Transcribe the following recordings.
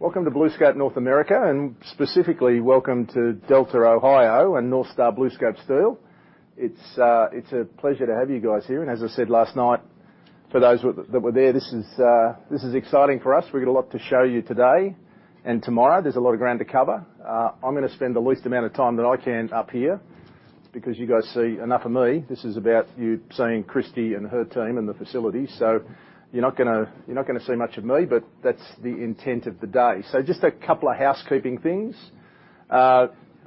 Welcome to BlueScope North America, and specifically welcome to Delta, Ohio, and North Star BlueScope Steel. It's a pleasure to have you guys here, and as I said last night, for those that were there, this is exciting for us. We've got a lot to show you today and tomorrow. There's a lot of ground to cover. I'm gonna spend the least amount of time that I can up here because you guys see enough of me. This is about you seeing Kristie and her team and the facility. You're not gonna see much of me, but that's the intent of the day. Just a couple of housekeeping things.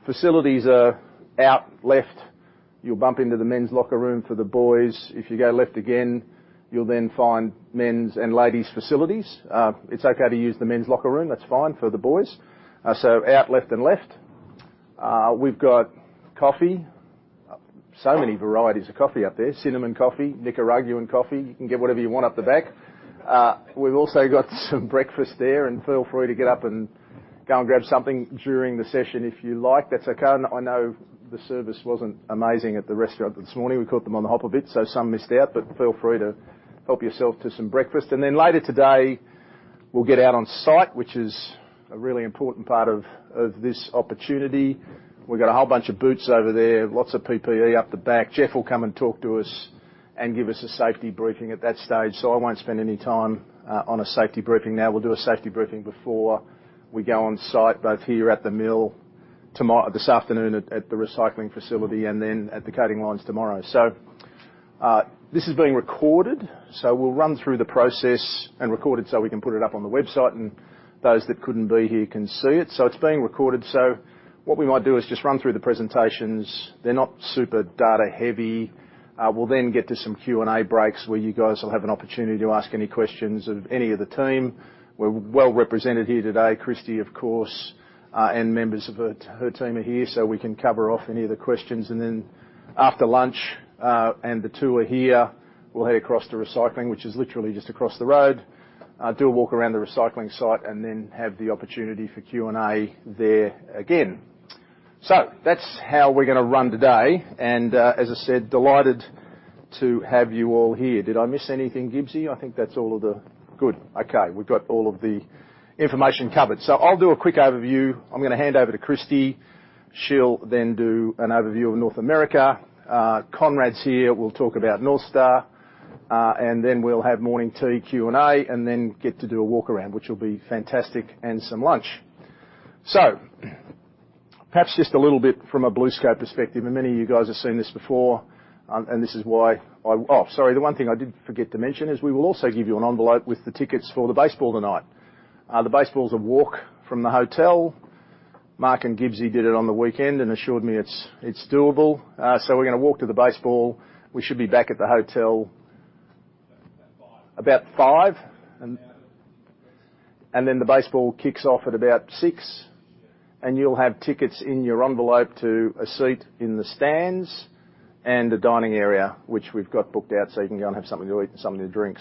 Facilities are out left. You'll bump into the men's locker room for the boys. If you go left again, you'll then find men's and ladies' facilities. It's okay to use the men's locker room, that's fine for the boys. Out left and left. We've got coffee. Many varieties of coffee out there, cinnamon coffee, Nicaraguan coffee. You can get whatever you want up the back. We've also got some breakfast there, feel free to get up and go and grab something during the session if you like. That's okay. I know the service wasn't amazing at the restaurant this morning. We caught them on the hop a bit, some missed out, feel free to help yourself to some breakfast. Later today, we'll get out on site, which is a really important part of this opportunity. We've got a whole bunch of boots over there, lots of PPE up the back. Jeff will come and talk to us and give us a safety briefing at that stage. I won't spend any time on a safety briefing now. We'll do a safety briefing before we go on site, both here at the mill, this afternoon at the recycling facility, and then at the coating lines tomorrow. This is being recorded, we'll run through the process and record it so we can put it up on the website, and those that couldn't be here can see it. It's being recorded. What we might do is just run through the presentations. They're not super data heavy. We'll get to some Q&A breaks where you guys will have an opportunity to ask any questions of any of the team. We're well represented here today. Kristie, of course, and members of her team are here, so we can cover off any of the questions. After lunch, and the tour here, we'll head across to recycling, which is literally just across the road, do a walk around the recycling site and then have the opportunity for Q&A there again. That's how we're gonna run today, and, as I said, delighted to have you all here. Did I miss anything, Gibbsy? I think that's all of the... Good. Okay. We've got all of the information covered. I'll do a quick overview. I'm gonna hand over to Kristie. She'll then do an overview of North America. Conrad's here will talk about North Star, and then we'll have morning tea, Q&A, and then get to do a walk around, which will be fantastic, and some lunch. Perhaps just a little bit from a BlueScope perspective. Many of you guys have seen this before. Oh, sorry, the one thing I did forget to mention is we will also give you an envelope with the tickets for the baseball tonight. The baseball's a walk from the hotel. Mark and Gibbsy did it on the weekend and assured me it's doable. We're gonna walk to the baseball. We should be back at the hotel. About five. About five? Yeah. The baseball kicks off at about six. Six. You'll have tickets in your envelope to a seat in the stands and a dining area, which we've got booked out so you can go and have something to eat and something to drink.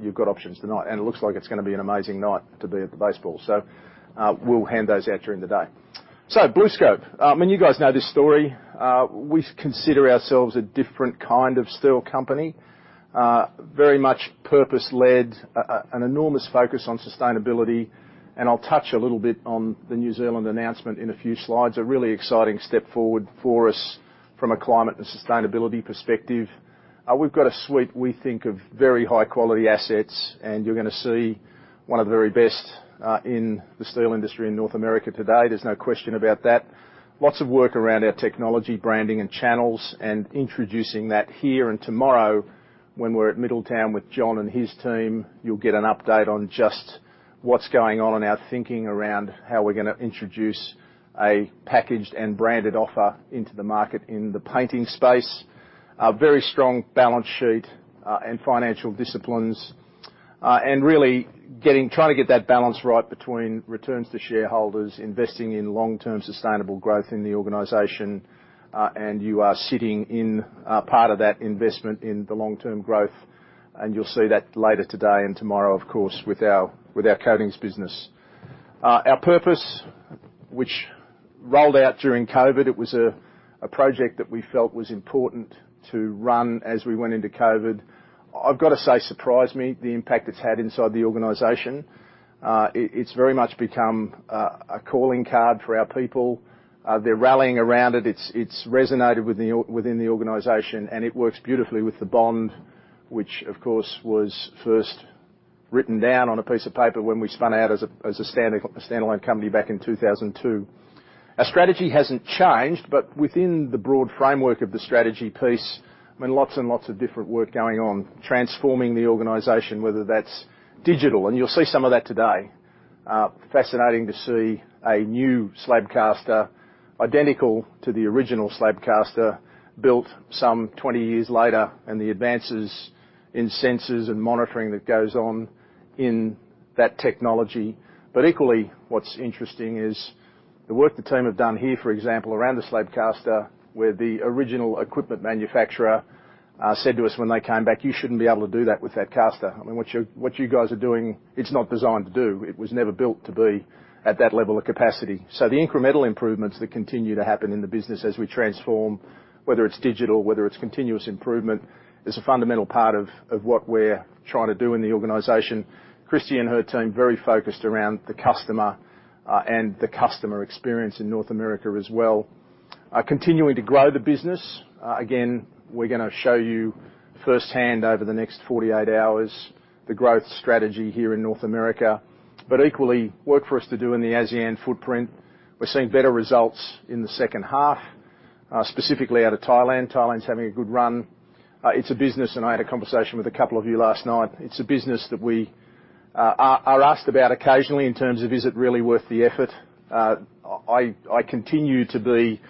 You've got options tonight, and it looks like it's gonna be an amazing night to be at the baseball. We'll hand those out during the day. BlueScope. You guys know this story. We consider ourselves a different kind of steel company. Very much purpose-led, an enormous focus on sustainability, and I'll touch a little bit on the New Zealand announcement in a few slides, a really exciting step forward for us from a climate and sustainability perspective. We've got a suite, we think, of very high quality assets, and you're gonna see one of the very best in the steel industry in North America today. There's no question about that. Lots of work around our technology, branding, and channels, and introducing that here and tomorrow when we're at Middletown with John and his team. You'll get an update on just what's going on in our thinking around how we're gonna introduce a packaged and branded offer into the market in the painting space. A very strong balance sheet and financial disciplines, and really trying to get that balance right between returns to shareholders, investing in long-term sustainable growth in the organization, and you are sitting in part of that investment in the long-term growth, and you'll see that later today and tomorrow, of course, with our, with our coatings business. Our purpose, which rolled out during COVID, it was a project that we felt was important to run as we went into COVID. I've got to say, surprised me, the impact it's had inside the organization. It's very much become a calling card for our people. They're rallying around it. It's resonated within the organization. It works beautifully with the bond, which of course was first written down on a piece of paper when we spun out as a standalone company back in 2002. Our strategy hasn't changed. Within the broad framework of the strategy piece, I mean, lots and lots of different work going on, transforming the organization, whether that's digital, and you'll see some of that today. Fascinating to see a new slab caster identical to the original slab caster built some 20 years later and the advances in sensors and monitoring that goes on in that technology. Equally, what's interesting is the work the team have done here, for example, around the slab caster, where the original equipment manufacturer said to us when they came back, "You shouldn't be able to do that with that caster. I mean, what you guys are doing, it's not designed to do. It was never built to be." At that level of capacity. The incremental improvements that continue to happen in the business as we transform, whether it's digital, whether it's continuous improvement, is a fundamental part of what we're trying to do in the organization. Kristie and her team, very focused around the customer, and the customer experience in North America as well. Continuing to grow the business. Again, we're gonna show you firsthand over the next 48 hours the growth strategy here in North America. Equally, work for us to do in the ASEAN footprint. We're seeing better results in the second half, specifically out of Thailand. Thailand's having a good run. It's a business, and I had a conversation with a couple of you last night, it's a business that we are asked about occasionally in terms of is it really worth the effort. I continue to be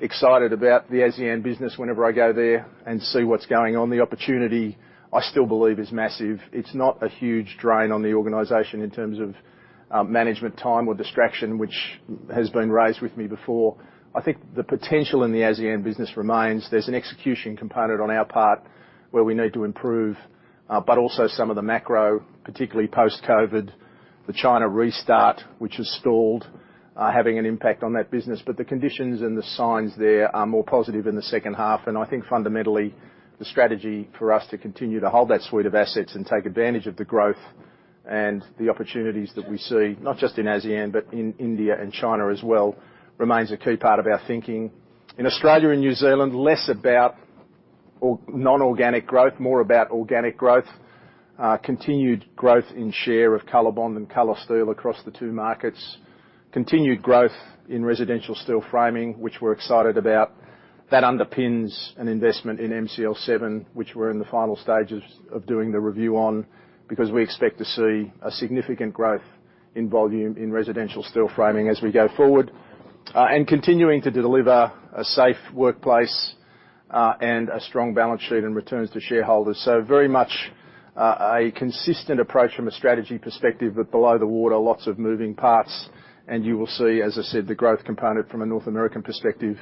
excited about the ASEAN business whenever I go there and see what's going on. The opportunity, I still believe, is massive. It's not a huge drain on the organization in terms of management time or distraction, which has been raised with me before. I think the potential in the ASEAN business remains. There's an execution component on our part where we need to improve, but also some of the macro, particularly post-COVID, the China restart, which has stalled, having an impact on that business. The conditions and the signs there are more positive in the second half, I think fundamentally, the strategy for us to continue to hold that suite of assets and take advantage of the growth and the opportunities that we see, not just in ASEAN, but in India and China as well, remains a key part of our thinking. In Australia and New Zealand, less about non-organic growth, more about organic growth. Continued growth in share of Colorbond and COLORSTEEL across the two markets. Continued growth in residential steel framing, which we're excited about. That underpins an investment in MCL7, which we're in the final stages of doing the review on, because we expect to see a significant growth in volume in residential steel framing as we go forward. Continuing to deliver a safe workplace, and a strong balance sheet and returns to shareholders. Very much a consistent approach from a strategy perspective, but below the water, lots of moving parts. You will see, as I said, the growth component from a North American perspective,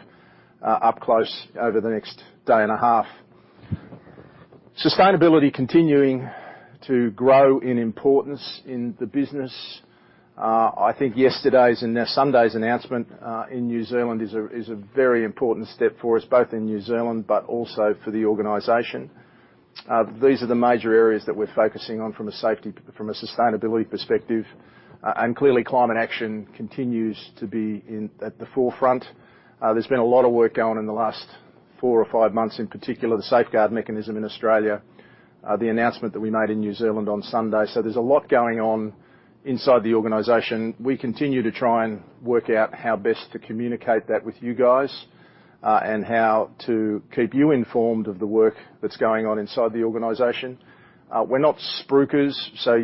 up close over the next 1.5 days. Sustainability continuing to grow in importance in the business. I think yesterday's and now Sunday's announcement in New Zealand is a very important step for us, both in New Zealand, but also for the organization. These are the major areas that we're focusing on from a safety from a sustainability perspective. Clearly, climate action continues to be at the forefront. There's been a lot of work going on in the last four or five months, in particular, the Safeguard Mechanism in Australia. The announcement that we made in New Zealand on Sunday. There's a lot going on inside the organization. We continue to try and work out how best to communicate that with you guys, and how to keep you informed of the work that's going on inside the organization. We're not spruikers,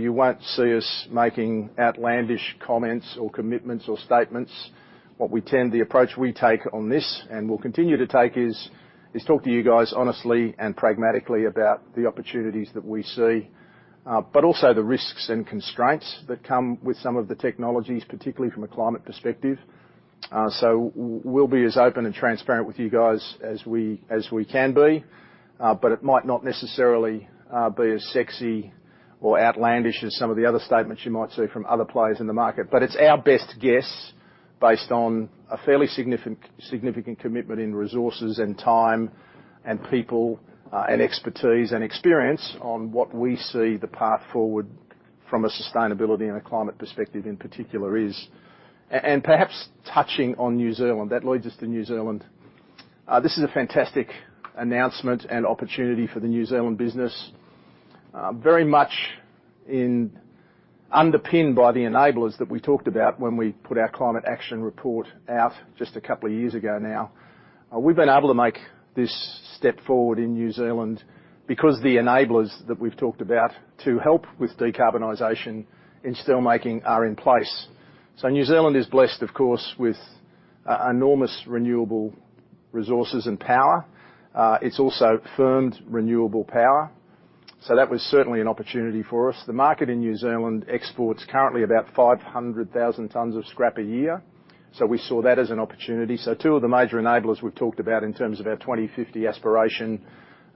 you won't see us making outlandish comments or commitments or statements. What we tend, the approach we take on this, and will continue to take is talk to you guys honestly and pragmatically about the opportunities that we see, but also the risks and constraints that come with some of the technologies, particularly from a climate perspective. We'll be as open and transparent with you guys as we can be. It might not necessarily be as sexy or outlandish as some of the other statements you might see from other players in the market. It's our best guess based on a fairly significant commitment in resources and time and people, and expertise and experience on what we see the path forward from a sustainability and a climate perspective in particular is. Perhaps touching on New Zealand, that leads us to New Zealand. This is a fantastic announcement and opportunity for the New Zealand business. Very much underpinned by the enablers that we talked about when we put our climate action report out just a couple of years ago now. We've been able to make this step forward in New Zealand because the enablers that we've talked about to help with decarbonization in steel making are in place. New Zealand is blessed, of course, with enormous renewable resources and power. It's also firmed renewable power. That was certainly an opportunity for us. The market in New Zealand exports currently about 500,000 tons of scrap a year. We saw that as an opportunity. Two of the major enablers we've talked about in terms of our 2050 aspiration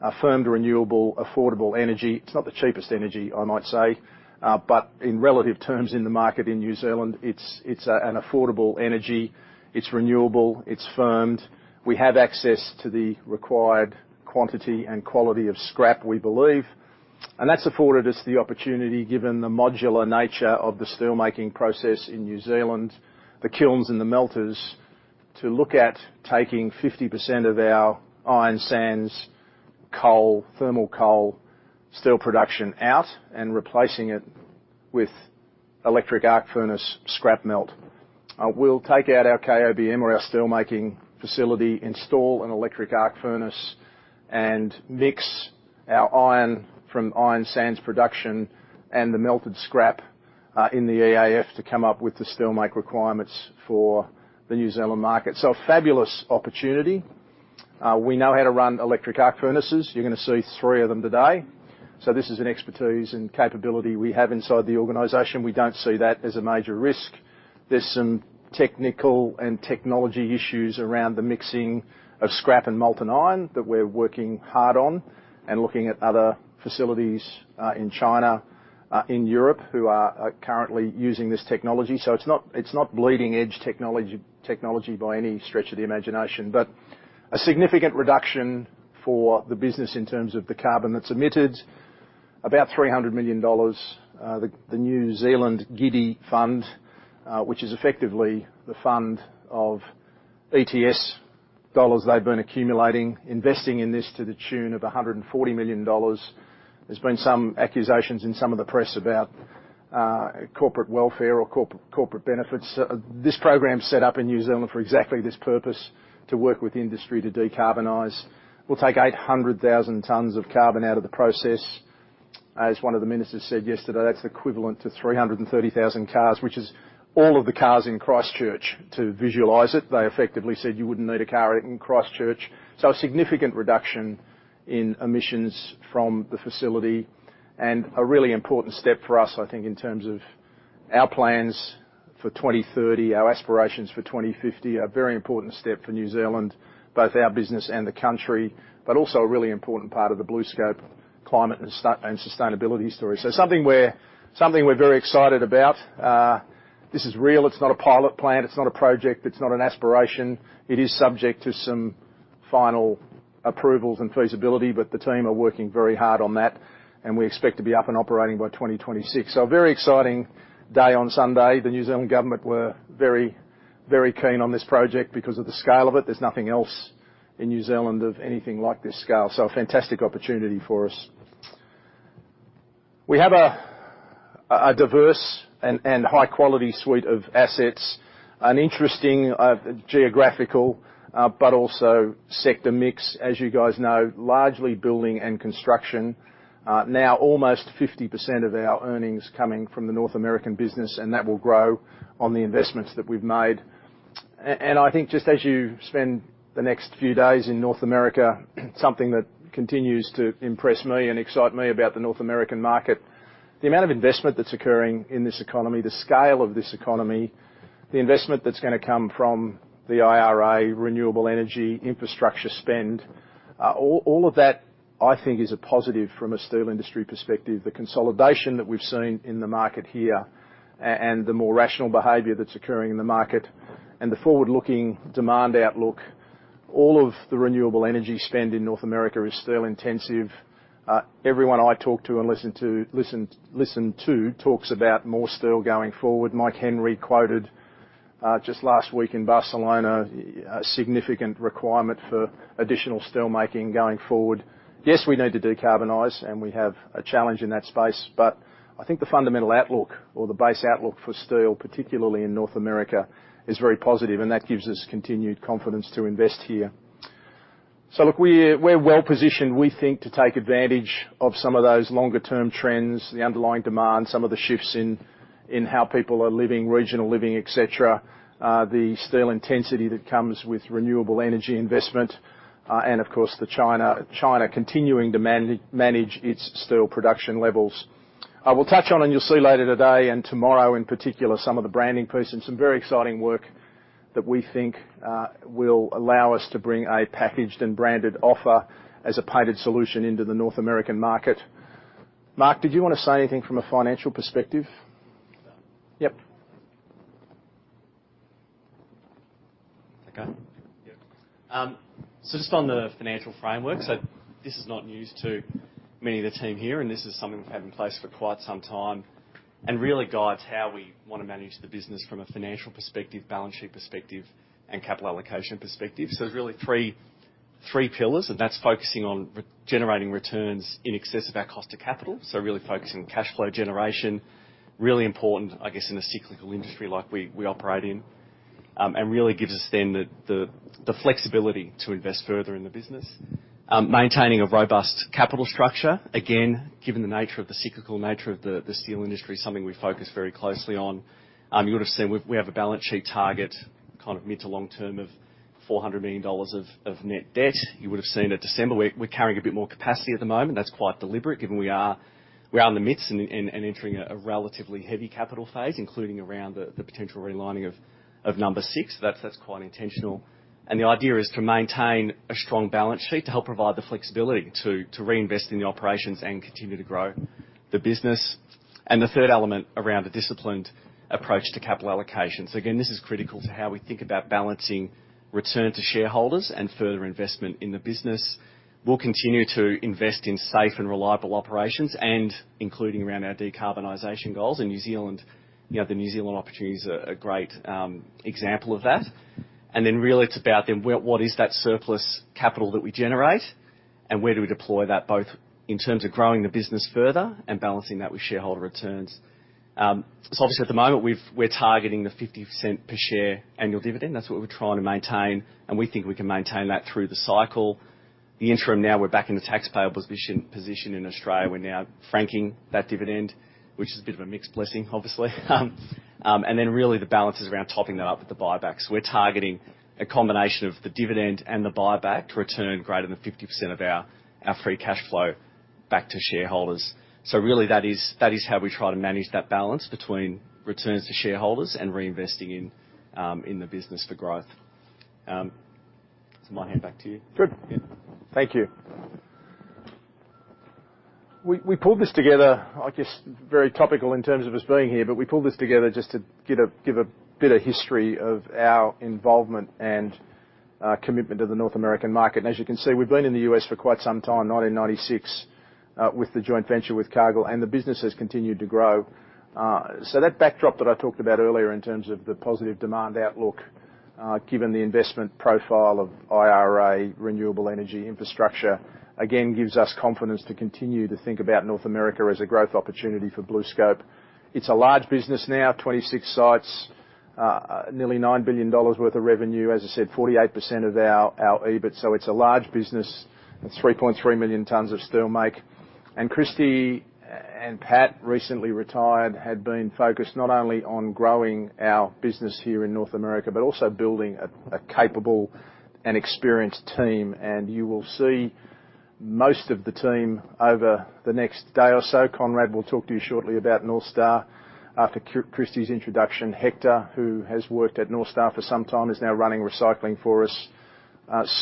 are firmed renewable, affordable energy. It's not the cheapest energy, I might say, but in relative terms in the market in New Zealand, it's an affordable energy. It's renewable, it's firmed. We have access to the required quantity and quality of scrap, we believe. That's afforded us the opportunity, given the modular nature of the steel-making process in New Zealand, the kilns and the melters, to look at taking 50% of our iron sands, coal, thermal coal, steel production out and replacing it with electric arc furnace scrap melt. We'll take out our KOBM or our steel-making facility, install an electric arc furnace, and mix our iron from iron sands production and the melted scrap, in the EAF to come up with the steel make requirements for the New Zealand market. Fabulous opportunity. We know how to run electric arc furnaces. You're gonna see three of them today. This is an expertise and capability we have inside the organization. We don't see that as a major risk. There's some technical and technology issues around the mixing of scrap and molten iron that we're working hard on and looking at other facilities in China. In Europe who are currently using this technology. So it's not bleeding-edge technology by any stretch of the imagination. But a significant reduction for the business in terms of the carbon that's emitted. About 300 million dollars, the New Zealand GIDI Fund, which is effectively the fund of ETS dollars they've been accumulating, investing in this to the tune of 140 million dollars. There's been some accusations in some of the press about corporate welfare or corporate benefits. This program's set up in New Zealand for exactly this purpose, to work with industry to decarbonize. We'll take 800,000 tons of carbon out of the process. As one of the ministers said yesterday, that's equivalent to 330,000 cars, which is all of the cars in Christchurch. To visualize it, they effectively said you wouldn't need a car in Christchurch. A significant reduction in emissions from the facility and a really important step for us, I think, in terms of our plans for 2030, our aspirations for 2050. A very important step for New Zealand, both our business and the country, but also a really important part of the BlueScope climate and sustainability story. Something we're very excited about. This is real. It's not a pilot plant. It's not a project. It's not an aspiration. It is subject to some final approvals and feasibility, but the team are working very hard on that, and we expect to be up and operating by 2026. A very exciting day on Sunday. The New Zealand government were very, very keen on this project because of the scale of it. There's nothing else in New Zealand of anything like this scale, so a fantastic opportunity for us. We have a diverse and high-quality suite of assets. An interesting geographical but also sector mix. As you guys know, largely building and construction. Now almost 50% of our earnings coming from the North American business, and that will grow on the investments that we've made. I think just as you spend the next few days in North America, something that continues to impress me and excite me about the North American market, the amount of investment that's occurring in this economy, the scale of this economy, the investment that's gonna come from the IRA, renewable energy, infrastructure spend, all of that, I think, is a positive from a steel industry perspective. The consolidation that we've seen in the market here and the more rational behavior that's occurring in the market and the forward-looking demand outlook, all of the renewable energy spend in North America is steel-intensive. Everyone I talk to and listen to talks about more steel going forward. Mike Henry quoted just last week in Barcelona a significant requirement for additional steelmaking going forward. We need to decarbonize, and we have a challenge in that space. I think the fundamental outlook or the base outlook for steel, particularly in North America, is very positive, and that gives us continued confidence to invest here. Look, we're well-positioned, we think, to take advantage of some of those longer-term trends, the underlying demand, some of the shifts in how people are living, regional living, et cetera. The steel intensity that comes with renewable energy investment, and of course the China continuing to manage its steel production levels. I will touch on, and you'll see later today and tomorrow in particular, some of the branding pieces and some very exciting work that we think will allow us to bring a packaged and branded offer as a painted solution into the North American market. Mark, did you wanna say anything from a financial perspective? Sure. Yep. Okay. Yeah. Just on the financial framework, so this is not news to me and the team here, and this is something we've had in place for quite some time and really guides how we wanna manage the business from a financial perspective, balance sheet perspective, and capital allocation perspective. There's really three pillars, and that's focusing on regenerating returns in excess of our cost of capital, so really focusing on cash flow generation. Really important, I guess, in a cyclical industry like we operate in. Really gives us then the flexibility to invest further in the business. Maintaining a robust capital structure, again, given the nature of the cyclical nature of the steel industry, something we focus very closely on. You would've seen we have a balance sheet target kind of mid to long term of 400 million dollars of net debt. You would've seen at December we're carrying a bit more capacity at the moment. That's quite deliberate given we are in the midst and entering a relatively heavy capital phase, including around the potential relining of Number Six. That's quite intentional. The idea is to maintain a strong balance sheet to help provide the flexibility to reinvest in the operations and continue to grow the business. The third element around a disciplined approach to capital allocation. Again, this is critical to how we think about balancing return to shareholders and further investment in the business. We'll continue to invest in safe and reliable operations and including around our decarbonization goals in New Zealand. You know, the New Zealand opportunity is a great example of that. Then really it's about what is that surplus capital that we generate, and where do we deploy that, both in terms of growing the business further and balancing that with shareholder returns? Obviously at the moment, we've, we're targeting the 0.50 per share annual dividend. That's what we're trying to maintain, and we think we can maintain that through the cycle. The interim now, we're back in the taxpayer position in Australia. We're now franking that dividend, which is a bit of a mixed blessing obviously. Then really the balance is around topping that up with the buybacks. We're targeting a combination of the dividend and the buyback to return greater than 50% of our free cash flow back to shareholders. Really that is how we try to manage that balance between returns to shareholders and reinvesting in the business for growth. My hand back to you. Good. Yeah. Thank you. We pulled this together, I guess, very topical in terms of us being here, but we pulled this together just to give a bit of history of our involvement and commitment to the North American market. As you can see, we've been in the U.S. for quite some time, 1996, with the joint venture with Cargill, the business has continued to grow. That backdrop that I talked about earlier in terms of the positive demand outlook, given the investment profile of IRA renewable energy infrastructure, again, gives us confidence to continue to think about North America as a growth opportunity for BlueScope. It's a large business now, 26 sites, nearly $9 billion worth of revenue. As I said, 48% of our EBIT, so it's a large business and 3.3 million tons of steel make. Kristie and Pat, recently retired, had been focused not only on growing our business here in North America, but also building a capable and experienced team, and you will see most of the team over the next day or so. Conrad will talk to you shortly about North Star. After Kristie's introduction, Hector, who has worked at North Star for some time, is now running recycling for us.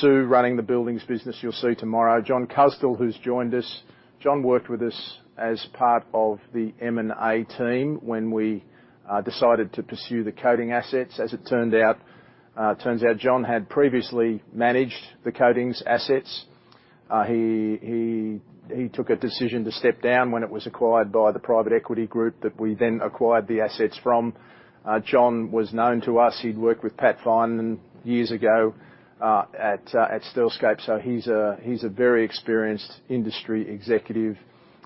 Sue, running the buildings business, you'll see tomorrow. John Kuzdal, who's joined us, John worked with us as part of the M&A team when we decided to pursue the coating assets, as it turned out. Turns out John had previously managed the coatings assets. He took a decision to step down when it was acquired by the private equity group that we then acquired the assets from. John was known to us. He'd worked with Pat Finan years ago at Steelscape. He's a very experienced industry executive,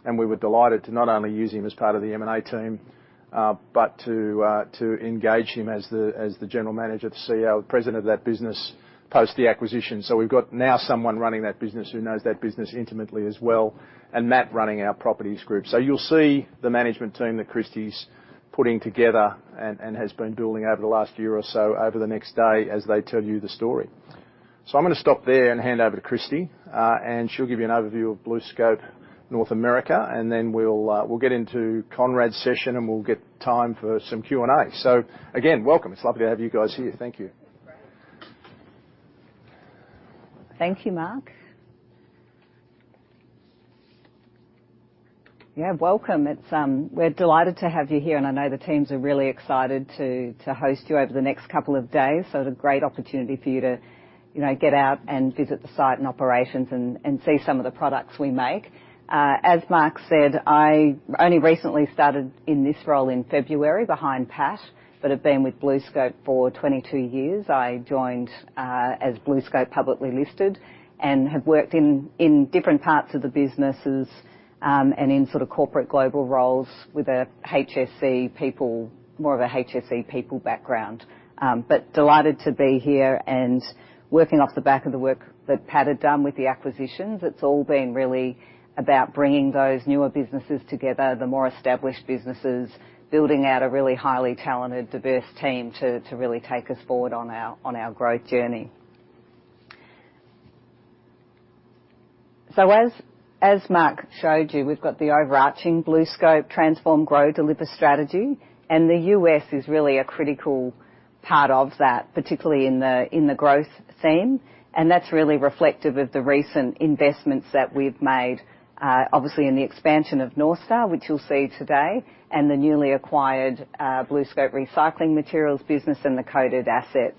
and we were delighted to not only use him as part of the M&A team, but to engage him as the General Manager, the CEO, President of that business post the acquisition. We've got now someone running that business who knows that business intimately as well, and Matt running our Properties Group. You'll see the management team that Kristie's putting together and has been building over the last year or so over the next day as they tell you the story. I'm gonna stop there and hand over to Kristie, and she'll give you an overview of BlueScope North America, and then we'll get into Conrad's session, and we'll get time for some Q&A. Again, welcome. It's lovely to have you guys here. Thank you. Thank you, Mark. Welcome. We're delighted to have you here, and I know the teams are really excited to host you over the next couple of days. It's a great opportunity for you to, you know, get out and visit the site and operations and see some of the products we make. As Mark said, I only recently started in this role in February behind Pat, but have been with BlueScope for 22 years. I joined as BlueScope publicly listed and have worked in different parts of the businesses, and in sort of corporate global roles with a more of a HSE people background. Delighted to be here and working off the back of the work that Pat had done with the acquisitions. It's all been really about bringing those newer businesses together, the more established businesses, building out a really highly talented, diverse team to really take us forward on our growth journey. As Mark showed you, we've got the overarching BlueScope transform, grow, deliver strategy, and the U.S. is really a critical part of that, particularly in the growth theme, and that's really reflective of the recent investments that we've made, obviously in the expansion of North Star, which you'll see today, and the newly acquired BlueScope Recycling and Materials business and the coated assets.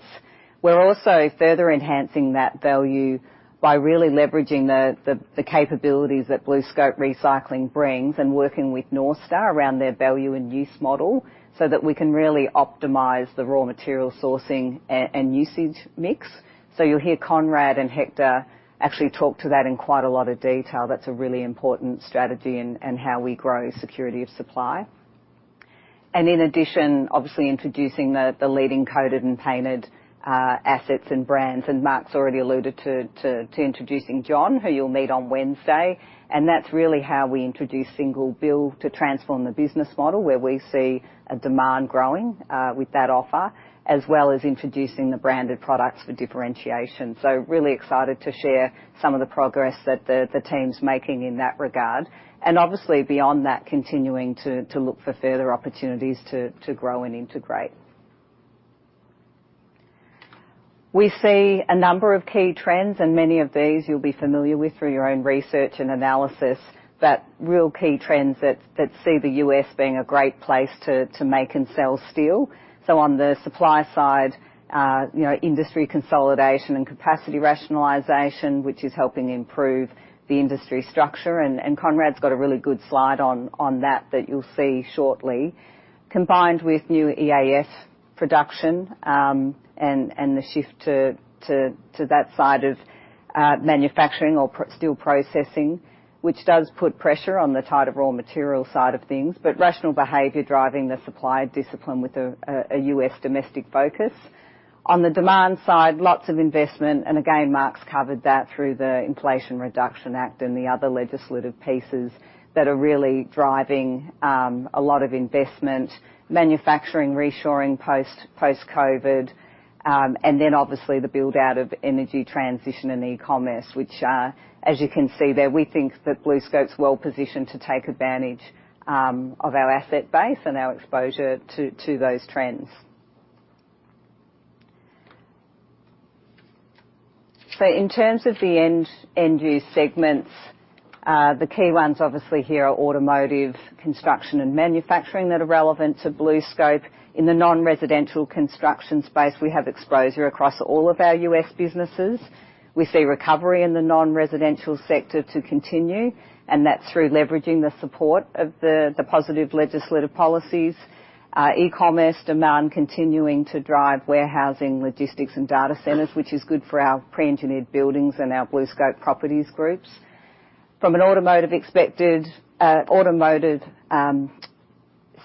We're also further enhancing that value by really leveraging the capabilities that BlueScope Recycling brings and working with North Star around their value-in-use model so that we can really optimize the raw material sourcing and usage mix. You'll hear Conrad and Hector actually talk to that in quite a lot of detail. That's a really important strategy in how we grow security of supply. In addition, obviously introducing the leading coated and painted assets and brands, and Mark's already alluded to introducing John, who you'll meet on Wednesday, and that's really how we introduce single-bill to transform the business model, where we see a demand growing with that offer, as well as introducing the branded products for differentiation. Really excited to share some of the progress that the team's making in that regard. Obviously, beyond that, continuing to look for further opportunities to grow and integrate. We see a number of key trends, and many of these you'll be familiar with through your own research and analysis, but real key trends that see the U.S. being a great place to make and sell steel. On the supply side, you know, industry consolidation and capacity rationalization, which is helping improve the industry structure, and Conrad's got a really good slide on that that you'll see shortly, combined with new EAF production, and the shift to that side of manufacturing or steel processing, which does put pressure on the type of raw material side of things, but rational behavior driving the supplier discipline with a U.S. domestic focus. On the demand side, lots of investment, and again, Mark's covered that through the Inflation Reduction Act and the other legislative pieces that are really driving a lot of investment, manufacturing, reshoring post-COVID, and then obviously the build-out of energy transition and e-commerce, which, as you can see there, we think that BlueScope's well positioned to take advantage of our asset base and our exposure to those trends. In terms of the end use segments, the key ones obviously here are automotive, construction, and manufacturing that are relevant to BlueScope. In the non-residential construction space, we have exposure across all of our U.S. businesses. We see recovery in the non-residential sector to continue, and that's through leveraging the support of the positive legislative policies. E-commerce demand continuing to drive warehousing, logistics, and data centers, which is good for our pre-engineered buildings and our BlueScope Properties Group. From an automotive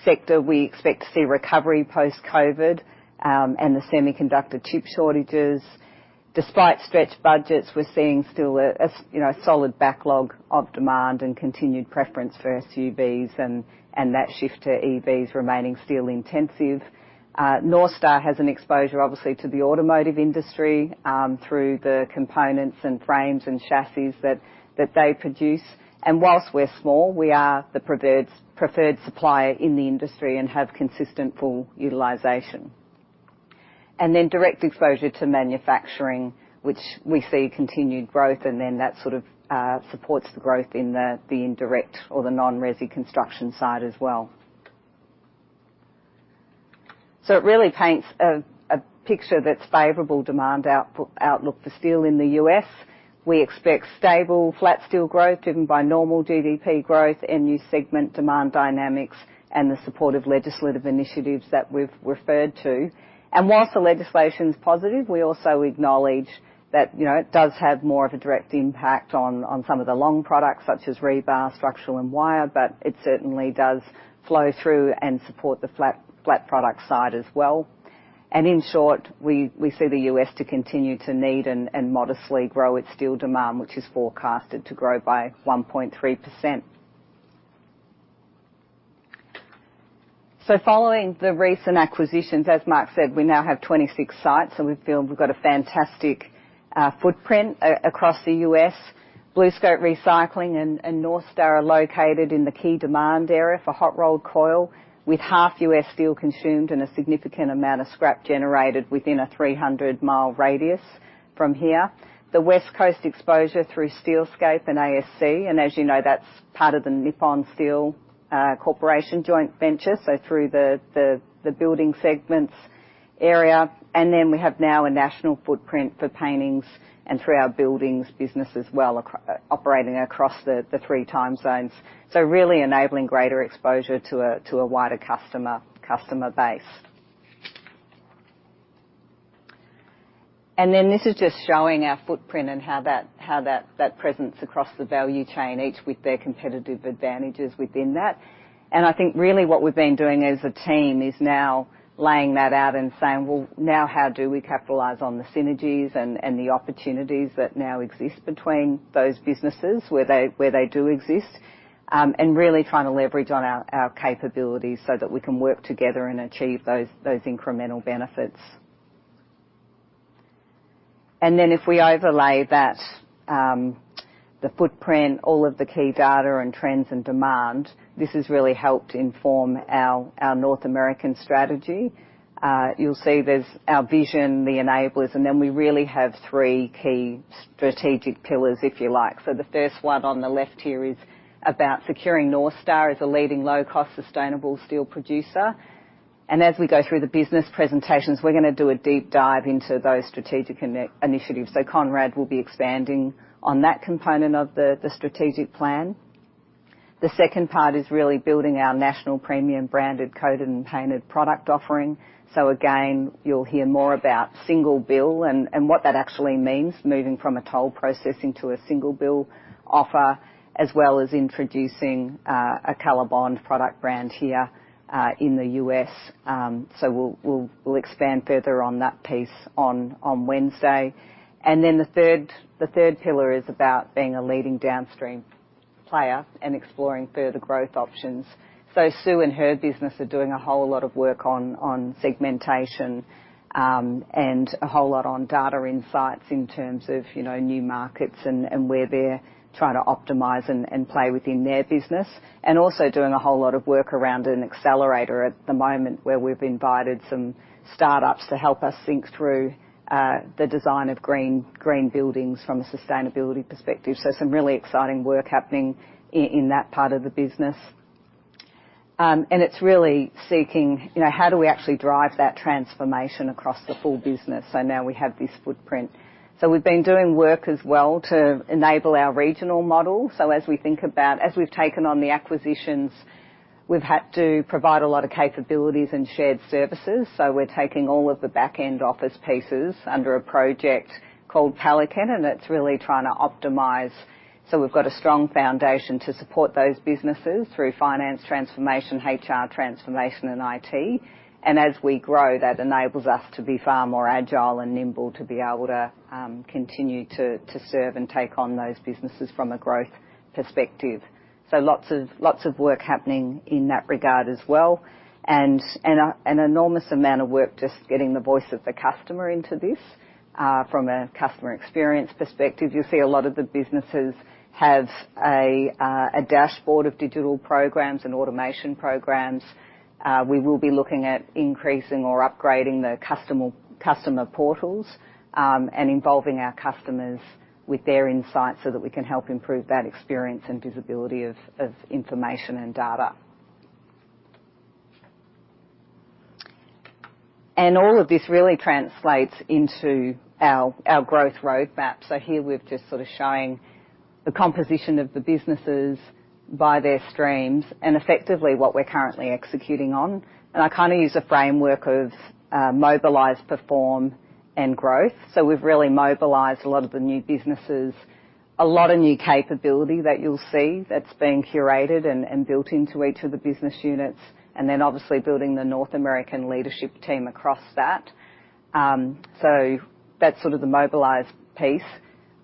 sector, we expect to see recovery post-COVID and the semiconductor chip shortages. Despite stretched budgets, we're seeing still a solid backlog of demand and continued preference for SUVs and that shift to EVs remaining steel-intensive. North Star has an exposure, obviously, to the automotive industry through the components and frames and chassis that they produce. While we're small, we are the preferred supplier in the industry and have consistent full utilization. Direct exposure to manufacturing, which we see continued growth, then that sort of supports the growth in the indirect or the non-resi construction side as well. It really paints a picture that's favorable demand outlook for steel in the U.S. We expect stable flat steel growth driven by normal GDP growth, end-use segment demand dynamics, and the support of legislative initiatives that we've referred to. While the legislation's positive, we also acknowledge that, you know, it does have more of a direct impact on some of the long products such as rebar, structural, and wire, but it certainly does flow through and support the flat product side as well. In short, we see the U.S. to continue to need and modestly grow its steel demand, which is forecasted to grow by 1.3%. Following the recent acquisitions, as Mark said, we now have 26 sites, we feel we've got a fantastic footprint across the U.S. BlueScope Recycling and North Star are located in the key demand area for hot-rolled coil, with half U.S. steel consumed and a significant amount of scrap generated within a 300-mile radius from here. The West Coast exposure through Steelscape and ASC, and as you know, that's part of the Nippon Steel Corporation joint venture, so through the building segments area. Then we have now a national footprint for paintings and through our buildings business as well operating across the three time zones. Really enabling greater exposure to a wider customer base. This is just showing our footprint and how that presence across the value chain, each with their competitive advantages within that. I think really what we've been doing as a team is now laying that out and saying, "Well, now how do we capitalize on the synergies and the opportunities that now exist between those businesses where they do exist?" Really trying to leverage on our capabilities so that we can work together and achieve those incremental benefits. Then if we overlay that, the footprint, all of the key data and trends and demand, this has really helped inform our North American strategy. You'll see there's our vision, the enablers, then we really have three key strategic pillars, if you like. The first one on the left here is about securing North Star as a leading low-cost, sustainable steel producer. As we go through the business presentations, we're gonna do a deep dive into those strategic initiatives, so Conrad will be expanding on that component of the strategic plan. The second part is really building our national premium branded coated and painted product offering. Again, you'll hear more about single bill and what that actually means, moving from a toll processing to a single bill offer, as well as introducing a Colorbond product brand here in the U.S. So we'll expand further on that piece on Wednesday. Then the third pillar is about being a leading downstream player and exploring further growth options. Sue and her business are doing a whole lot of work on segmentation, and a whole lot on data insights in terms of, you know, new markets and where they're trying to optimize and play within their business. And also doing a whole lot of work around an accelerator at the moment, where we've invited some startups to help us think through the design of green buildings from a sustainability perspective. Some really exciting work happening in that part of the business. And it's really seeking, you know, how do we actually drive that transformation across the full business? Now we have this footprint. We've been doing work as well to enable our regional model. As we think about... As we've taken on the acquisitions, we've had to provide a lot of capabilities and shared services. We're taking all of the back end office pieces under a project called Pelican. It's really trying to optimize so we've got a strong foundation to support those businesses through finance transformation, HR transformation, and IT. As we grow, that enables us to be far more agile and nimble to be able to continue to serve and take on those businesses from a growth perspective. Lots of, lots of work happening in that regard as well, and an enormous amount of work just getting the voice of the customer into this from a customer experience perspective. You'll see a lot of the businesses have a dashboard of digital programs and automation programs. We will be looking at increasing or upgrading the customer portals and involving our customers with their insights so that we can help improve that experience and visibility of information and data. All of this really translates into our growth roadmap. Here we're just sort of showing the composition of the businesses by their streams and effectively what we're currently executing on. I kind of use a framework of mobilize, perform, and growth. We've really mobilized a lot of the new businesses, a lot of new capability that you'll see that's been curated and built into each of the business units, and then obviously building the North American leadership team across that. That's sort of the mobilize piece.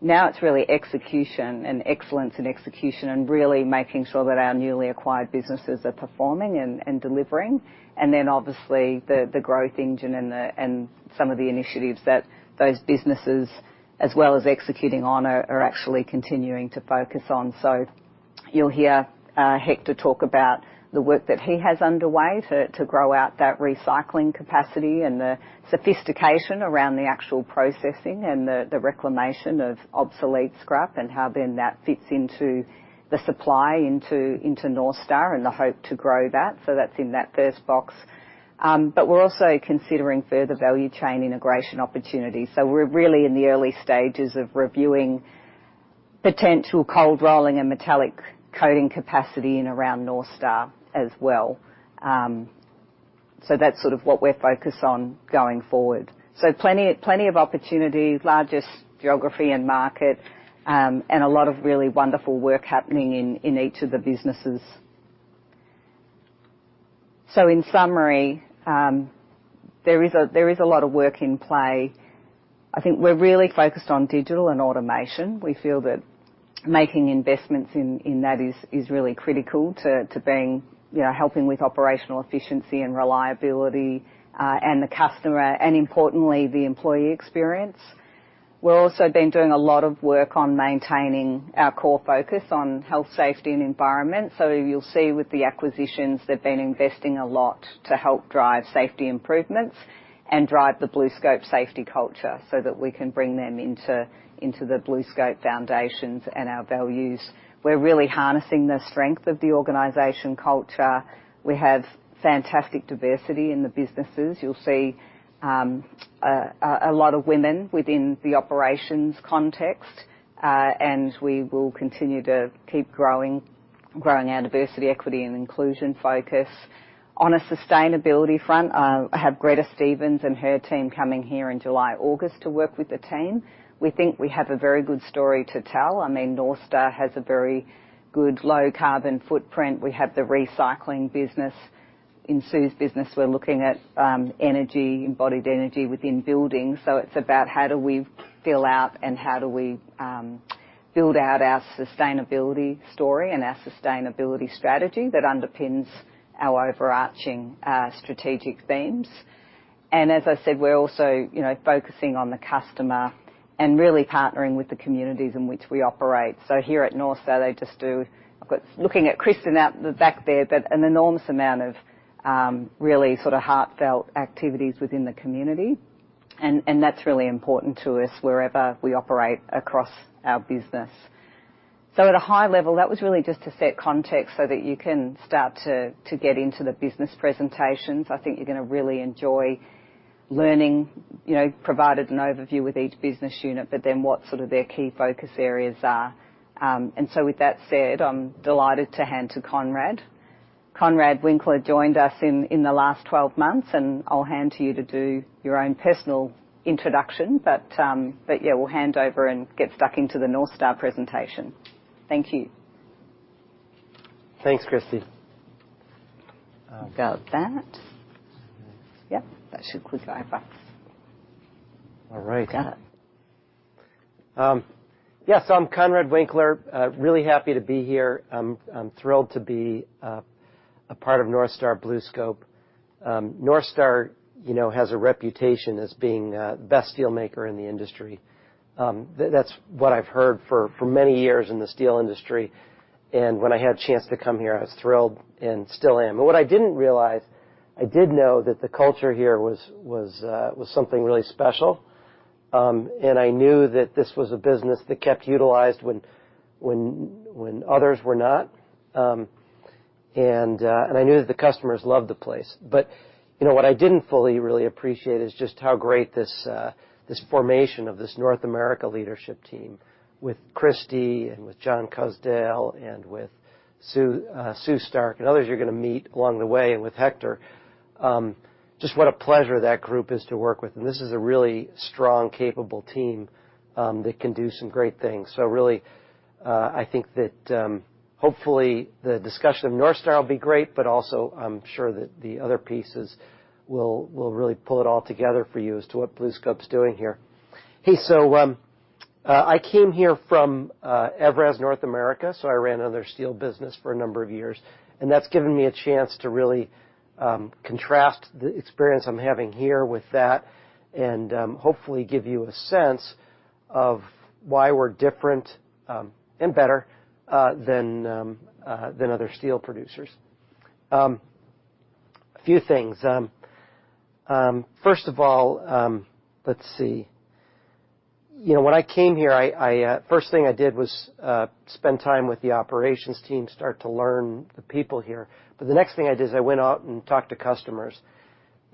It's really execution and excellence in execution and really making sure that our newly acquired businesses are performing and delivering, and then obviously the growth engine and some of the initiatives that those businesses, as well as executing on, are actually continuing to focus on. You'll hear Hector talk about the work that he has underway to grow out that recycling capacity and the sophistication around the actual processing and the reclamation of obsolete scrap and how then that fits into the supply into North Star and the hope to grow that. That's in that first box. We're also considering further value chain integration opportunities. We're really in the early stages of reviewing potential cold rolling and metallic coating capacity in around North Star as well. That's sort of what we're focused on going forward. Plenty of opportunities, largest geography and market, and a lot of really wonderful work happening in each of the businesses. In summary, there is a lot of work in play. I think we're really focused on digital and automation. We feel that making investments in that is really critical to being, you know, helping with operational efficiency and reliability, and the customer, and importantly, the employee experience. We've also been doing a lot of work on maintaining our core focus on health, safety, and environment. You'll see with the acquisitions, they've been investing a lot to help drive safety improvements and drive the BlueScope safety culture so that we can bring them into the BlueScope foundations and our values. We're really harnessing the strength of the organization culture. We have fantastic diversity in the businesses. You'll see a lot of women within the operations context. We will continue to keep growing our diversity, equity, and inclusion focus. On a sustainability front, I have Gretta Stephens and her team coming here in July, August to work with the team. We think we have a very good story to tell. I mean, North Star has a very good low carbon footprint. We have the recycling business. In Sue's business, we're looking at energy, embodied energy within buildings. It's about how do we fill out and how do we build out our sustainability story and our sustainability strategy that underpins our overarching strategic themes. As I said, we're also, you know, focusing on the customer and really partnering with the communities in which we operate. Here at North Star, looking at Kristen out the back there, but an enormous amount of really sort of heartfelt activities within the community, and that's really important to us wherever we operate across our business. At a high level, that was really just to set context so that you can start to get into the business presentations. I think you're gonna really enjoy learning, you know, provided an overview with each business unit, but then what sort of their key focus areas are. With that said, I'm delighted to hand to Conrad. Conrad Winkler joined us in the last 12 months, and I'll hand to you to do your own personal introduction. Yeah, we'll hand over and get stuck into the North Star presentation. Thank you. Thanks, Kristie. We've got that. All right. Yep, that should click the right box. All right. Got it. Yeah. I'm Conrad Winkler. Really happy to be here. I'm thrilled to be a part of North Star BlueScope. North Star, you know, has a reputation as being the best steelmaker in the industry. That's what I've heard for many years in the steel industry. When I had a chance to come here, I was thrilled and still am. What I didn't realize, I did know that the culture here was something really special, and I knew that this was a business that kept utilized when others were not. I knew that the customers loved the place. You know, what I didn't fully really appreciate is just how great this formation of this North America leadership team with Kristie and with John Kuzdal and with Sue Stark and others you're gonna meet along the way, and with Hector, just what a pleasure that group is to work with. This is a really strong, capable team, that can do some great things. Really, I think that, hopefully the discussion of North Star will be great, but also I'm sure that the other pieces will really pull it all together for you as to what BlueScope's doing here. Hey, I came here from EVRAZ North America, so I ran another steel business for a number of years, and that's given me a chance to really contrast the experience I'm having here with that and hopefully give you a sense of why we're different and better than other steel producers. A few things. First of all, let's see. You know, when I came here, I, first thing I did was spend time with the operations team, start to learn the people here. The next thing I did is I went out and talked to customers.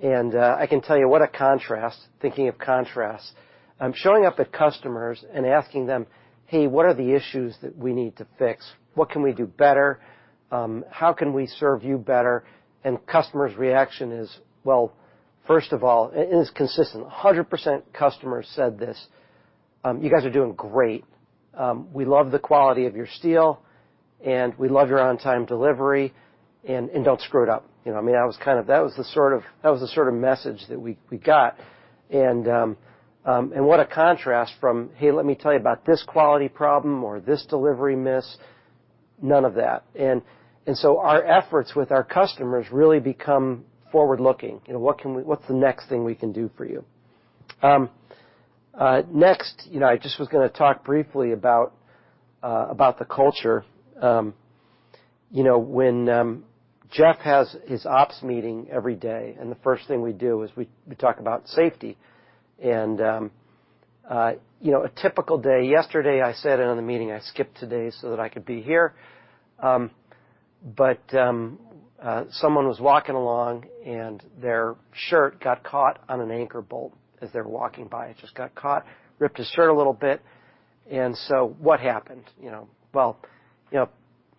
I can tell you what a contrast, thinking of contrasts. I'm showing up at customers and asking them, "Hey, what are the issues that we need to fix? What can we do better? How can we serve you better?" Customers' reaction is, well, first of all, and it's consistent. 100% customers said this, "You guys are doing great. We love the quality of your steel, and we love your on-time delivery, and don't screw it up." You know, I mean, that was the sort of message that we got. What a contrast from, "Hey, let me tell you about this quality problem or this delivery miss." None of that. Our efforts with our customers really become forward-looking. You know, what's the next thing we can do for you? Next, you know, I just was gonna talk briefly about about the culture. You know, when Jeff has his ops meeting every day, the first thing we do is we talk about safety. You know, a typical day. Yesterday, I said it in the meeting, I skipped today so that I could be here. Someone was walking along, and their shirt got caught on an anchor bolt as they were walking by. It just got caught, ripped his shirt a little bit. So what happened? You know. Well, you know,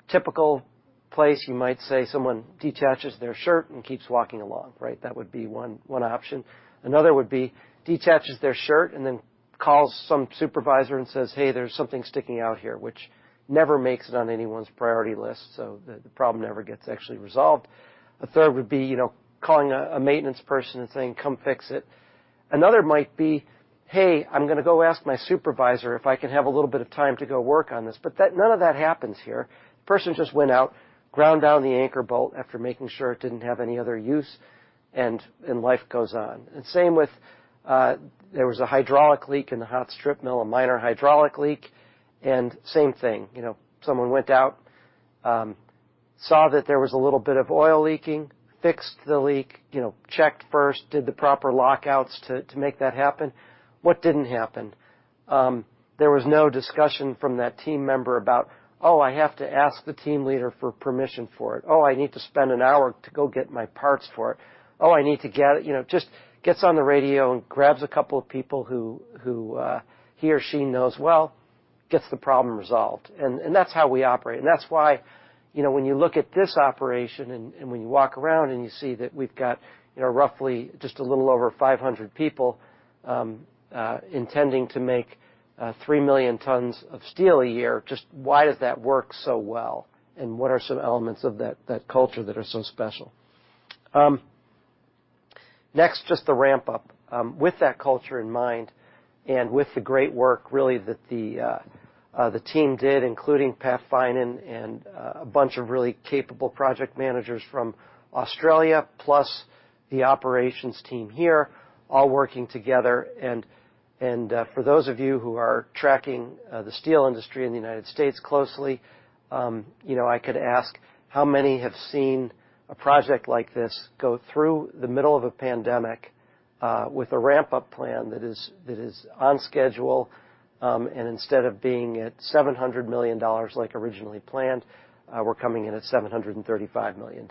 typical place, you might say someone detaches their shirt and keeps walking along, right? That would be one option. Another would be detaches their shirt and then calls some supervisor and says, "Hey, there's something sticking out here," which never makes it on anyone's priority list, so the problem never gets actually resolved. A third would be, you know, calling a maintenance person and saying, "Come fix it." Another might be, "Hey, I'm gonna go ask my supervisor if I can have a little bit of time to go work on this." None of that happens here. Person just went out, ground down the anchor bolt after making sure it didn't have any other use, and life goes on. Same with, there was a hydraulic leak in the hot strip mill, a minor hydraulic leak, and same thing. You know, someone went out, saw that there was a little bit of oil leaking, fixed the leak, you know, checked first, did the proper lockouts to make that happen. What didn't happen? There was no discussion from that team member about, "Oh, I have to ask the team leader for permission for it. Oh, I need to spend an hour to go get my parts for it. Oh, I need to get..." You know, just gets on the radio and grabs a couple of people who, he or she knows well, gets the problem resolved. That's how we operate. That's why, you know, when you look at this operation and when you walk around and you see that we've got, you know, roughly just a little over 500 people, intending to make 3 million tons of steel a year, just why does that work so well, and what are some elements of that culture that are so special? Next, just the ramp up. With that culture in mind, and with the great work really that the team did, including Pat Finan and a bunch of really capable project managers from Australia, plus the operations team here, all working together. For those of you who are tracking the steel industry in the United States closely, you know, I could ask how many have seen a project like this go through the middle of a pandemic with a ramp-up plan that is on schedule. Instead of being at $700 million like originally planned, we're coming in at $735 million.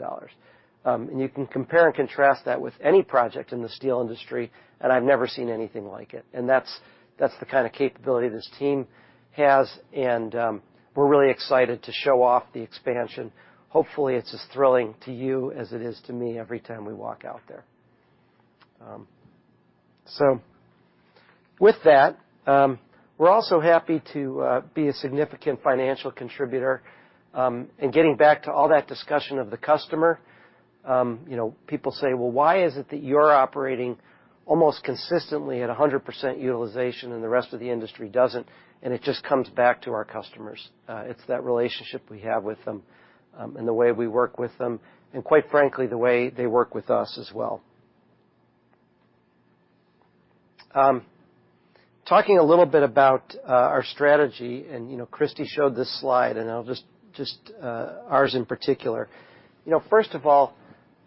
You can compare and contrast that with any project in the steel industry, and I've never seen anything like it. That's the kinda capability this team has. We're really excited to show off the expansion. Hopefully, it's as thrilling to you as it is to me every time we walk out there. With that, we're also happy to be a significant financial contributor. Getting back to all that discussion of the customer, you know, people say, "Well, why is it that you're operating almost consistently at 100% utilization and the rest of the industry doesn't?" It just comes back to our customers. It's that relationship we have with them, and the way we work with them, and quite frankly, the way they work with us as well. Talking a little bit about our strategy, you know, Kristie showed this slide, and I'll just ours in particular. You know, first of all,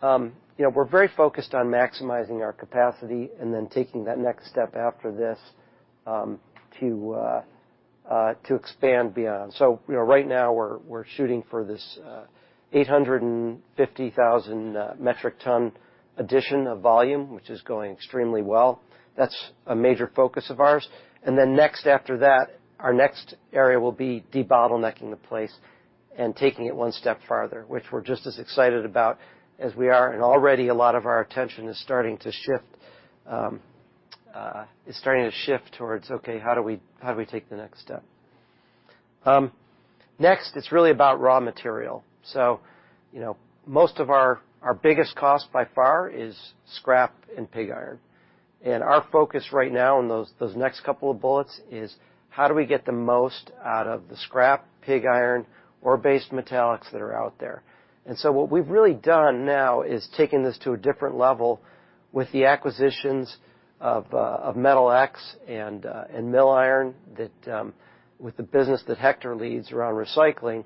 you know, we're very focused on maximizing our capacity and then taking that next step after this to expand beyond. You know, right now we're shooting for this 850,000 metric ton addition of volume, which is going extremely well. That's a major focus of ours. Then next after that, our next area will be debottlenecking the place and taking it one step farther, which we're just as excited about as we are. Already a lot of our attention is starting to shift towards, okay, how do we take the next step? Next, it's really about raw material. You know, Our biggest cost by far is scrap and pig iron. Our focus right now in those next couple of bullets is how do we get the most out of the scrap pig iron-ore based metallics that are out there. What we've really done now is taken this to a different level with the acquisitions of MetalX and Mill Iron that with the business that Hector leads around recycling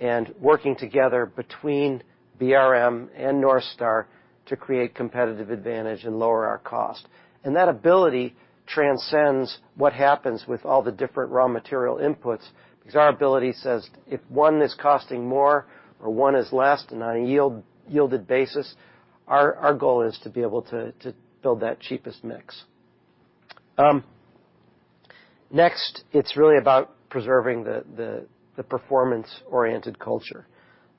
and working together between BRM and North Star to create competitive advantage and lower our cost. That ability transcends what happens with all the different raw material inputs, because our ability says if one is costing more or one is less than on a yielded basis, our goal is to be able to build that cheapest mix. Next, it's really about preserving the performance-oriented culture.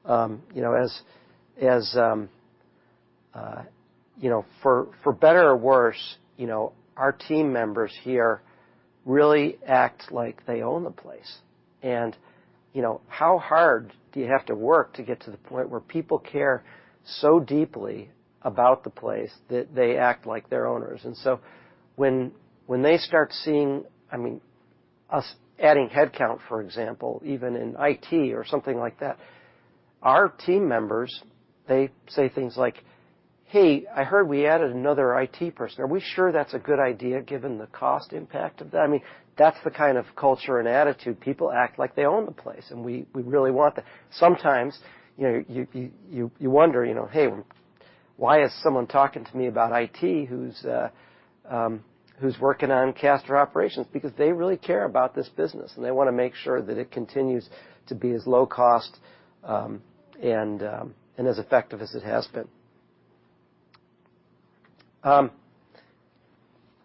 You know, for better or worse, you know, our team members here really act like they own the place. You know, how hard do you have to work to get to the point where people care so deeply about the place that they act like they're owners? When they start seeing, I mean, us adding headcount, for example, even in IT or something like that, our team members, they say things like, "Hey, I heard we added another IT person. Are we sure that's a good idea, given the cost impact of that?" I mean, that's the kind of culture and attitude. People act like they own the place, and we really want that. Sometimes, you know, you wonder, you know, "Hey, why is someone talking to me about IT who's working on caster operations?" Because they really care about this business, and they wanna make sure that it continues to be as low cost and as effective as it has been.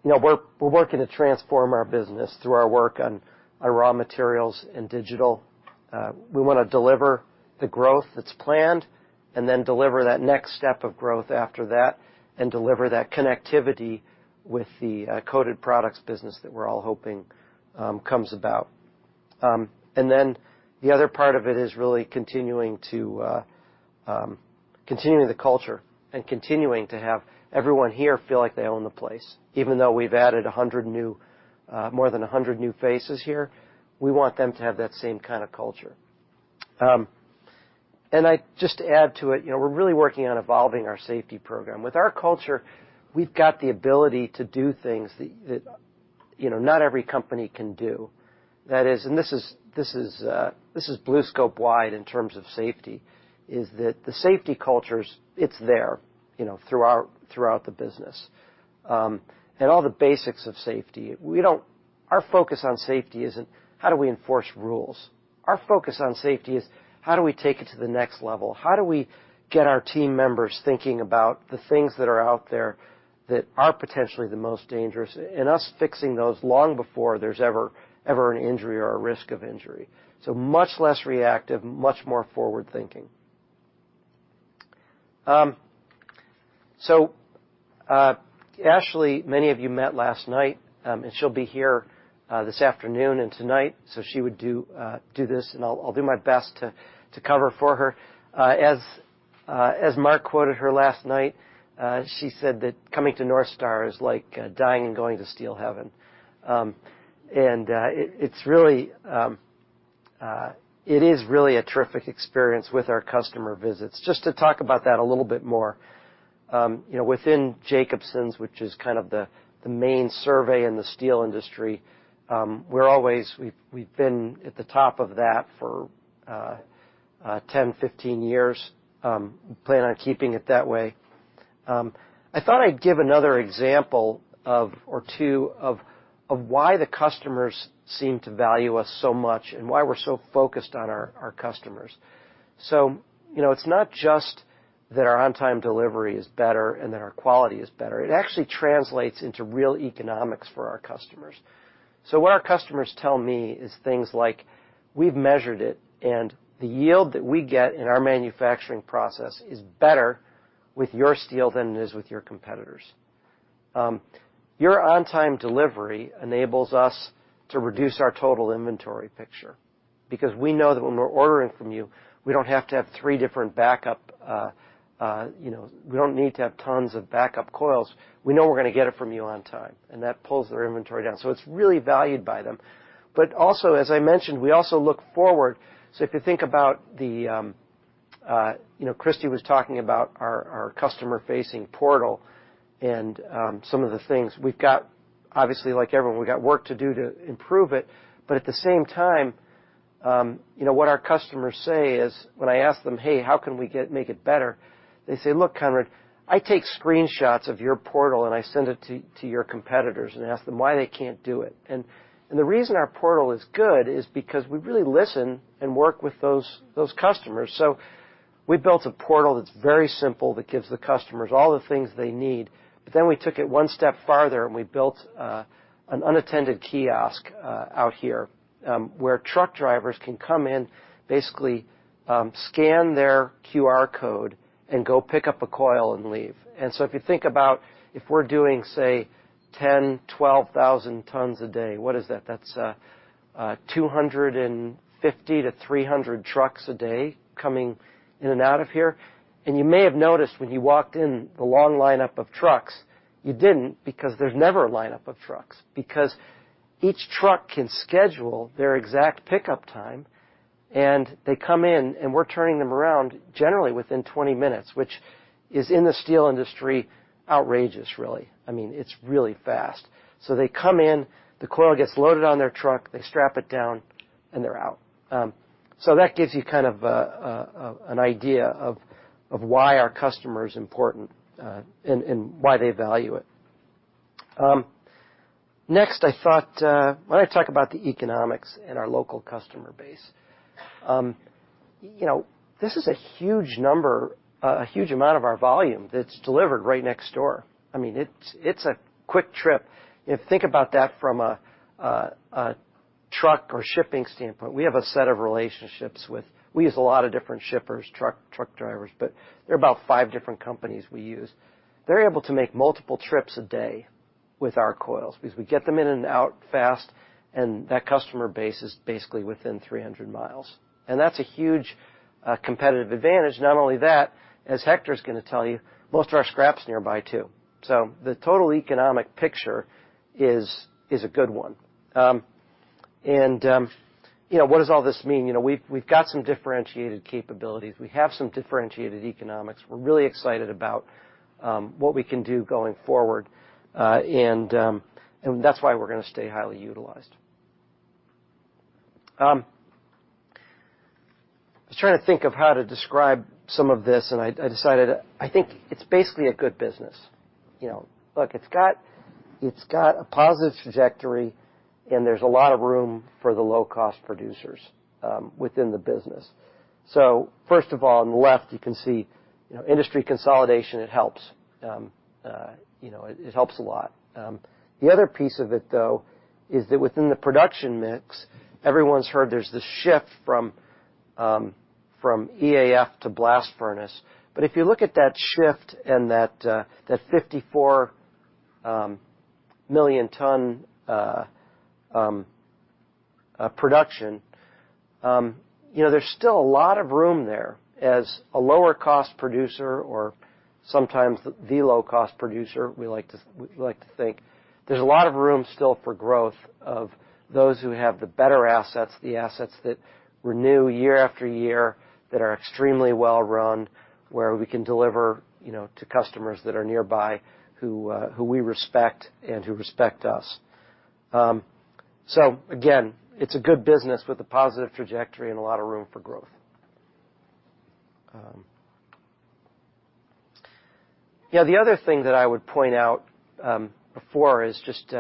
You know, we're working to transform our business through our work on our raw materials and digital. We wanna deliver the growth that's planned and then deliver that next step of growth after that and deliver that connectivity with the coated products business that we're all hoping comes about. Then the other part of it is really continuing the culture and continuing to have everyone here feel like they own the place. Even though we've added 100 new, more than 100 new faces here, we want them to have that same kind of culture. I just add to it, you know, we're really working on evolving our safety program. With our culture, we've got the ability to do things that, you know, not every company can do. That is, this is BlueScope wide in terms of safety, is that the safety culture's, it's there, you know, throughout the business. All the basics of safety. Our focus on safety isn't how do we enforce rules. Our focus on safety is how do we take it to the next level. How do we get our team members thinking about the things that are out there that are potentially the most dangerous and us fixing those long before there's ever an injury or a risk of injury. Much less reactive, much more forward-thinking. Ashley, many of you met last night, and she'll be here this afternoon and tonight, so she would do this, and I'll do my best to cover for her. As Mark quoted her last night, she said that coming to North Star is like dying and going to steel heaven. It is really a terrific experience with our customer visits. Just to talk about that a little bit more, you know, within Jacobsen's, which is kind of the main survey in the steel industry, we've been at the top of that for 10-15 years. Plan on keeping it that way. I thought I'd give another example or two of why the customers seem to value us so much and why we're so focused on our customers. You know, it's not just that our on-time delivery is better and that our quality is better. It actually translates into real economics for our customers. What our customers tell me is things like, "We've measured it, and the yield that we get in our manufacturing process is better with your steel than it is with your competitors'. Your on-time delivery enables us to reduce our total inventory picture because we know that when we're ordering from you, we don't have to have three different backup, you know, we don't need to have tons of backup coils. We know we're gonna get it from you on time, and that pulls their inventory down. It's really valued by them. Also, as I mentioned, we also look forward. If you think about the, you know, Kristie was talking about our customer-facing portal and some of the things. We've got, obviously, like everyone, we've got work to do to improve it. At the same time, you know, what our customers say is when I ask them, "Hey, how can we make it better?" They say, "Look, Conrad, I take screenshots of your portal, and I send it to your competitors and ask them why they can't do it." The reason our portal is good is because we really listen and work with those customers. We built a portal that's very simple, that gives the customers all the things they need. We took it one step farther, and we built an unattended kiosk out here, where truck drivers can come in, basically, scan their QR code and go pick up a coil and leave. If you think about if we're doing, say, 10, 12,000 tons a day, what is that? That's 250-300 trucks a day coming in and out of here. You may have noticed when you walked in the long lineup of trucks, you didn't because there's never a lineup of trucks because each truck can schedule their exact pickup time. They come in, and we're turning them around generally within 20 minutes, which is, in the steel industry, outrageous, really. I mean, it's really fast. They come in, the coil gets loaded on their truck, they strap it down, and they're out. That gives you kind of an idea of why our customer is important and why they value it. Next I thought why don't I talk about the economics in our local customer base. You know, this is a huge number, a huge amount of our volume that's delivered right next door. I mean, it's a quick trip. If you think about that from a truck or shipping standpoint, we have a set of relationships with. We use a lot of different shippers, truck drivers, but there are about five different companies we use. They're able to make multiple trips a day with our coils because we get them in and out fast. That customer base is basically within 300 miles. That's a huge competitive advantage. Not only that, as Hector's gonna tell you, most of our scrap's nearby too. The total economic picture is a good one. You know, what does all this mean? You know, we've got some differentiated capabilities. We have some differentiated economics. We're really excited about what we can do going forward. That's why we're gonna stay highly utilized. I was trying to think of how to describe some of this, and I decided, I think it's basically a good business. You know. Look, it's got a positive trajectory, and there's a lot of room for the low-cost producers within the business. First of all, on the left, you can see, you know, industry consolidation, it helps. You know, it helps a lot. The other piece of it, though, is that within the production mix, everyone's heard there's this shift from from EAF to blast furnace. If you look at that shift and that 54 million ton production, you know, there's still a lot of room there. As a lower-cost producer or sometimes the low-cost producer, we like to think, there's a lot of room still for growth of those who have the better assets, the assets that renew year after year, that are extremely well-run, where we can deliver, you know, to customers that are nearby, who we respect and who respect us. So again, it's a good business with a positive trajectory and a lot of room for growth. Yeah, the other thing that I would point out before is just,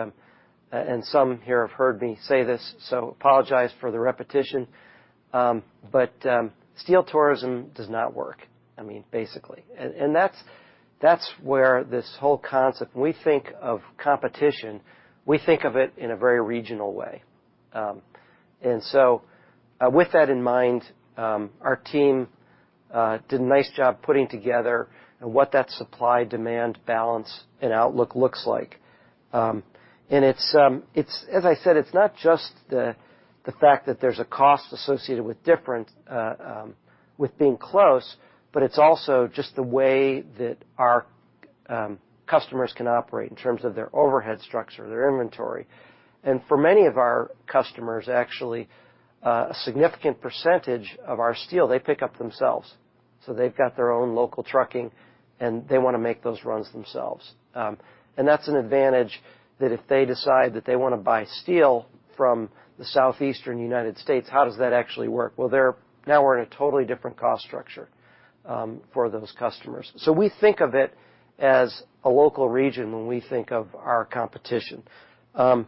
and some here have heard me say this, so apologize for the repetition, but steel tourism does not work, I mean, basically. That's where this whole concept. When we think of competition, we think of it in a very regional way. With that in mind, our team did a nice job putting together what that supply-demand balance and outlook looks like. It's, as I said, it's not just the fact that there's a cost associated with different with being close, but it's also just the way that our customers can operate in terms of their overhead structure, their inventory. For many of our customers, actually, a significant percentage of our steel, they pick up themselves. They've got their own local trucking, and they wanna make those runs themselves. That's an advantage that if they decide that they wanna buy steel from the Southeastern United States, how does that actually work? Well, now we're in a totally different cost structure for those customers. We think of it as a local region when we think of our competition. Not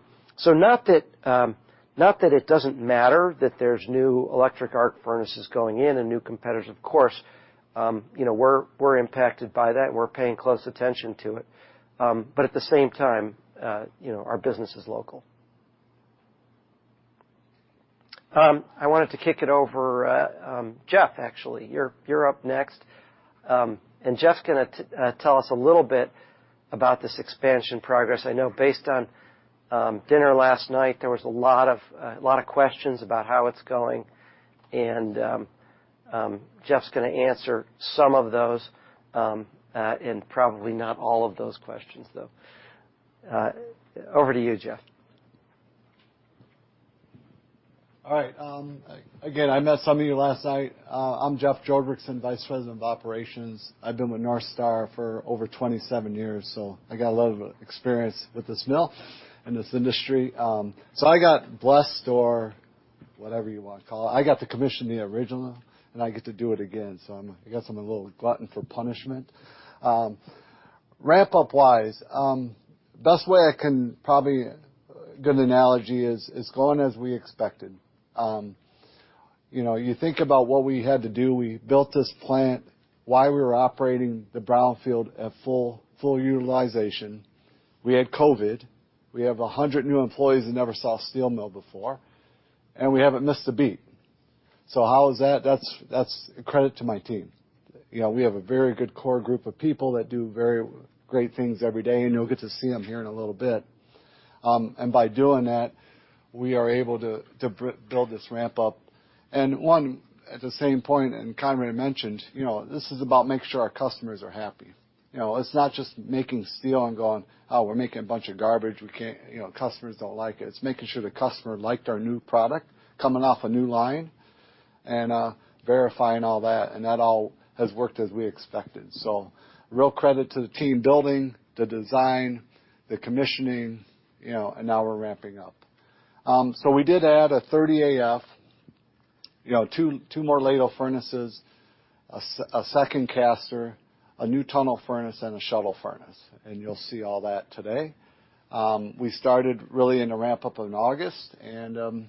that it doesn't matter that there's new electric arc furnaces going in and new competitors, of course. You know, we're impacted by that, and we're paying close attention to it. At the same time, you know, our business is local. I wanted to kick it over, Jeff, actually. You're up next. Jeff's gonna tell us a little bit about this expansion progress. I know based on dinner last night, there was a lot of questions about how it's going, and Jeff's gonna answer some of those, and probably not all of those questions, though. Over to you, Jeff. Again, I met some of you last night. I'm Jeff Joldrichsen, Vice President of Operations. I've been with North Star for over 27 years, I got a lot of experience with this mill and this industry. I got blessed or whatever you wanna call it. I got to commission the original, I get to do it again. I guess I'm a little glutton for punishment. Ramp-up wise, a good analogy is, it's going as we expected. You know, you think about what we had to do. We built this plant while we were operating the Brownfield at full utilization. We had COVID. We have 100 new employees that never saw a steel mill before, we haven't missed a beat. How is that? That's a credit to my team. You know, we have a very good core group of people that do very great things every day, and you'll get to see them here in a little bit. By doing that, we are able to build this ramp up. At the same point, Conrad mentioned, you know, this is about making sure our customers are happy. You know, it's not just making steel and going, "Oh, we're making a bunch of garbage. We can't... You know, customers don't like it." It's making sure the customer liked our new product coming off a new line and verifying all that. That all has worked as we expected. Real credit to the team building, the design, the commissioning, you know, now we're ramping up. So we did add a third EAF, you know, two more ladle furnaces, a second caster, a new tunnel furnace, and a shuttle furnace. You'll see all that today. We started really in a ramp-up in August, and,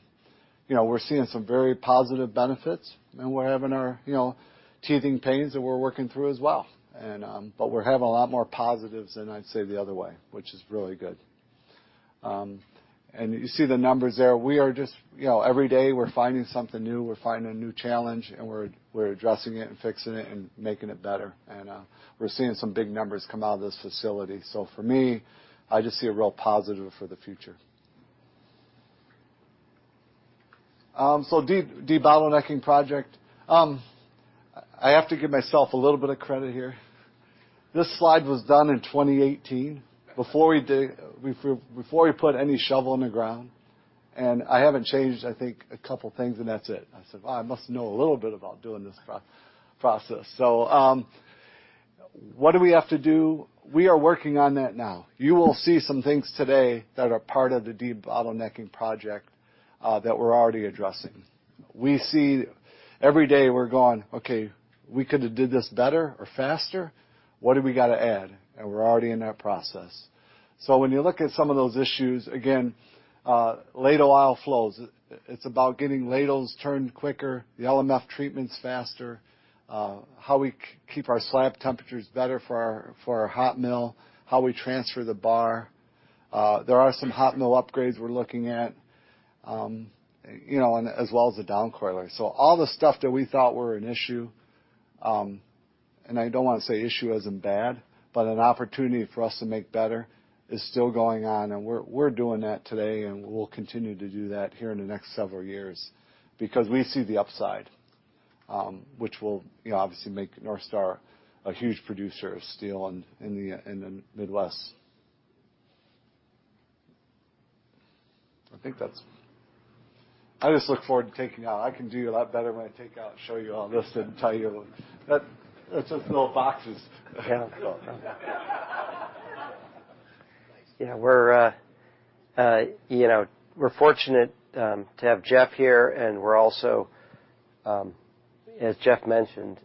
you know, we're seeing some very positive benefits, and we're having our, you know, teething pains that we're working through as well. But we're having a lot more positives than I'd say the other way, which is really good. And you see the numbers there. We are just... You know, every day, we're finding something new. We're finding a new challenge, and we're addressing it and fixing it and making it better. And we're seeing some big numbers come out of this facility. For me, I just see a real positive for the future. So debottlenecking project. I have to give myself a little bit of credit here. This slide was done in 2018 before we put any shovel in the ground, and I haven't changed, I think, a couple things, and that's it. I said, "Well, I must know a little bit about doing this process." What do we have to do? We are working on that now. You will see some things today that are part of the debottlenecking project that we're already addressing. Every day, we're going, "Okay, we could have did this better or faster. What do we gotta add?" We're already in that process. When you look at some of those issues, again, ladle aisle flows, it's about getting ladles turned quicker, the LMF treatments faster, how we keep our slab temperatures better for our, for our hot mill, how we transfer the bar. There are some hot mill upgrades we're looking at, you know, and as well as the downcoiler. All the stuff that we thought were an issue, and I don't wanna say issue as in bad, but an opportunity for us to make better, is still going on. We're, we're doing that today, and we'll continue to do that here in the next several years because we see the upside, which will, you know, obviously make North Star a huge producer of steel in the, in the Midwest. I think that's. I just look forward to taking y'all. I can do a lot better when I take out and show you all this than tell you. That's just little boxes. Yeah. Yeah. We're, you know, we're fortunate to have Jeff here, and we're also, as Jeff mentioned,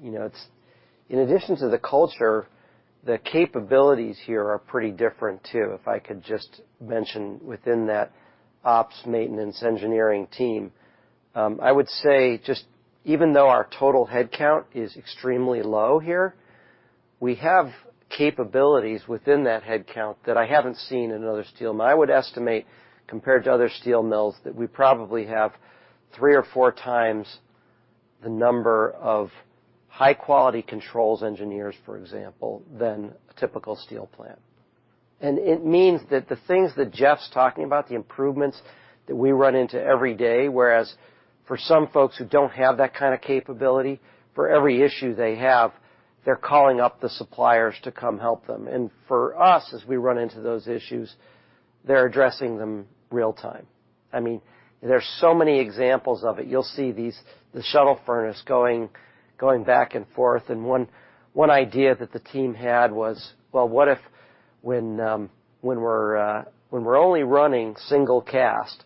you know, in addition to the culture, the capabilities here are pretty different too. If I could just mention within that ops maintenance engineering team, I would say just even though our total headcount is extremely low here, we have capabilities within that headcount that I haven't seen in other steel. I would estimate, compared to other steel mills, that we probably have 3x or 4x the number of high-quality controls engineers, for example, than a typical steel plant. It means that the things that Jeff's talking about, the improvements that we run into every day, whereas for some folks who don't have that kind of capability, for every issue they have, they're calling up the suppliers to come help them. For us, as we run into those issues, they're addressing them real time. I mean, there's so many examples of it. You'll see these, the shuttle furnace going back and forth, and one idea that the team had was, well, what if when we're only running single cast,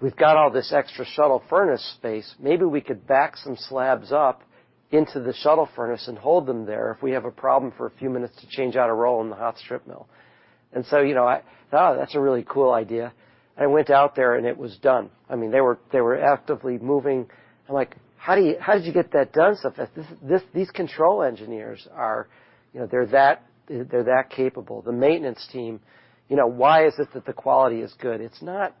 we've got all this extra shuttle furnace space, maybe we could back some slabs up into the shuttle furnace and hold them there if we have a problem for a few minutes to change out a roll in the hot strip mill. You know, I thought, "Oh, that's a really cool idea." I went out there, and it was done. I mean, they were actively moving. I'm like, "How did you get that done so fast?" These control engineers are... You know, they're that capable. The maintenance team, you know, why is it that the quality is good? It's not,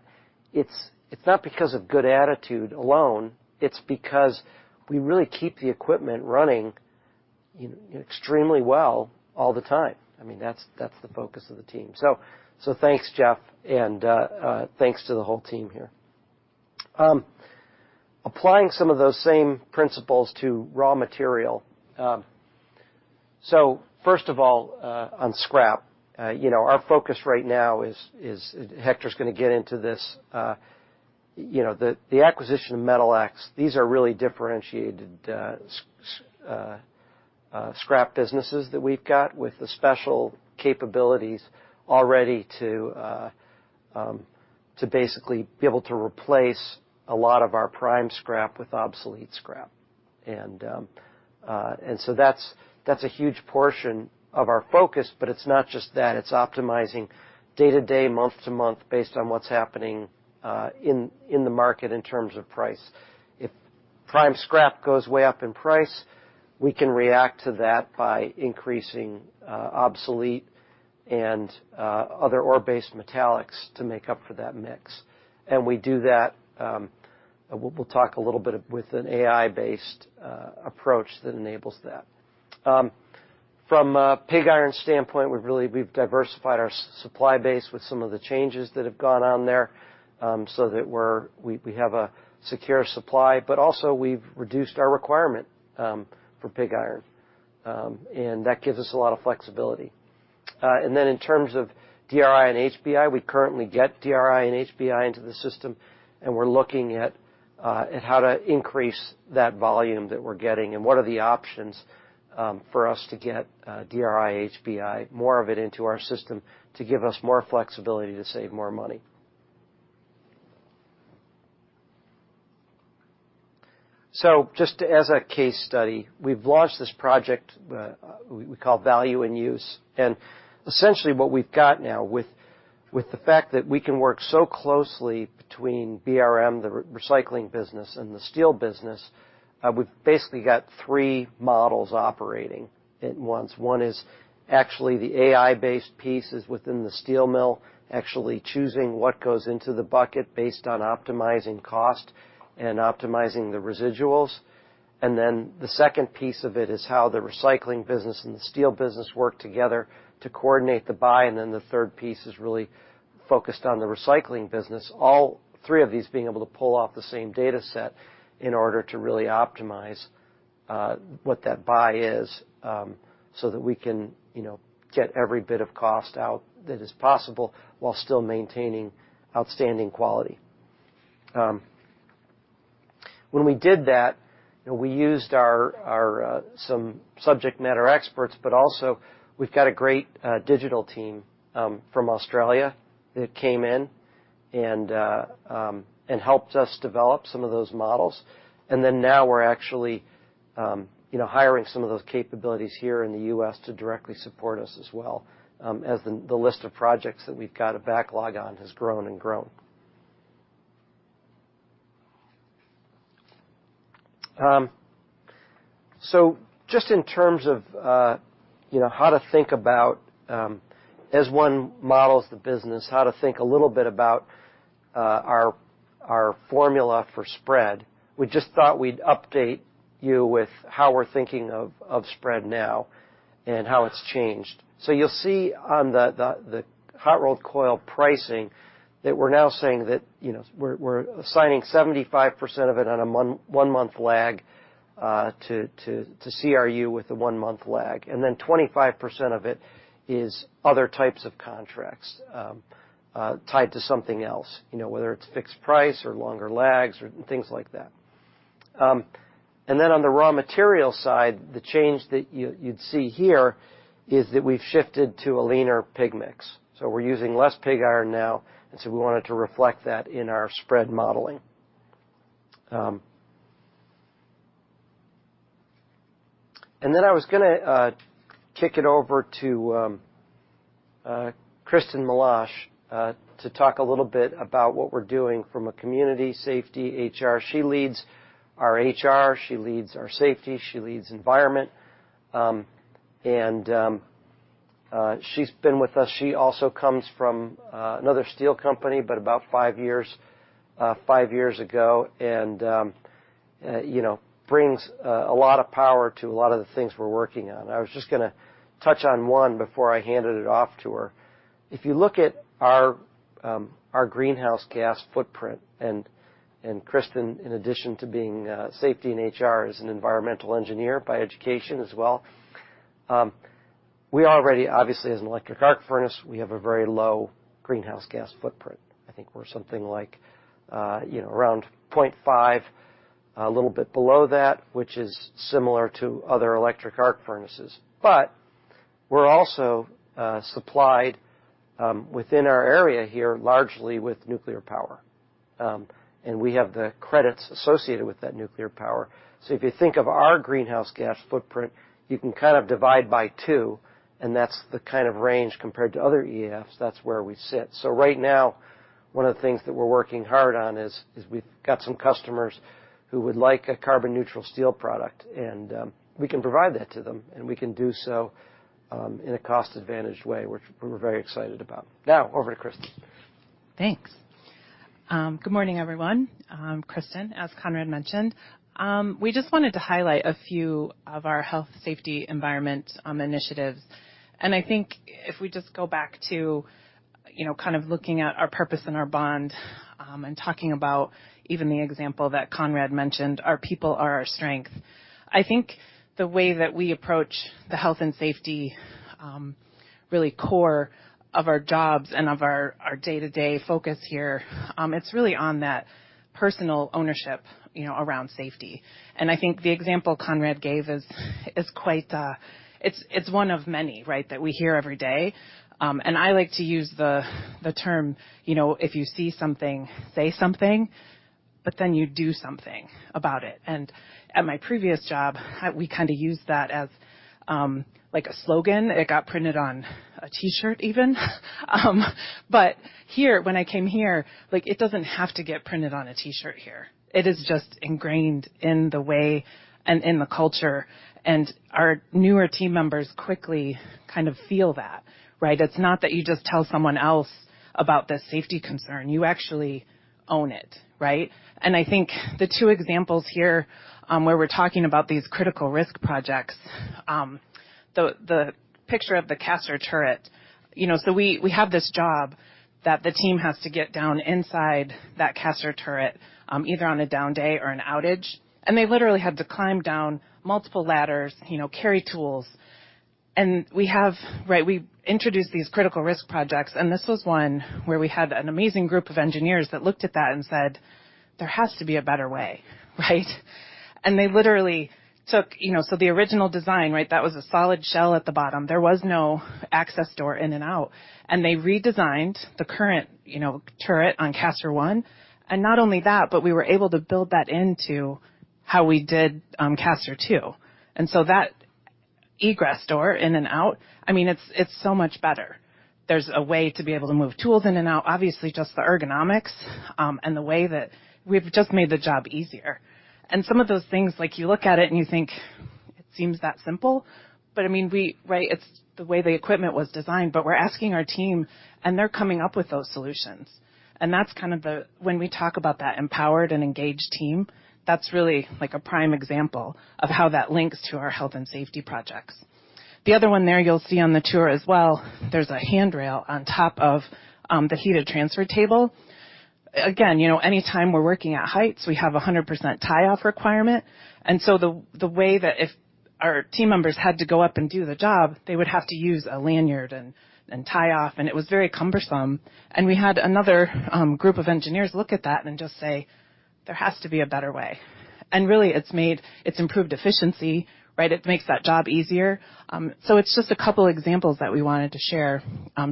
it's not because of good attitude alone. It's because we really keep the equipment running extremely well all the time. I mean, that's the focus of the team. Thanks, Jeff, and thanks to the whole team here. Applying some of those same principles to raw material. First of all, on scrap, you know, our focus right now is Hector's gonna get into this. You know, the acquisition of MetalX, these are really differentiated scrap businesses that we've got with the special capabilities already to basically be able to replace a lot of our prime scrap with obsolete scrap. That's a huge portion of our focus, but it's not just that. It's optimizing day to day, month to month based on what's happening in the market in terms of price. If prime scrap goes way up in price, we can react to that by increasing obsolete and other ore-based metallics to make up for that mix. We do that, we'll talk a little bit with an AI-based approach that enables that. From a pig iron standpoint, we've really diversified our supply base with some of the changes that have gone on there, so that we have a secure supply, but also we've reduced our requirement for pig iron. That gives us a lot of flexibility. In terms of DRI and HBI, we currently get DRI and HBI into the system, and we're looking at how to increase that volume that we're getting and what are the options, for us to get, DRI, HBI, more of it into our system to give us more flexibility to save more money. Just as a case study, we've launched this project, we call value-in-use. Essentially what we've got now with the fact that we can work so closely between BRM, the recycling business, and the steel business, we've basically got three models operating at once. One is actually the AI-based piece is within the steel mill, actually choosing what goes into the bucket based on optimizing cost and optimizing the residuals. The second piece of it is how the recycling business and the steel business work together to coordinate the buy. The third piece is really focused on the recycling business. All three of these being able to pull off the same dataset in order to really optimize what that buy is, so that we can, you know, get every bit of cost out that is possible while still maintaining outstanding quality. When we did that, we used our some subject matter experts, but also we've got a great digital team from Australia that came in and helped us develop some of those models. Now we're actually, you know, hiring some of those capabilities here in the U.S. to directly support us as well, as the list of projects that we've got a backlog on has grown and grown. Just in terms of, you know, how to think about, as one models the business, how to think a little bit about our formula for spread. We just thought we'd update you with how we're thinking of spread now and how it's changed. You'll see on the hot-rolled coil pricing that we're now saying that, you know, we're assigning 75% of it on a one-month lag, to CRU with a one-month lag. 25% of it is other types of contracts, you know, whether it's fixed price or longer lags or things like that. On the raw material side, the change that you'd see here is that we've shifted to a leaner pig mix. We're using less pig iron now, we wanted to reflect that in our spread modeling. I was gonna kick it over to Kristie Keast to talk a little bit about what we're doing from a community safety HR. She leads our HR, she leads our safety, she leads environment. She's been with us... She also comes from another steel company, but about five years, five years ago, and you know, brings a lot of power to a lot of the things we're working on. I was just gonna touch on one before I handed it off to her. If you look at our greenhouse gas footprint, and Kristen, in addition to being safety and HR, is an environmental engineer by education as well. We already, obviously, as an electric arc furnace, we have a very low greenhouse gas footprint. I think we're something like, you know, around 0.5, a little bit below that, which is similar to other electric arc furnaces. We're also supplied within our area here largely with nuclear power. We have the credits associated with that nuclear power. If you think of our greenhouse gas footprint, you can kind of divide by two, and that's the kind of range compared to other EAFs, that's where we sit. Right now, one of the things that we're working hard on is we've got some customers who would like a carbon neutral steel product, and we can provide that to them, and we can do so in a cost-advantaged way, which we're very excited about. Now, over to Kristen. Thanks. Good morning, everyone. I'm Kristen, as Conrad mentioned. We just wanted to highlight a few of our Health Safety Environment initiatives. I think if we just go back to, you know, kind of looking at our purpose and our bond, and talking about even the example that Conrad mentioned, our people are our strength. I think the way that we approach the Health and Safety, really core of our jobs and of our day-to-day focus here, it's really on that personal ownership, you know, around safety. I think the example Conrad gave is quite, it's one of many, right, that we hear every day. I like to use the term, you know, if you see something, say something, but then you do something about it. At my previous job, we kinda used that as, like a slogan. It got printed on a T-shirt even. Here, when I came here, like, it doesn't have to get printed on a T-shirt here. It is just ingrained in the way and in the culture, and our newer team members quickly kind of feel that, right? It's not that you just tell someone else about the safety concern. You actually own it, right? I think the two examples here, where we're talking about these critical risk projects. The picture of the caster turret. You know, we have this job that the team has to get down inside that caster turret, either on a down day or an outage, and they literally have to climb down multiple ladders, you know, carry tools. We have... Right, we introduced these critical risk projects, and this was one where we had an amazing group of engineers that looked at that and said, "There has to be a better way." Right? They literally took. You know, the original design, right, that was a solid shell at the bottom. There was no access door in and out, and they redesigned the current, you know, turret on caster one. Not only that, but we were able to build that into how we did caster two. That egress door in and out, I mean, it's so much better. There's a way to be able to move tools in and out, obviously, just the ergonomics, and the way that we've just made the job easier. Some of those things, like, you look at it and you think, "It seems that simple." Right? It's the way the equipment was designed. We're asking our team, and they're coming up with those solutions. When we talk about that empowered and engaged team, that's really, like, a prime example of how that links to our health and safety projects. The other one there you'll see on the tour as well, there's a handrail on top of the heated transfer table. Again, you know, anytime we're working at heights, we have a 100% tie-off requirement, and so the way that if our team members had to go up and do the job, they would have to use a lanyard and tie off, and it was very cumbersome. We had another group of engineers look at that and just say, "There has to be a better way." Really, It's improved efficiency, right? It makes that job easier. It's just a couple examples that we wanted to share,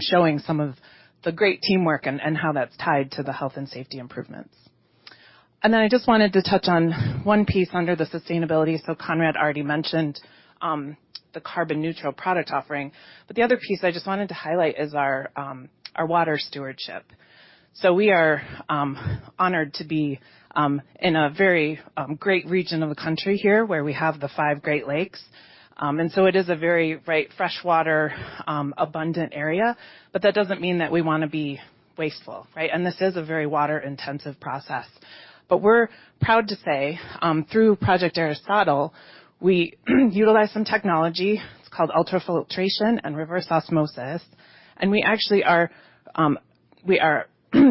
showing some of the great teamwork and how that's tied to the health and safety improvements. Then I just wanted to touch on one piece under the sustainability. Conrad already mentioned the carbon neutral product offering, but the other piece I just wanted to highlight is our water stewardship. We are honored to be in a very great region of the country here, where we have the 5 Great Lakes. It is a very, right, freshwater abundant area, but that doesn't mean that we wanna be wasteful, right? This is a very water-intensive process. We're proud to say, through Project Aristotle, we utilize some technology. It's called ultrafiltration and reverse osmosis, and we actually are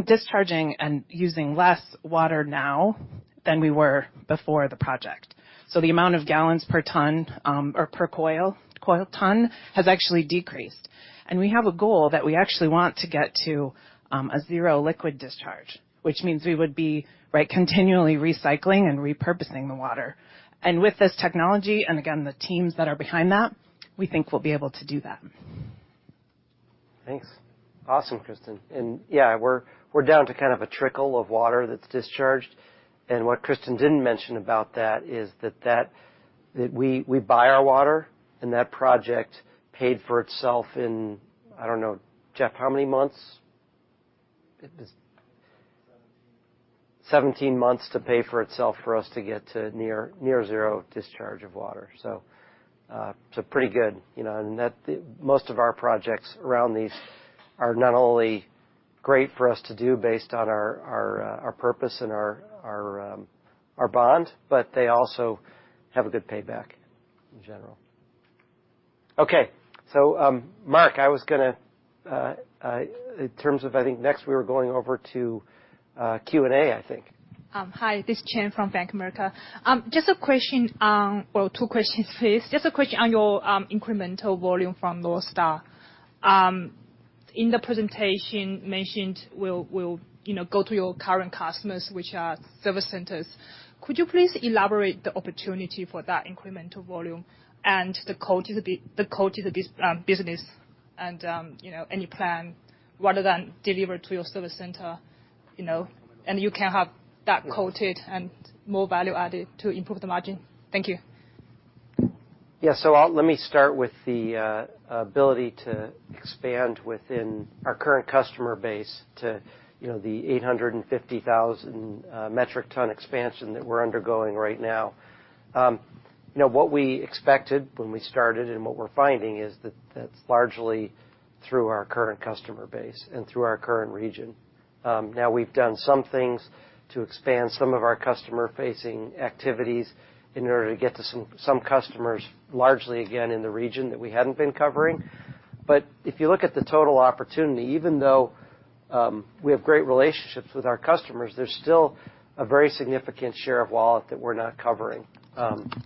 discharging and using less water now than we were before the project. The amount of gallons per ton, or per coil ton, has actually decreased. We have a goal that we actually want to get to, a zero liquid discharge, which means we would be, right, continually recycling and repurposing the water. With this technology, and again, the teams that are behind that, we think we'll be able to do that. Thanks. Awesome, Kristen. Yeah, we're down to kind of a trickle of water that's discharged. What Kristen didn't mention about that is that we buy our water, and that project paid for itself in, I don't know, Jeff, how many months? It was- Seventeen. 17 months to pay for itself for us to get to near zero discharge of water. Pretty good, you know. Most of our projects around these are not only great for us to do based on our purpose and our bond, but they also have a good payback in general. Okay. Mark, I was gonna, in terms of I think next we were going over to, Q&A, I think. Hi, this Chen from Bank of America. Just a question on... Well, two questions, please. Just a question on your incremental volume from North Star. In the presentation mentioned, we'll, you know, go to your current customers, which are service centers. Could you please elaborate the opportunity for that incremental volume and the coated business and, you know, any plan rather than deliver to your service center, you know, and you can have that coated and more value added to improve the margin? Thank you. Yeah. Let me start with the ability to expand within our current customer base to, you know, the 850,000 metric ton expansion that we're undergoing right now. You know, what we expected when we started and what we're finding is that that's largely through our current customer base and through our current region. Now we've done some things to expand some of our customer-facing activities in order to get to some customers, largely, again, in the region that we hadn't been covering. If you look at the total opportunity, even though we have great relationships with our customers, there's still a very significant share of wallet that we're not covering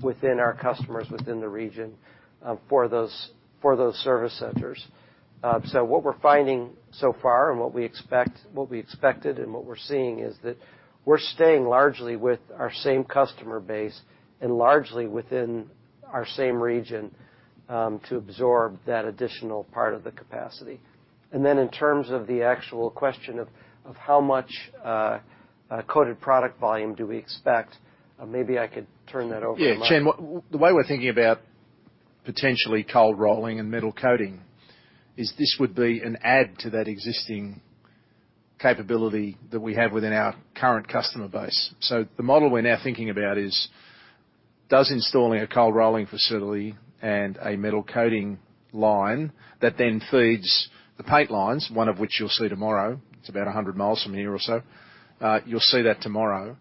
within our customers within the region for those service centers. What we're finding so far and what we expect... What we expected and what we're seeing is that we're staying largely with our same customer base and largely within our same region, to absorb that additional part of the capacity. In terms of the actual question of how much coated product volume do we expect, maybe I could turn that over to Mark. Yeah. Chen, the way we're thinking about potentially cold rolling and metal coating is this would be an add to that existing capability that we have within our current customer base. The model we're now thinking about is, does installing a cold rolling facility and a metal coating line that then feeds the pipe lines, one of which you'll see tomorrow, it's about 100 miles from here or so, you'll see that tomorrow.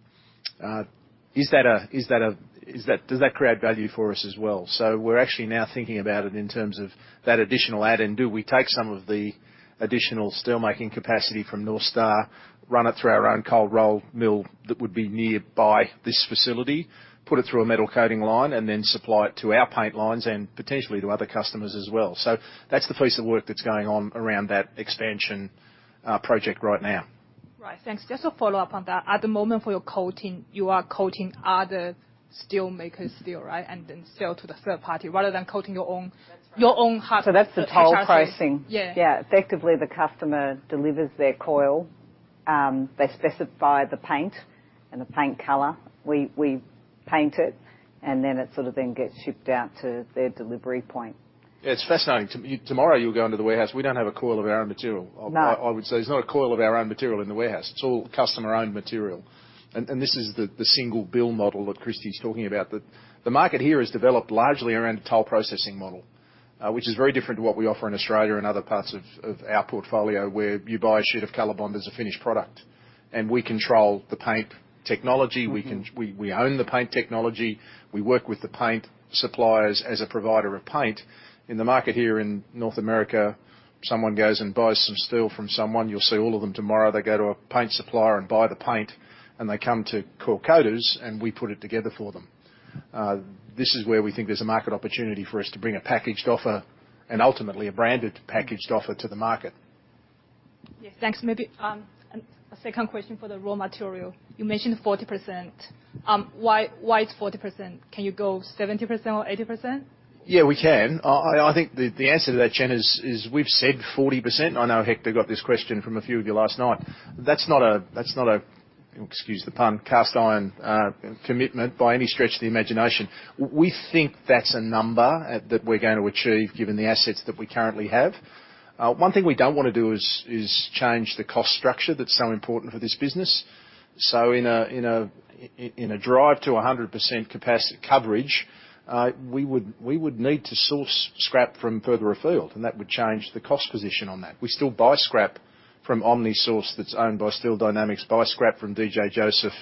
Does that create value for us as well? We're actually now thinking about it in terms of that additional add-in. Do we take some of the additional steel making capacity from North Star, run it through our own cold roll mill that would be nearby this facility, put it through a metal coating line, and then supply it to our paint lines and potentially to other customers as well. That's the piece of work that's going on around that expansion project right now. Right. Thanks. Just a follow-up on that. At the moment for your coating, you are coating other steelmakers' steel, right? Then sell to the third party rather than coating your own- That's right. Your own That's the toll processing. Yeah. Yeah. Effectively, the customer delivers their coil, they specify the paint and the paint color, we paint it, and then it sort of then gets shipped out to their delivery point. Yeah. It's fascinating. To you, tomorrow, you'll go into the warehouse. We don't have a coil of our own material. No. I would say there's not a coil of our own material in the warehouse. It's all customer-owned material. This is the single-bill model that Kristie's talking about. The market here has developed largely around a toll processing model, which is very different to what we offer in Australia and other parts of our portfolio, where you buy a sheet of Colorbond as a finished product. We control the paint technology. Mm-hmm. We own the paint technology. We work with the paint suppliers as a provider of paint. In the market here in North America, someone goes and buys some steel from someone. You'll see all of them tomorrow. They go to a paint supplier and buy the paint, and they come to coaters, and we put it together for them. This is where we think there's a market opportunity for us to bring a packaged offer and ultimately a branded packaged offer to the market. Yes. Thanks. Maybe, a second question for the raw material. You mentioned 40%. Why it's 40%? Can you go 70% or 80%? Yeah, we can. I think the answer to that, Jen, is we've said 40%. I know Hector got this question from a few of you last night. That's not a, excuse the pun, cast iron commitment by any stretch of the imagination. We think that's a number that we're going to achieve given the assets that we currently have. One thing we don't wanna do is change the cost structure that's so important for this business. In a drive to 100% coverage, we would need to source scrap from further afield, and that would change the cost position on that. We still buy scrap from OmniSource that's owned by Steel Dynamics, buy scrap from DJ Joseph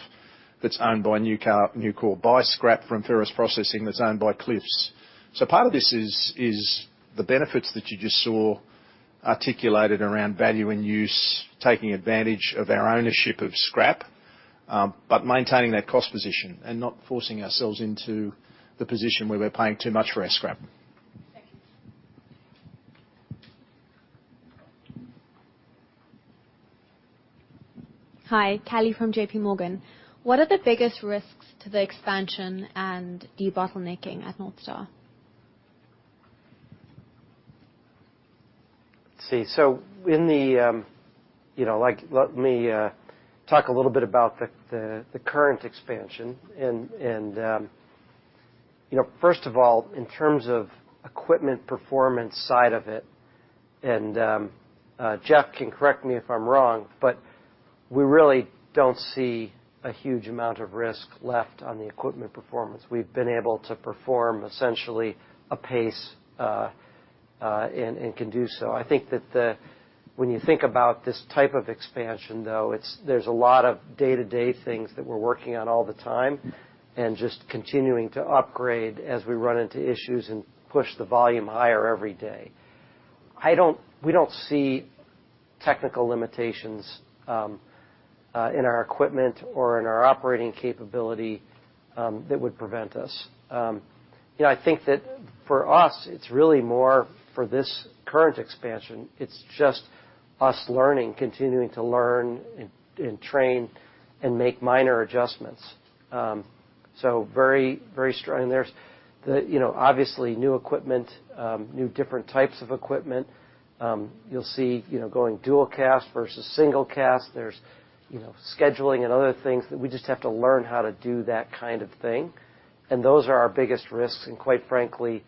that's owned by Nucor, buy scrap from Ferrous Processing that's owned by Cliffs. Part of this is the benefits that you just saw articulated around value-in-use, taking advantage of our ownership of scrap, but maintaining that cost position and not forcing ourselves into the position where we're paying too much for our scrap. Thank you. Hi. Callie from JPMorgan. What are the biggest risks to the expansion and debottlenecking at North Star? Let's see. In the, you know, like, let me talk a little bit about the current expansion and, you know, first of all, in terms of equipment performance side of it, Jeff can correct me if I'm wrong, we really don't see a huge amount of risk left on the equipment performance. We've been able to perform essentially a pace and can do so. When you think about this type of expansion, though, it's, there's a lot of day-to-day things that we're working on all the time and just continuing to upgrade as we run into issues and push the volume higher every day. We don't see technical limitations in our equipment or in our operating capability that would prevent us. You know, I think that for us, it's really more for this current expansion. It's just us learning, continuing to learn and train and make minor adjustments. Very strong. There's the, you know, obviously new equipment, new different types of equipment. You know, you'll see, you know, going dual cast versus single cast. There's, you know, scheduling and other things that we just have to learn how to do that kind of thing. Those are our biggest risks. Quite frankly,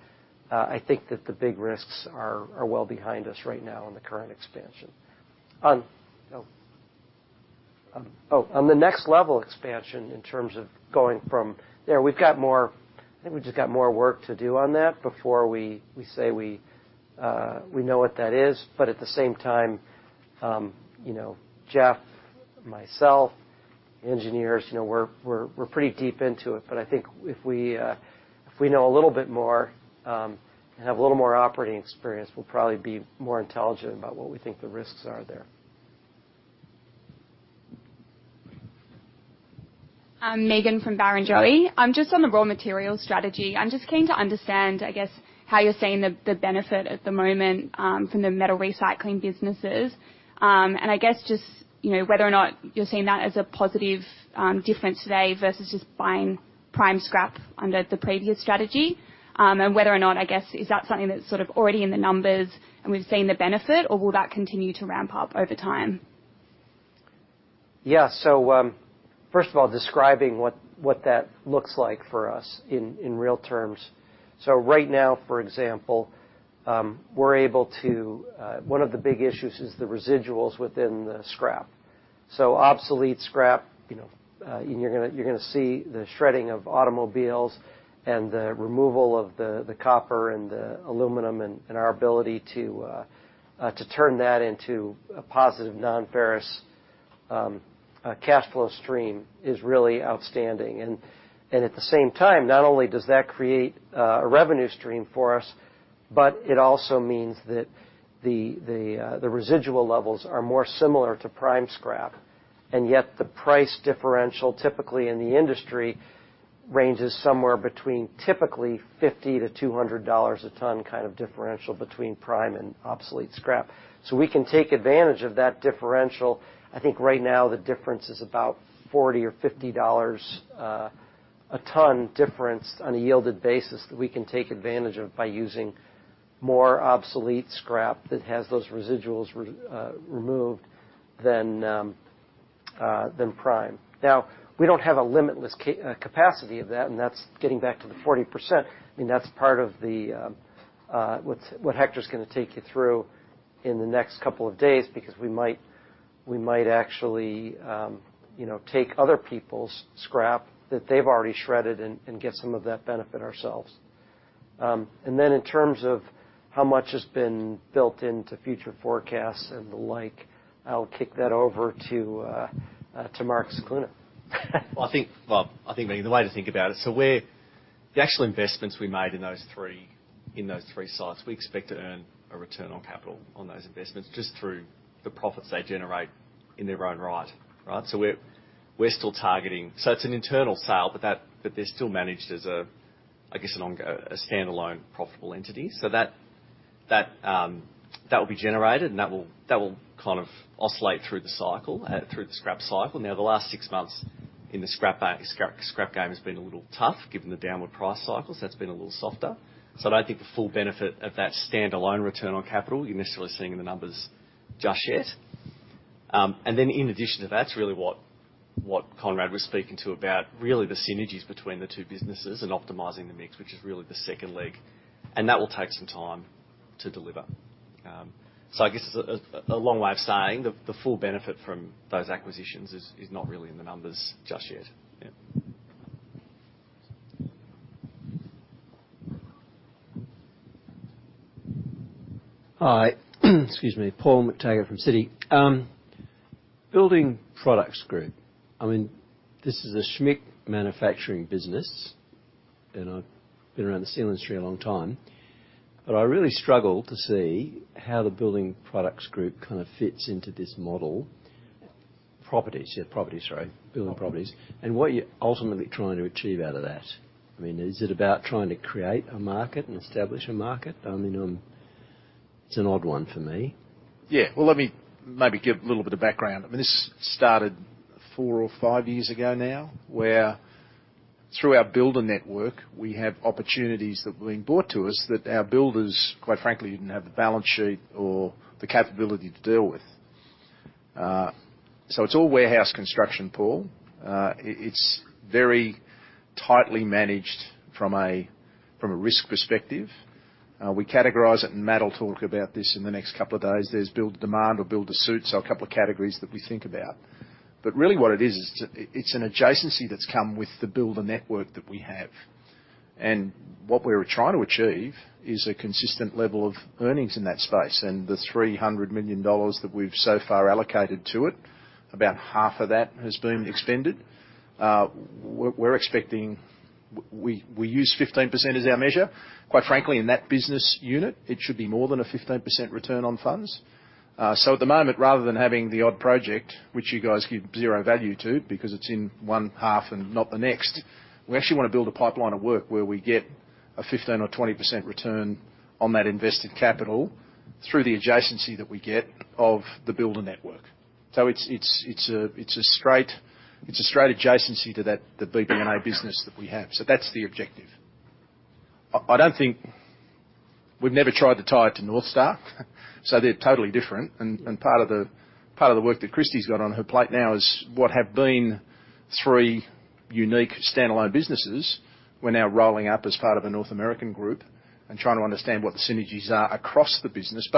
I think that the big risks are well behind us right now in the current expansion. On the next level expansion in terms of going from there, we've got more, I think we've just got more work to do on that before we say we know what that is. At the same time, you know, Jeff, myself, engineers, you know, we're pretty deep into it. I think if we, if we know a little bit more, and have a little more operating experience, we'll probably be more intelligent about what we think the risks are there. Megan from Barrenjoey. Just on the raw material strategy, I'm just keen to understand, I guess, how you're seeing the benefit at the moment from the metal recycling businesses. I guess just, you know, whether or not you're seeing that as a positive difference today versus just buying prime scrap under the previous strategy. Whether or not, I guess, is that something that's sort of already in the numbers and we've seen the benefit, or will that continue to ramp up over time? Yeah. First of all, describing what that looks like for us in real terms. Right now, for example, we're able to. One of the big issues is the residuals within the scrap. Obsolete scrap, you know, you're gonna see the shredding of automobiles and the removal of the copper and the aluminum and our ability to turn that into a positive non-ferrous, a cash flow stream is really outstanding. At the same time, not only does that create a revenue stream for us, but it also means that the residual levels are more similar to prime scrap. Yet the price differential typically in the industry ranges somewhere between typically $50-$200 a ton kind of differential between prime and obsolete scrap. We can take advantage of that differential. I think right now the difference is about $40 or $50, a ton difference on a yielded basis that we can take advantage of by using more obsolete scrap that has those residuals removed than prime. We don't have a limitless capacity of that, and that's getting back to the 40%. I mean, that's part of what Hector's going to take you through in the next couple of days because we might actually, you know, take other people's scrap that they've already shredded and get some of that benefit ourselves. In terms of how much has been built into future forecasts and the like, I'll kick that over to Mark Scicluna. I mean, the way to think about it, the actual investments we made in those three sites, we expect to earn a return on capital on those investments just through the profits they generate in their own right. Right? We're still targeting... It's an internal sale, but they're still managed as a, I guess, a standalone profitable entity. That will be generated, and that will kind of oscillate through the cycle, through the scrap cycle. The last six months in the scrap game has been a little tough, given the downward price cycles. That's been a little softer. I don't think the full benefit of that standalone return on capital, you're necessarily seeing in the numbers just yet. In addition to that's really what Conrad was speaking to about really the synergies between the two businesses and optimizing the mix, which is really the second leg. That will take some time to deliver. I guess it's a, a long way of saying the full benefit from those acquisitions is not really in the numbers just yet. Yeah. Hi. Excuse me, Paul McTaggart from Citi. Building Products Group. This is a Schmick manufacturing business, and I've been around the steel industry a long time, but I really struggle to see how the Building Products Group kinda fits into this model. Properties. Yeah, properties, sorry. Building properties. What you're ultimately trying to achieve out of that? I mean, is it about trying to create a market and establish a market? I mean, it's an odd one for me. Yeah. Well, let me maybe give a little bit of background. I mean, this started four or five years ago now, where through our builder network, we have opportunities that were being brought to us that our builders, quite frankly, didn't have the balance sheet or the capability to deal with. It's all warehouse construction, Paul. It's very tightly managed from a risk perspective. We categorize it, and Matt'll talk about this in the next couple of days. There's build to demand or build to suit, so a couple of categories that we think about. Really what it is it's an adjacency that's come with the builder network that we have. What we're trying to achieve is a consistent level of earnings in that space. The $300 million that we've so far allocated to it, about half of that has been expended. We're expecting. We use 15% as our measure. Quite frankly, in that business unit, it should be more than a 15% return on funds. At the moment, rather than having the odd project, which you guys give zero value to because it's in one half and not the next, we actually wanna build a pipeline of work where we get a 15% or 20% return on that invested capital through the adjacency that we get of the builder network. It's a straight adjacency to that, the BBNA business that we have. That's the objective. I don't think. We've never tried to tie it to North Star, so they're totally different. Part of the, part of the work that Kristie's got on her plate now is what have been three unique standalone businesses, we're now rolling up as part of a North American group and trying to understand what the synergies are across the business.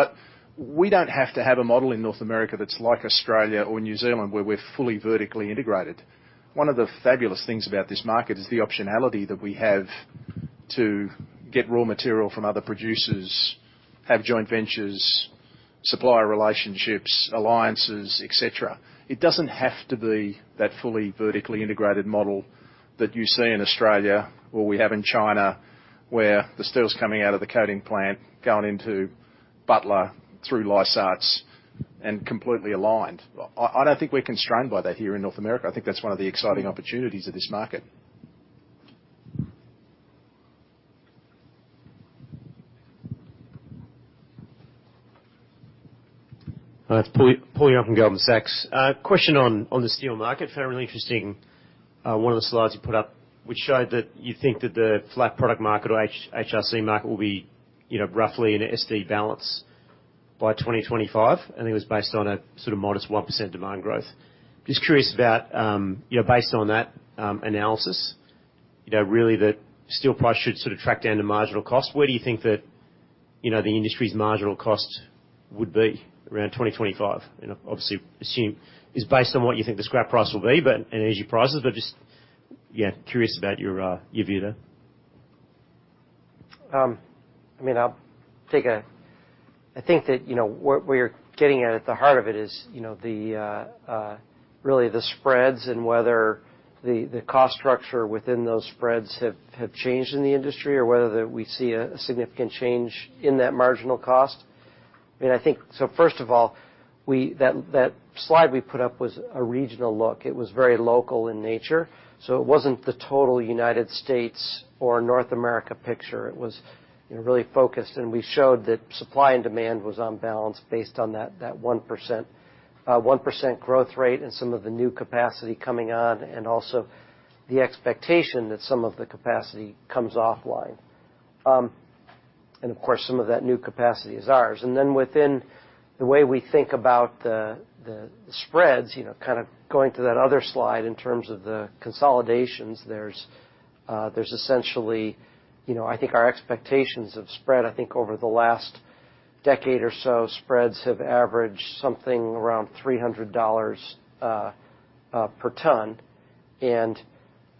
We don't have to have a model in North America that's like Australia or New Zealand, where we're fully vertically integrated. One of the fabulous things about this market is the optionality that we have to get raw material from other producers, have joint ventures, supplier relationships, alliances, et cetera. It doesn't have to be that fully vertically integrated model that you see in Australia or we have in China, where the steel's coming out of the coating plant, going into Butler through Lysaght's and completely aligned. I don't think we're constrained by that here in North America. I think that's one of the exciting opportunities of this market. It's Paul Young from Goldman Sachs. Question on the steel market. Found it really interesting, one of the slides you put up, which showed that you think that the flat product market or HRC market will be, you know, roughly in an SD balance by 2025. I think it was based on a sort of -1% demand growth. Just curious about, you know, based on that analysis, you know, really the steel price should sort of track down to marginal cost. Where do you think that, you know, the industry's marginal cost would be around 2025? You know, obviously assume is based on what you think the scrap price will be, but, and energy prices, but just, you know, curious about your view there. I mean, I'll take a. I think that, you know, what we're getting at the heart of it is, you know, the really the spreads and whether the cost structure within those spreads have changed in the industry or whether that we see a significant change in that marginal cost. I mean, I think. First of all, that slide we put up was a regional look. It was very local in nature, so it wasn't the total United States or North America picture. It was, you know, really focused, and we showed that supply and demand was on balance based on that 1%. 1% growth rate and some of the new capacity coming on, and also the expectation that some of the capacity comes offline. Of course, some of that new capacity is ours. Within the way we think about the spreads, you know, kinda going to that other slide in terms of the consolidations, there's essentially, you know, I think our expectations have spread. I think over the last decade or so, spreads have averaged something around $300 per ton.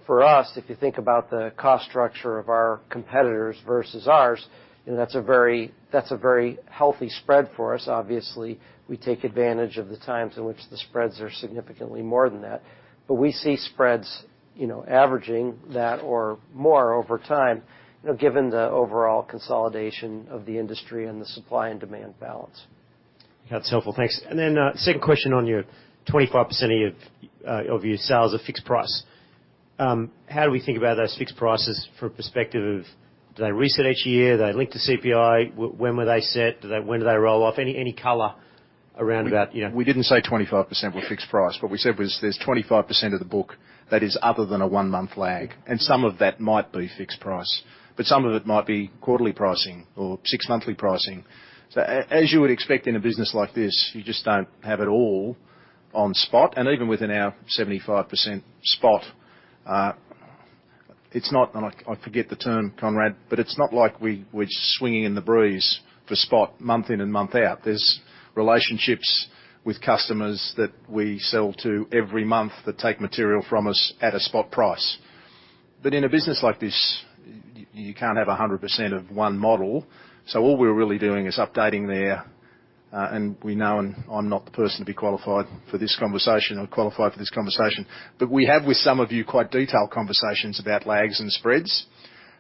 For us, if you think about the cost structure of our competitors versus ours, you know, that's a very healthy spread for us. Obviously, we take advantage of the times in which the spreads are significantly more than that. We see spreads, you know, averaging that or more over time, you know, given the overall consolidation of the industry and the supply and demand balance. That's helpful. Thanks. Second question on your 25% of your sales are fixed price. How do we think about those fixed prices from a perspective of do they reset each year? Are they linked to CPI? When were they set? When do they roll off? Any, any color around that, you know? We didn't say 25% were fixed price. What we said was there's 25% of the book that is other than a 1-month lag. Some of that might be fixed price, but some of it might be quarterly pricing or 6-monthly pricing. As you would expect in a business like this, you just don't have it all on spot. Even within our 75% spot, it's not. I forget the term, Conrad, but it's not like we're swinging in the breeze for spot month in and month out. There's relationships with customers that we sell to every month that take material from us at a spot price. In a business like this, you can't have 100% of one model. All we're really doing is updating their, and we know, and I'm not the person to be qualified for this conversation. We have, with some of you, quite detailed conversations about lags and spreads.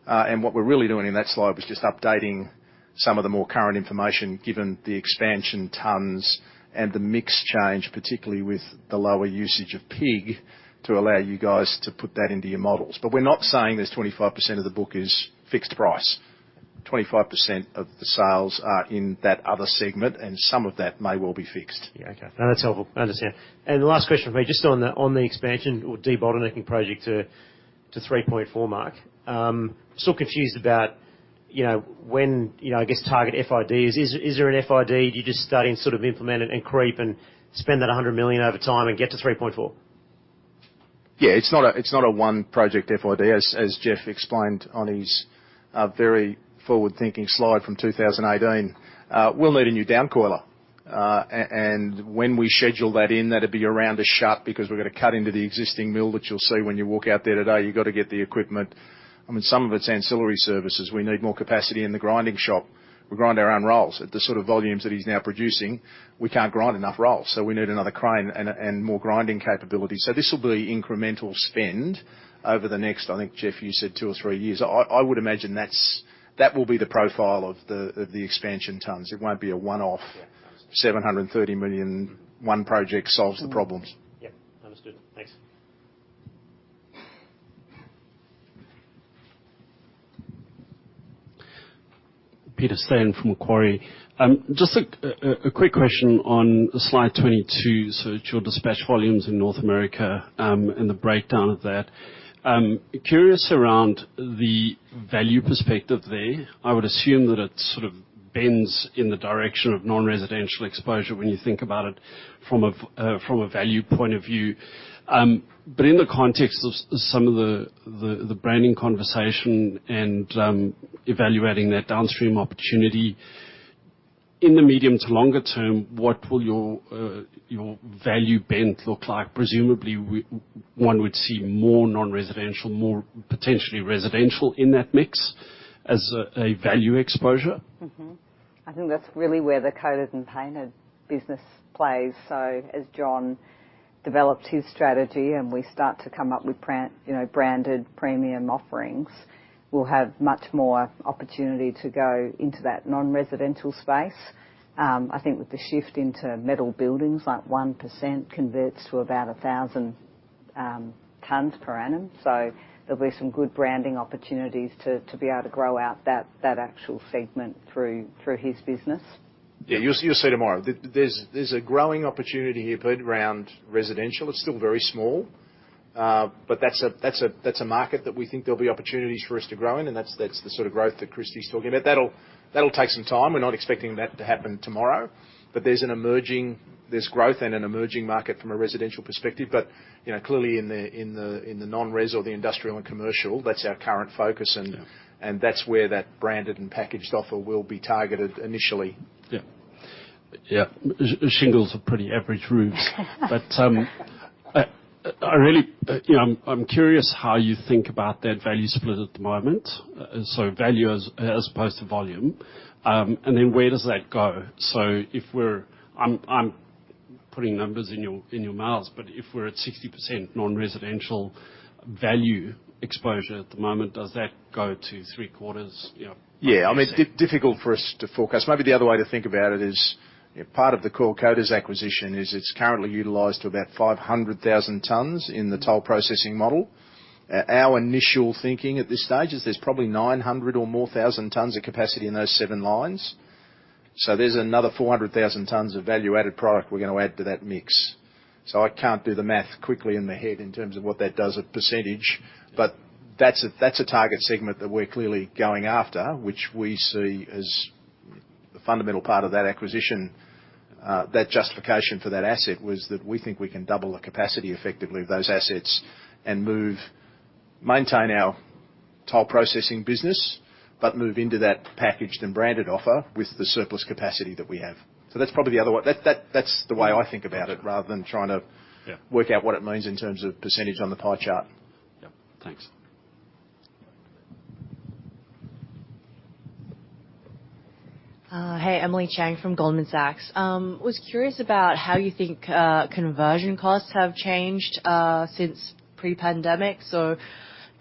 What we're really doing in that slide was just updating some of the more current information, given the expansion tons and the mix change, particularly with the lower usage of pig, to allow you guys to put that into your models. We're not saying there's 25% of the book is fixed price. 25% of the sales are in that other segment, and some of that may well be fixed. Yeah. Okay. No, that's helpful. I understand. The last question for me, just on the expansion or debottlenecking project to 3.4 mark. Still confused about, you know, when, you know, I guess target FID is. Is there an FID? Do you just start and sort of implement it and creep and spend that $100 million over time and get to 3.4? Yeah. It's not a, it's not a one project FID, as Jeff explained on his very forward-thinking slide from 2018. We'll need a new downcoiler. When we schedule that in, that'd be around a shut because we've got to cut into the existing mill that you'll see when you walk out there today. You got to get the equipment. I mean, some of it's ancillary services. We need more capacity in the grinding shop. We grind our own rolls. At the sort of volumes that he's now producing, we can't grind enough rolls, so we need another crane and more grinding capability. This will be incremental spend over the next, I think, Jeff, you said two or three years. I would imagine that will be the profile of the expansion tons. It won't be a one-off. Yeah. Understood. 730 million, one project solves the problems. Mm-hmm. Yep. Understood. Thanks. Peter Steyn from Macquarie. Just a quick question on slide 22, so your dispatch volumes in North America and the breakdown of that. Curious around the value perspective there. I would assume that it sort of bends in the direction of non-residential exposure when you think about it from a value point of view. In the context of some of the branding conversation and evaluating that downstream opportunity, in the medium to longer term, what will your value bent look like? Presumably one would see more non-residential, more potentially residential in that mix as a value exposure. I think that's really where the coated and painted business plays. As John develops his strategy and we start to come up with brand, you know, branded premium offerings, we'll have much more opportunity to go into that non-residential space. I think with the shift into metal buildings, that 1% converts to about 1,000 tons per annum. There'll be some good branding opportunities to be able to grow out that actual segment through his business. Yeah. You'll see tomorrow. There's a growing opportunity here, Pete, around residential. It's still very small, but that's a market that we think there'll be opportunities for us to grow in, and that's the sort of growth that Kristy's talking about. That'll take some time. We're not expecting that to happen tomorrow. There's growth and an emerging market from a residential perspective. You know, clearly in the non-res or the industrial and commercial, that's our current focus. Yeah. That's where that branded and packaged offer will be targeted initially. Yeah. Yeah, shingles are pretty average roofs. you know, I'm curious how you think about that value split at the moment. Value as opposed to volume. Where does that go? If we're putting numbers in your mouths, but if we're at 60% non-residential value exposure at the moment, does that go to three-quarters, you know, percent? Yeah, I mean, difficult for us to forecast. Maybe the other way to think about it is, you know, part of the Coil Coaters acquisition is it's currently utilized to about 500,000 tons in the toll processing model. Our initial thinking at this stage is there's probably 900,000 or more tons of capacity in those seven lines. There's another 400,000 tons of value-added product we're gonna add to that mix. I can't do the math quickly in the head in terms of what that does at percentage. That's a target segment that we're clearly going after, which we see as the fundamental part of that acquisition. That justification for that asset was that we think we can double the capacity effectively of those assets and maintain our toll processing business, but move into that packaged and branded offer with the surplus capacity that we have. That's probably the other way. That's the way I think about it, rather than trying to. Yeah. Work out what it means in terms of percentage on the pie chart. Yep. Thanks. Hey, Emily Chieng from Goldman Sachs. Was curious about how you think conversion costs have changed since pre-pandemic.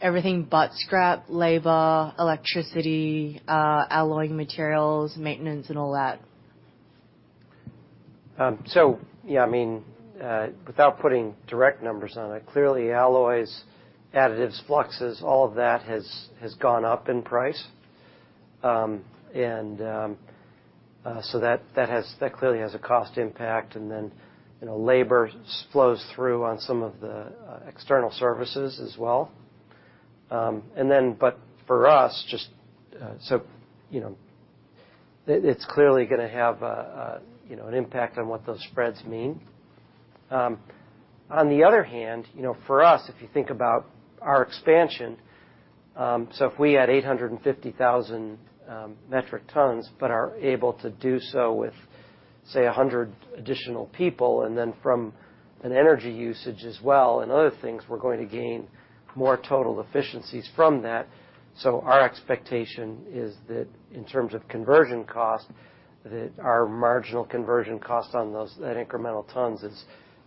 Everything but scrap, labor, electricity, alloying materials, maintenance, and all that. Yeah, I mean, without putting direct numbers on it, clearly alloys, additives, fluxes, all of that has gone up in price. That clearly has a cost impact. You know, labor flows through on some of the external services as well. But for us, just, you know, it's clearly gonna have a, you know, an impact on what those spreads mean. On the other hand, you know, for us, if you think about our expansion, if we add 850,000 metric tons but are able to do so with, say, 100 additional people, and then from an energy usage as well and other things, we're going to gain more total efficiencies from that. Our expectation is that in terms of conversion cost, that our marginal conversion cost on those, that incremental tons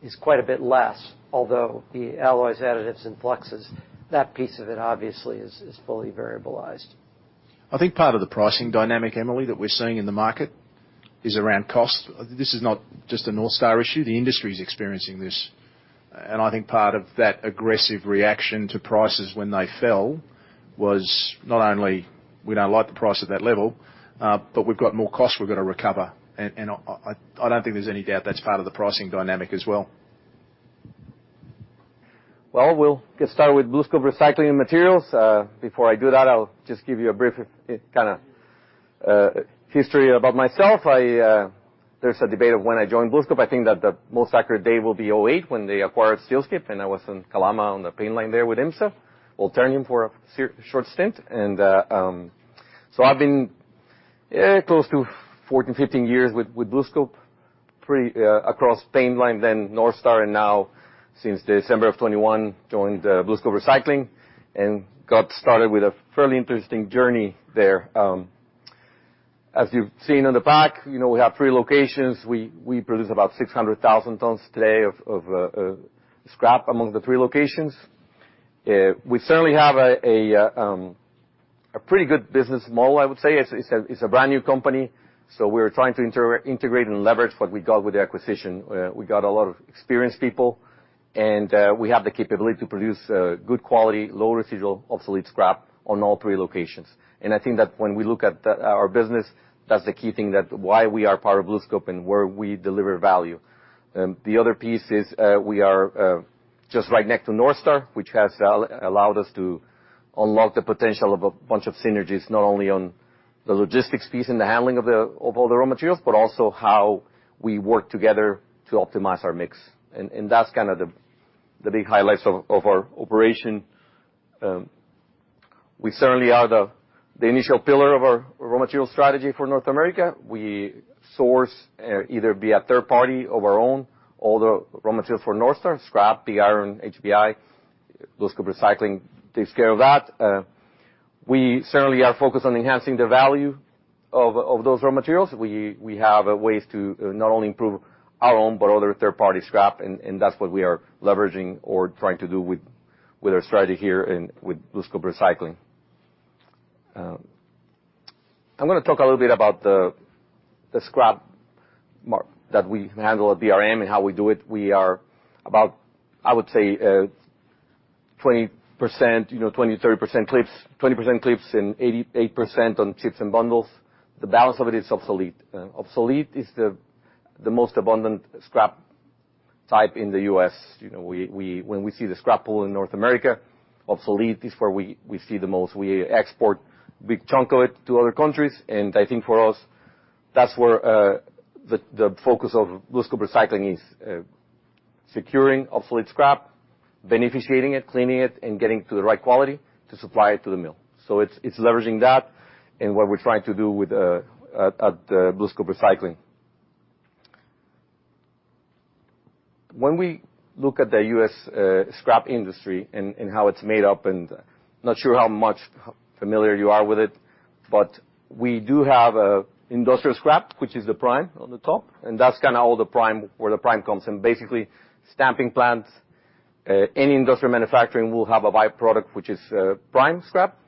is quite a bit less. Although the alloys, additives, and fluxes, that piece of it obviously is fully variabilized. I think part of the pricing dynamic, Emily, that we're seeing in the market is around cost. This is not just a North Star issue. The industry is experiencing this. I think part of that aggressive reaction to prices when they fell was not only we don't like the price at that level, but we've got more costs we've got to recover. I don't think there's any doubt that's part of the pricing dynamic as well. We'll get started with BlueScope Recycling and Materials. Before I do that, I'll just give you a brief, kinda history about myself. I, there's a debate of when I joined BlueScope. I think that the most accurate day will be 2008 when they acquired Steelscape, and I was in Kalama on the paint line there with IMSA, Ternium for a short stint. So I've been, close to 14, 15 years with BlueScope, across paint line, then North Star, and now since December of 2021, joined BlueScope Recycling and got started with a fairly interesting journey there. As you've seen on the back, you know, we have three locations. We produce about 600,000 tons today of scrap among the three locations. We certainly have a pretty good business model, I would say. It's a brand-new company, so we're trying to integrate and leverage what we got with the acquisition. We got a lot of experienced people, and we have the capability to produce good quality, low residual obsolete scrap on all three locations. I think that when we look at our business, that's the key thing that why we are part of BlueScope and where we deliver value. The other piece is, we are just right next to North Star, which has allowed us to unlock the potential of a bunch of synergies, not only on the logistics piece and the handling of all the raw materials, but also how we work together to optimize our mix. That's kinda the big highlights of our operation. We certainly are the initial pillar of our raw material strategy for North America. We source, either via third party of our own, all the raw material for North Star: scrap, PR, HBI. BlueScope Recycling takes care of that. We certainly are focused on enhancing the value of those raw materials. We have ways to not only improve our own, but other third-party scrap, and that's what we are leveraging or trying to do with our strategy here with BlueScope Recycling. I'm gonna talk a little bit about the scrap that we handle at BRM and how we do it. We are about, I would say, 20%, you know, 20-30% clips, 20% clips and 88% on chips and bundles. The balance of it is obsolete. Obsolete is the most abundant scrap type in the U.S. You know, when we see the scrap pool in North America, obsolete is where we see the most. We export big chunk of it to other countries. I think for us, that's where the focus of BlueScope Recycling is, securing obsolete scrap, beneficiating it, cleaning it, and getting to the right quality to supply it to the mill. It's leveraging that in what we're trying to do with at BlueScope Recycling. When we look at the U.S. scrap industry and how it's made up and not sure how much familiar you are with it, but we do have an industrial scrap, which is the prime on the top. That's kind of all the prime, where the prime comes in. Basically, stamping plants, any industrial manufacturing will have a byproduct, which is prime scrap.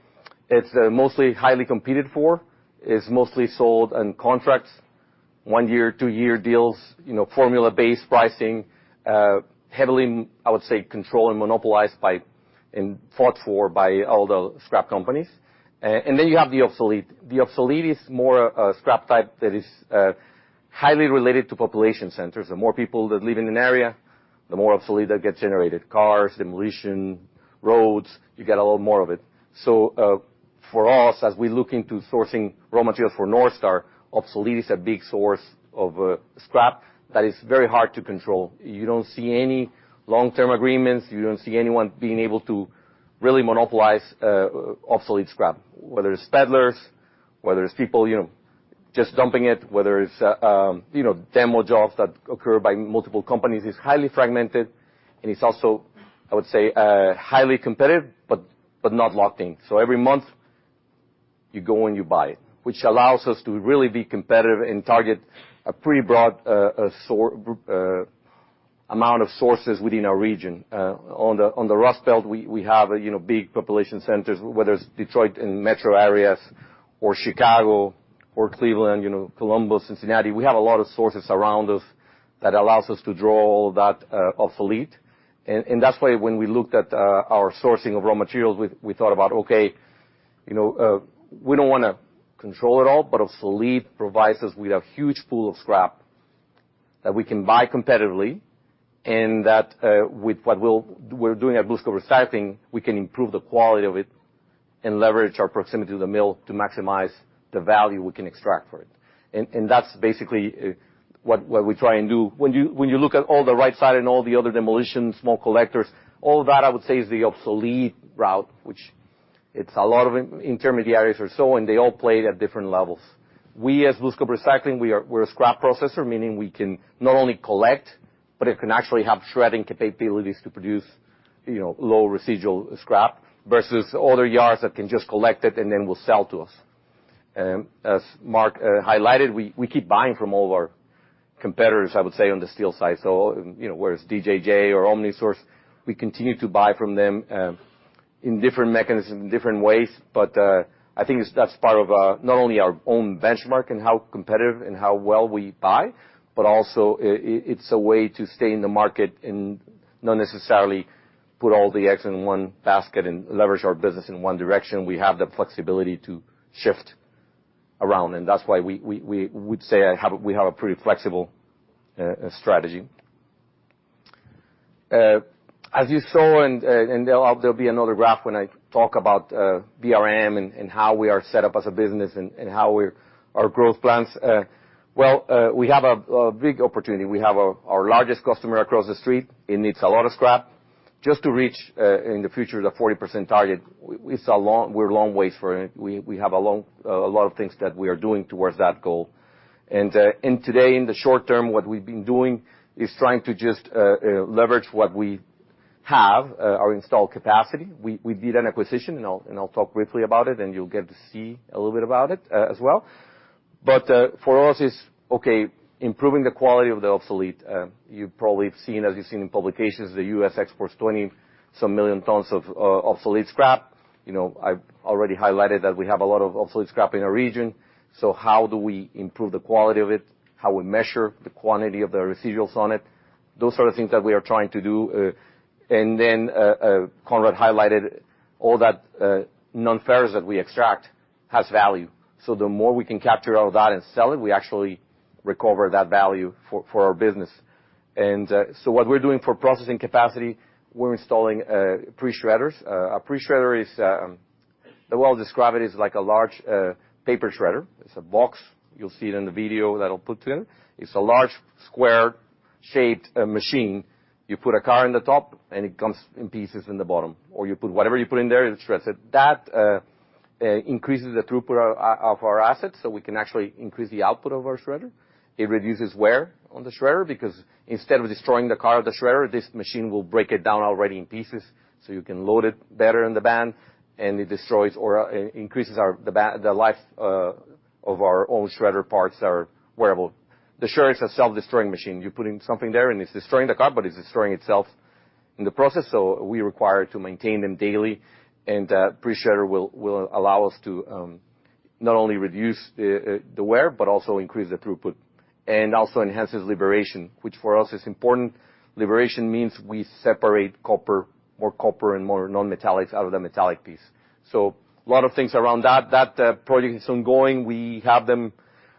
It's mostly highly competed for. It's mostly sold in contracts, one year, two year deals, you know, formula-based pricing, heavily in, I would say, controlled and monopolized by and fought for by all the scrap companies. Then you have the obsolete. The obsolete is more a scrap type that is highly related to population centers. The more people that live in an area, the more obsolete that gets generated. Cars, demolition, roads, you get a little more of it. For us, as we look into sourcing raw materials for North Star, obsolete is a big source of scrap that is very hard to control. You don't see any long-term agreements. You don't see anyone being able to really monopolize obsolete scrap, whether it's peddlers, whether it's people, you know, just dumping it, whether it's, you know, demo jobs that occur by multiple companies. It's highly fragmented, and it's also, I would say, highly competitive, but not locked in. Every month you go and you buy, which allows us to really be competitive and target a pretty broad amount of sources within our region. On the Rust Belt, we have, you know, big population centers, whether it's Detroit in metro areas or Chicago or Cleveland, you know, Columbus, Cincinnati, we have a lot of sources around us that allows us to draw all that obsolete. That's why when we looked at our sourcing of raw materials, we thought about, okay, you know, we don't wanna control it all, but obsolete provides us with a huge pool of scrap that we can buy competitively and that with what we're doing at BlueScope Recycling, we can improve the quality of it and leverage our proximity to the mill to maximize the value we can extract for it. That's basically what we try and do. When you look at all the right side and all the other demolitions, small collectors, all that I would say is the obsolete route, which it's a lot of intermediaries or so, and they all play it at different levels. We as BlueScope Recycling, we're a scrap processor, meaning we can not only collect, but it can actually have shredding capabilities to produce, you know, low residual scrap versus other yards that can just collect it and then will sell to us. As Mark highlighted, we keep buying from all of our competitors, I would say, on the steel side. You know, whereas DJJ or OmniSource, we continue to buy from them in different mechanisms, in different ways, I think it's that's part of not only our own benchmark and how competitive and how well we buy, but also it's a way to stay in the market and not necessarily put all the eggs in one basket and leverage our business in one direction. We have the flexibility to shift around, and that's why we'd say we have a pretty flexible strategy. As you saw, and there'll be another graph when I talk about BRM and how we are set up as a business and how our growth plans. Well, we have a big opportunity. We have our largest customer across the street. It needs a lot of scrap. Just to reach in the future the 40% target, we're a long ways for it. We have a lot of things that we are doing towards that goal. Today, in the short term, what we've been doing is trying to just leverage what we have, our installed capacity. We did an acquisition, and I'll talk briefly about it, and you'll get to see a little bit about it as well. For us it's okay, improving the quality of the obsolete. You've probably seen, as you've seen in publications, the U.S. exports 20 some million tons of obsolete scrap. You know, I've already highlighted that we have a lot of obsolete scrap in our region. How do we improve the quality of it, how we measure the quantity of the residuals on it? Those are the things that we are trying to do. Conrad highlighted all that non-ferrous that we extract has value. The more we can capture all that and sell it, we actually recover that value for our business. What we're doing for processing capacity, we're installing pre-shredders. A pre-shredder is, the way I'll describe it is like a large paper shredder. It's a box. You'll see it in the video that I'll put in. It's a large square-shaped machine. You put a car in the top, and it comes in pieces in the bottom. Or you put, whatever you put in there, it shreds it. That increases the throughput of our assets, so we can actually increase the output of our shredder. It reduces wear on the shredder because instead of destroying the car of the shredder, this machine will break it down already in pieces, so you can load it better in the band, and it destroys or increases our the life of our own shredder parts that are wearable. The shredder is a self-destroying machine. You put in something there, and it's destroying the car, but it's destroying itself in the process, so we require to maintain them daily. The pre-shredder will allow us to not only reduce the wear but also increase the throughput and also enhances liberation, which for us is important. Liberation means we separate copper, more copper and more non-metallics out of the metallic piece. A lot of things around that. That project is ongoing. We have them,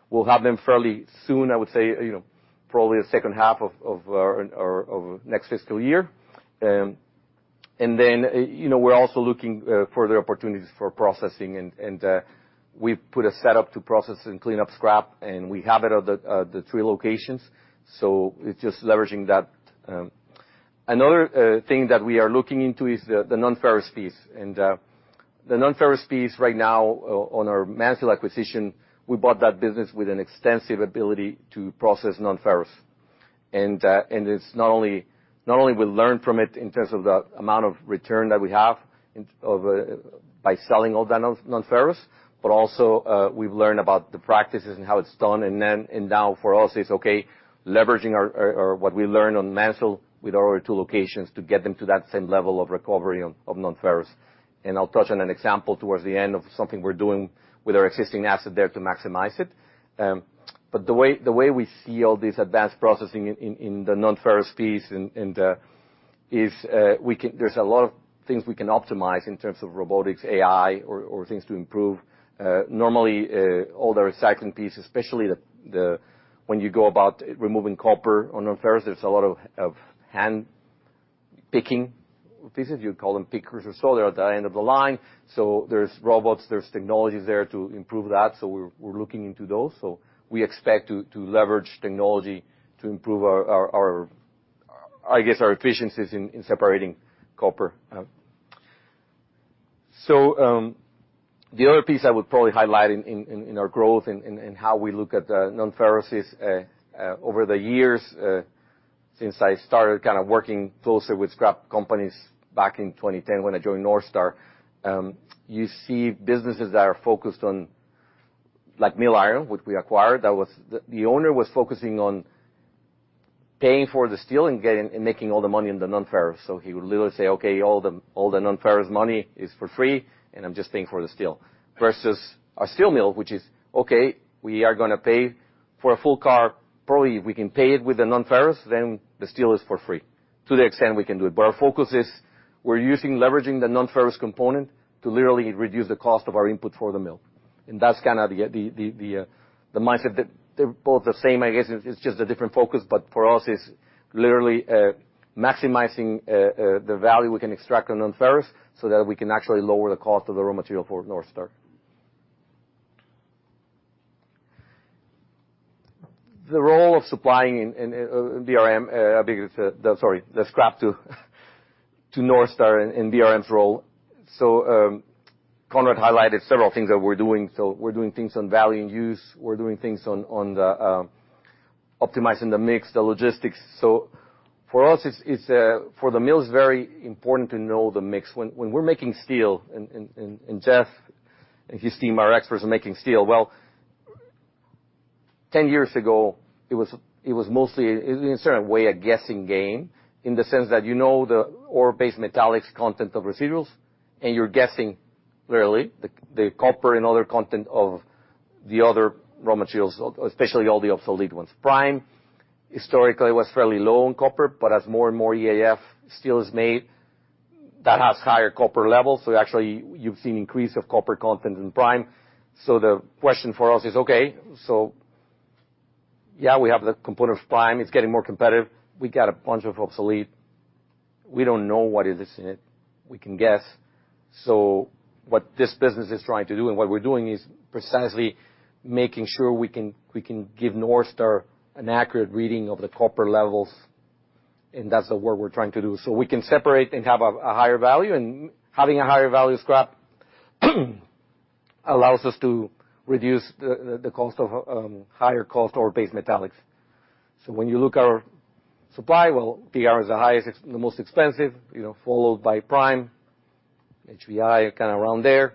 we'll have them fairly soon, I would say, you know, probably the second half of our, or next fiscal year. Then, you know, we're also looking further opportunities for processing and we've put a setup to process and clean up scrap, and we have it at the three locations. It's just leveraging that. Another thing that we are looking into is the nonferrous piece. The nonferrous piece right now on our Mansell acquisition, we bought that business with an extensive ability to process nonferrous. It's not only we learn from it in terms of the amount of return that we have of by selling all that nonferrous, but also, we've learned about the practices and how it's done. Now for us, it's okay, leveraging what we learned on Mansell with our two locations to get them to that same level of recovery of nonferrous. I'll touch on an example towards the end of something we're doing with our existing asset there to maximize it. The way we see all this advanced processing in the nonferrous piece and is there's a lot of things we can optimize in terms of robotics, AI, or things to improve. Normally, all the recycling piece, especially the when you go about removing copper on nonferrous, there's a lot of hand picking pieces. You call them pickers or so. They're at the end of the line. There's robots, there's technologies there to improve that. We're looking into those. We expect to leverage technology to improve our I guess, our efficiencies in separating copper. The other piece I would probably highlight in our growth and how we look at nonferrous is over the years, since I started kind of working closer with scrap companies back in 2010 when I joined North Star, you see businesses that are focused on like Mill Iron, which we acquired, that was the owner was focusing on paying for the steel and getting and making all the money in the nonferrous. He would literally say, "Okay, all the nonferrous money is for free, and I'm just paying for the steel." Versus a steel mill, which is, okay, we are going to pay for a full car. Probably, we can pay it with a nonferrous, then the steel is for free to the extent we can do it. Our focus is we're using leveraging the nonferrous component to literally reduce the cost of our input for the mill. That's kinda the mindset that they're both the same. I guess it's just a different focus. For us, it's literally maximizing the value we can extract on nonferrous so that we can actually lower the cost of the raw material for North Star. The role of supplying scrap to North Star and BRM's role. Conrad highlighted several things that we're doing. We're doing things on value-in-use. We're doing things on optimizing the mix, the logistics. For us, it's for the mill, it's very important to know the mix. When we're making steel, and Jeff and his team are experts in making steel. 10 years ago, it was mostly, in a certain way, a guessing game, in the sense that you know the ore-based metallics content of residuals, and you're guessing literally the copper and other content of the other raw materials, especially all the obsolete ones. Prime, historically, was fairly low on copper, but as more and more EAF steel is made, that has higher copper levels. Actually you've seen increase of copper content in prime. We got a bunch of obsolete. We don't know what is this in it. We can guess. What this business is trying to do and what we're doing is precisely making sure we can give North Star an accurate reading of the copper levels, and that's the work we're trying to do. We can separate and have a higher value, and having a higher value scrap allows us to reduce the cost of higher cost ore-based metallics. When you look our supply, well, PR is the highest, it's the most expensive, you know, followed by prime. HBI are kinda around there.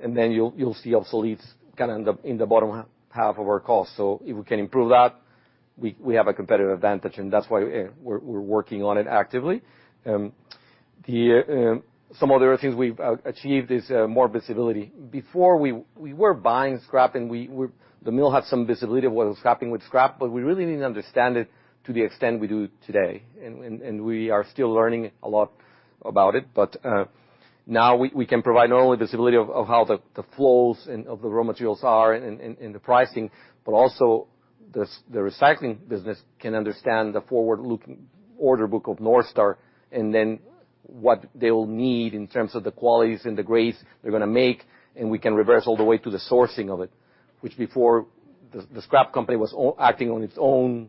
And then you'll see obsoletes kinda in the bottom half of our cost. If we can improve that, we have a competitive advantage, and that's why we're working on it actively. The some other things we've achieved is more visibility. Before we were buying scrap, and we the mill had some visibility of what was scrapping with scrap, but we really didn't understand it to the extent we do today. We are still learning a lot about it. Now we can provide not only visibility of how the flows and of the raw materials are and the pricing, but also the recycling business can understand the forward-looking order book of North Star, and then what they will need in terms of the qualities and the grades they're gonna make, and we can reverse all the way to the sourcing of it, which before the scrap company was acting on its own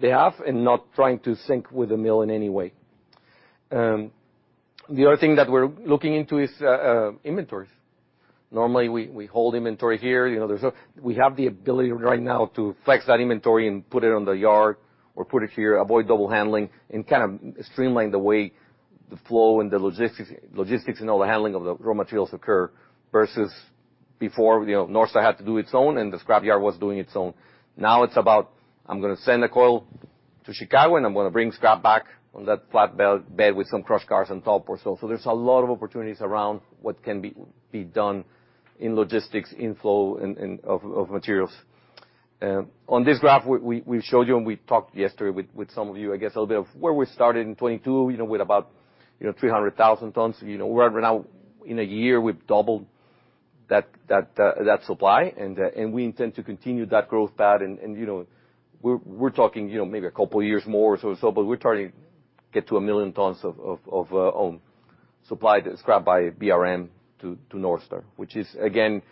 behalf and not trying to sync with the mill in any way. The other thing that we're looking into is inventories. Normally, we hold inventory here, you know, we have the ability right now to flex that inventory and put it on the yard or put it here, avoid double handling, and kind of streamline the way the flow and the logistics and all the handling of the raw materials occur versus before, you know, North Star had to do its own, and the scrap yard was doing its own. Now it's about, I'm gonna send a coil to Chicago, and I'm gonna bring scrap back on that flat bed with some crushed cars on top or so. There's a lot of opportunities around what can be done in logistics, in flow and of materials. On this graph, we showed you, and we talked yesterday with some of you, I guess, a little bit of where we started in 2022, you know, with about, you know, 300,000 tons. You know, we're now in a year, we've doubled that supply. We intend to continue that growth path. You know, we're talking, you know, maybe a couple of years more or so, we're trying to get to 1 million tons of own supply scrap by BRM to North Star. Again,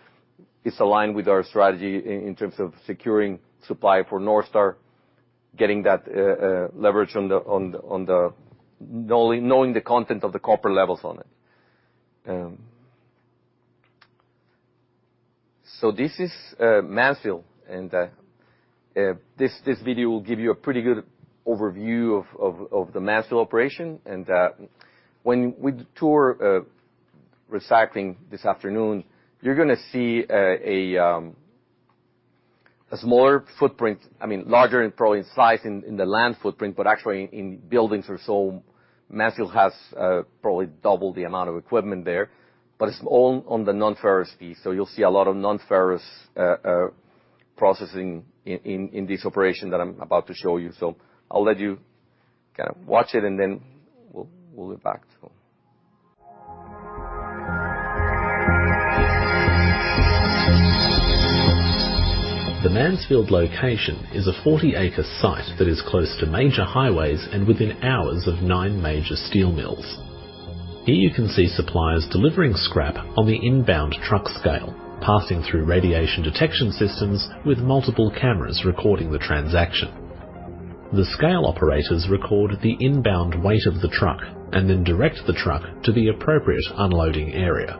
it's aligned with our strategy in terms of securing supply for North Star, getting that leverage on the knowing the content of the copper levels on it. This is Mansfield. This video will give you a pretty good overview of the Mansfield operation. When we tour recycling this afternoon, you're gonna see a smaller footprint. I mean, larger and probably in size in the land footprint, but actually in buildings or so Mansfield has probably double the amount of equipment there. It's all on the non-ferrous piece. You'll see a lot of non-ferrous processing in this operation that I'm about to show you. I'll let you kind of watch it, and then we'll get back to. The Mansfield location is a 40-acre site that is close to major highways and within hours of nine major steel mills. Here you can see suppliers delivering scrap on the inbound truck scale, passing through radiation detection systems with multiple cameras recording the transaction. The scale operators record the inbound weight of the truck and then direct the truck to the appropriate unloading area.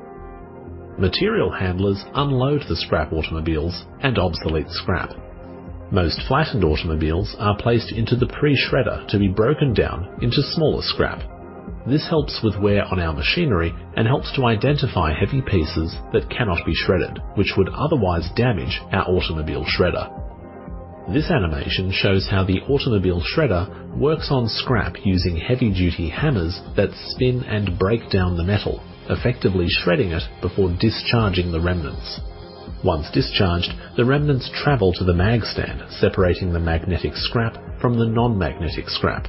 Material handlers unload the scrap automobiles and obsolete scrap. Most flattened automobiles are placed into the pre-shredder to be broken down into smaller scrap. This helps with wear on our machinery and helps to identify heavy pieces that cannot be shredded, which would otherwise damage our automobile shredder. This animation shows how the automobile shredder works on scrap using heavy-duty hammers that spin and break down the metal, effectively shredding it before discharging the remnants. Once discharged, the remnants travel to the magstand, separating the magnetic scrap from the non-magnetic scrap.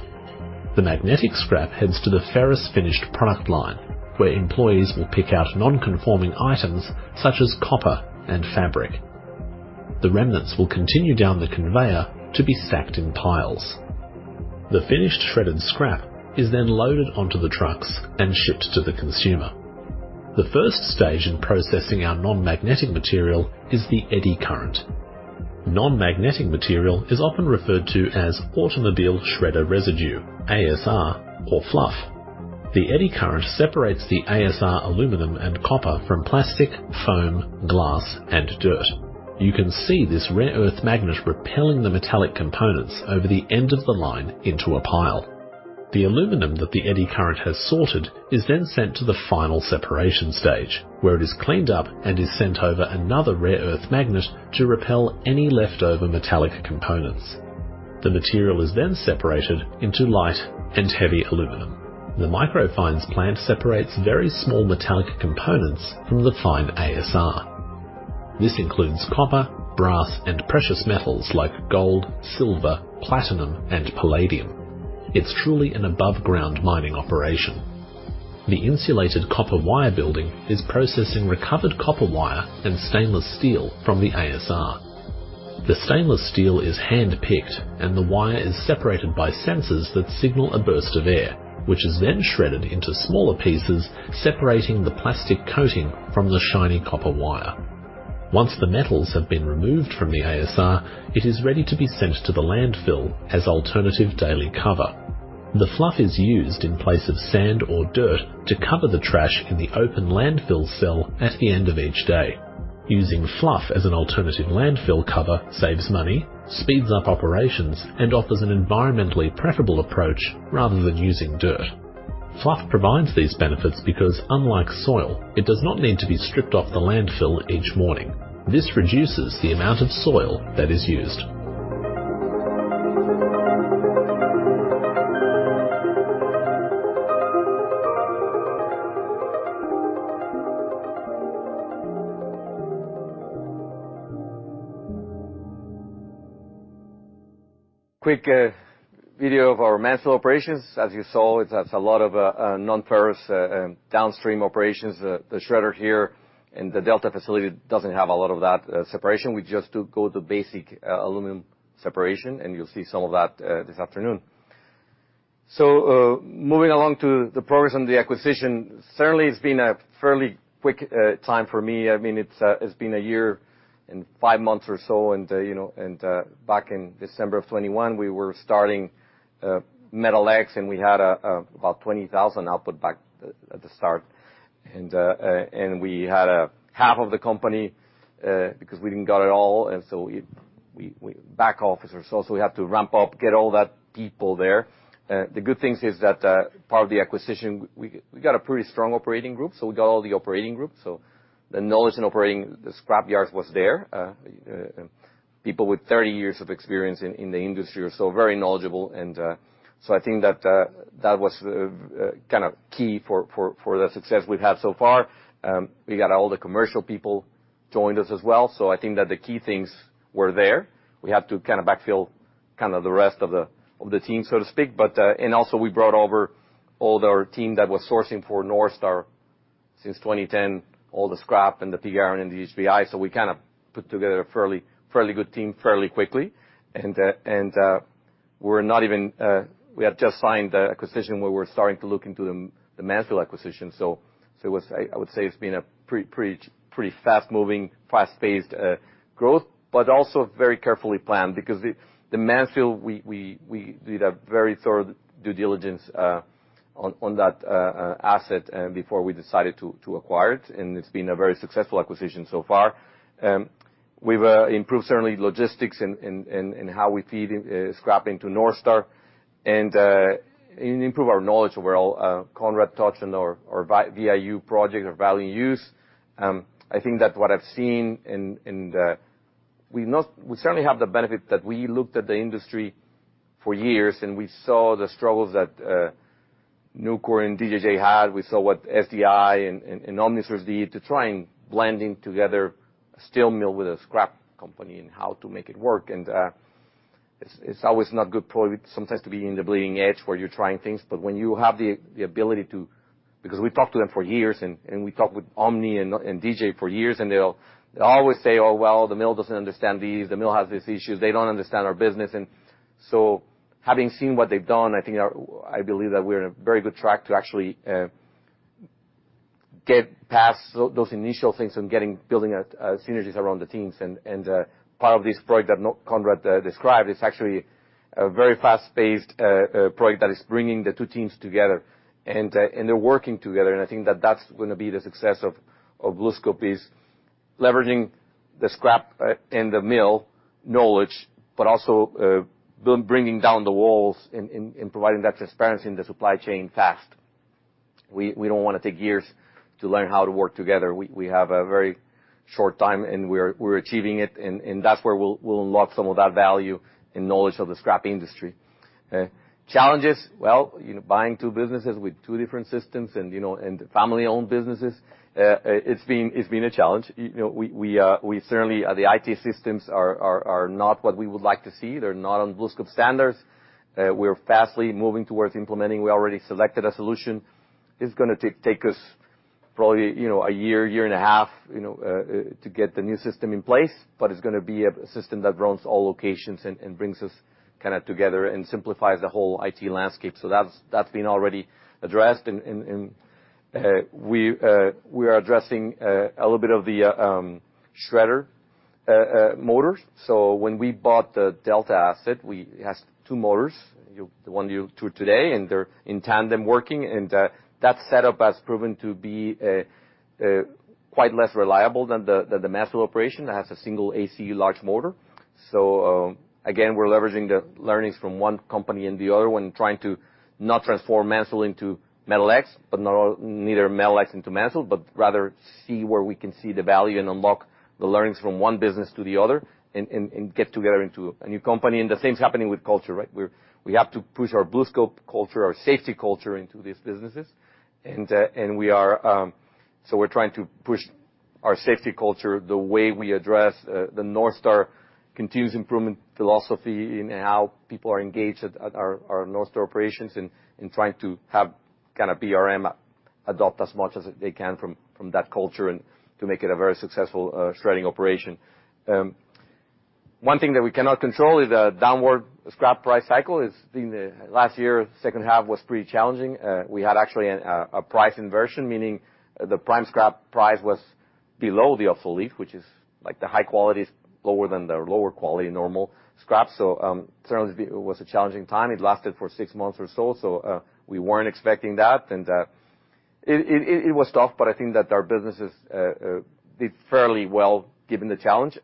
The magnetic scrap heads to the ferrous finished product line, where employees will pick out non-conforming items such as copper and fabric. The remnants will continue down the conveyor to be stacked in piles. The finished shredded scrap is then loaded onto the trucks and shipped to the consumer. The first stage in processing our non-magnetic material is the eddy current. Non-magnetic material is often referred to as automobile shredder residue, ASR or fluff. The eddy current separates the ASR aluminum and copper from plastic, foam, glass, and dirt. You can see this rare earth magnet repelling the metallic components over the end of the line into a pile. The aluminum that the eddy current has sorted is then sent to the final separation stage, where it is cleaned up and is sent over another rare earth magnet to repel any leftover metallic components. The material is then separated into light and heavy aluminum. The micro fines plant separates very small metallic components from the fine ASR. This includes copper, brass, and precious metals like gold, silver, platinum, and palladium. It's truly an above-ground mining operation. The insulated copper wire building is processing recovered copper wire and stainless steel from the ASR. The stainless steel is handpicked, and the wire is separated by sensors that signal a burst of air, which is then shredded into smaller pieces, separating the plastic coating from the shiny copper wire. Once the metals have been removed from the ASR, it is ready to be sent to the landfill as alternative daily cover. The fluff is used in place of sand or dirt to cover the trash in the open landfill cell at the end of each day. Using fluff as an alternative landfill cover saves money, speeds up operations, and offers an environmentally preferable approach rather than using dirt. Fluff provides these benefits because, unlike soil, it does not need to be stripped off the landfill each morning. This reduces the amount of soil that is used. Quick video of our Mansfield operations. As you saw, it has a lot of non-ferrous downstream operations. The shredder here in the Delta facility doesn't have a lot of that separation. We just do go the basic aluminum separation, and you'll see some of that this afternoon. Moving along to the progress on the acquisition. Certainly, it's been a fairly quick time for me. I mean, it's been a year and five months or so and, you know, back in December of 2021, we were starting MetalX, and we had about 20,000 output back at the start. We had half of the company because we didn't got it all. We back office or so, we have to ramp up, get all that people there. The good things is that part of the acquisition, we got a pretty strong operating group. We got all the operating group. The knowledge in operating the scrap yards was there. People with 30 years of experience in the industry or so, very knowledgeable and. I think that that was kind of key for the success we've had so far. We got all the commercial people joined us as well. I think that the key things were there. We have to Kind of the rest of the, of the team, so to speak. Also we brought over all their team that was sourcing for North Star since 2010, all the scrap and the pig iron and the HBI. We kind of put together a fairly good team fairly quickly. We're not even, we have just signed the acquisition where we're starting to look into the Mansfield acquisition. I would say it's been a pretty fast-moving, fast-paced growth, but also very carefully planned because the Mansfield, we did a very thorough due diligence on that asset before we decided to acquire it. It's been a very successful acquisition so far. We've improved certainly logistics in how we feed scrap into North Star and improve our knowledge where Conrad touched on our VIU project, our value-in-use. I think that what I've seen in we certainly have the benefit that we looked at the industry for years, we saw the struggles that Nucor and DJJ had. We saw what SDI and OmniSource did to try and blending together a steel mill with a scrap company and how to make it work. It's always not good probably sometimes to be in the bleeding edge, where you're trying things. When you have the ability to... We've talked to them for years, and we talked with Omni and DJ for years, and they'll always say, "Oh, well, the mill doesn't understand these. The mill has these issues. They don't understand our business." Having seen what they've done, I believe that we're in a very good track to actually get past those initial things and building synergies around the teams. Part of this project that Conrad described is actually a very fast-paced project that is bringing the two teams together, and they're working together. I think that that's gonna be the success of BlueScope, is leveraging the scrap and the mill knowledge, but also bringing down the walls and providing that transparency in the supply chain fast. We don't wanna take years to learn how to work together. We have a very short time, and we're achieving it, and that's where we'll unlock some of that value and knowledge of the scrap industry. Challenges, well, you know, buying two businesses with two different systems and, you know, and family-owned businesses, it's been a challenge. You know, we certainly, the IT systems are not what we would like to see. They're not on BlueScope standards. We're fastly moving towards implementing. We already selected a solution. It's gonna take us probably, you know, a year and a half, you know, to get the new system in place, but it's gonna be a system that runs all locations and brings us kinda together and simplifies the whole IT landscape. That's been already addressed. We are addressing a little bit of the shredder motors. When we bought the Delta asset, it has two motors, the one you toured today, and they're in tandem working. That setup has proven to be quite less reliable than the Mansfield operation that has a single AC large motor. Again, we're leveraging the learnings from one company and the other one, trying to not transform Mansfield into MetalX, but neither MetalX into Mansfield, but rather see where we can see the value and unlock the learnings from one business to the other and get together into a new company. The same's happening with culture, right? We have to push our BlueScope culture, our safety culture into these businesses. And we are, we're trying to push our safety culture, the way we address the North Star continuous improvement philosophy in how people are engaged at our North Star operations in trying to have kinda BRM adopt as much as they can from that culture and to make it a very successful shredding operation. One thing that we cannot control is the downward scrap price cycle is in the last year. Second half was pretty challenging. We had actually a price inversion, meaning the prime scrap price was below the obsolete, which is like the high quality is lower than the lower quality normal scrap. Certainly it was a challenging time. It lasted for six months or so. We weren't expecting that. It was tough, but I think that our businesses did fairly well given the challenge.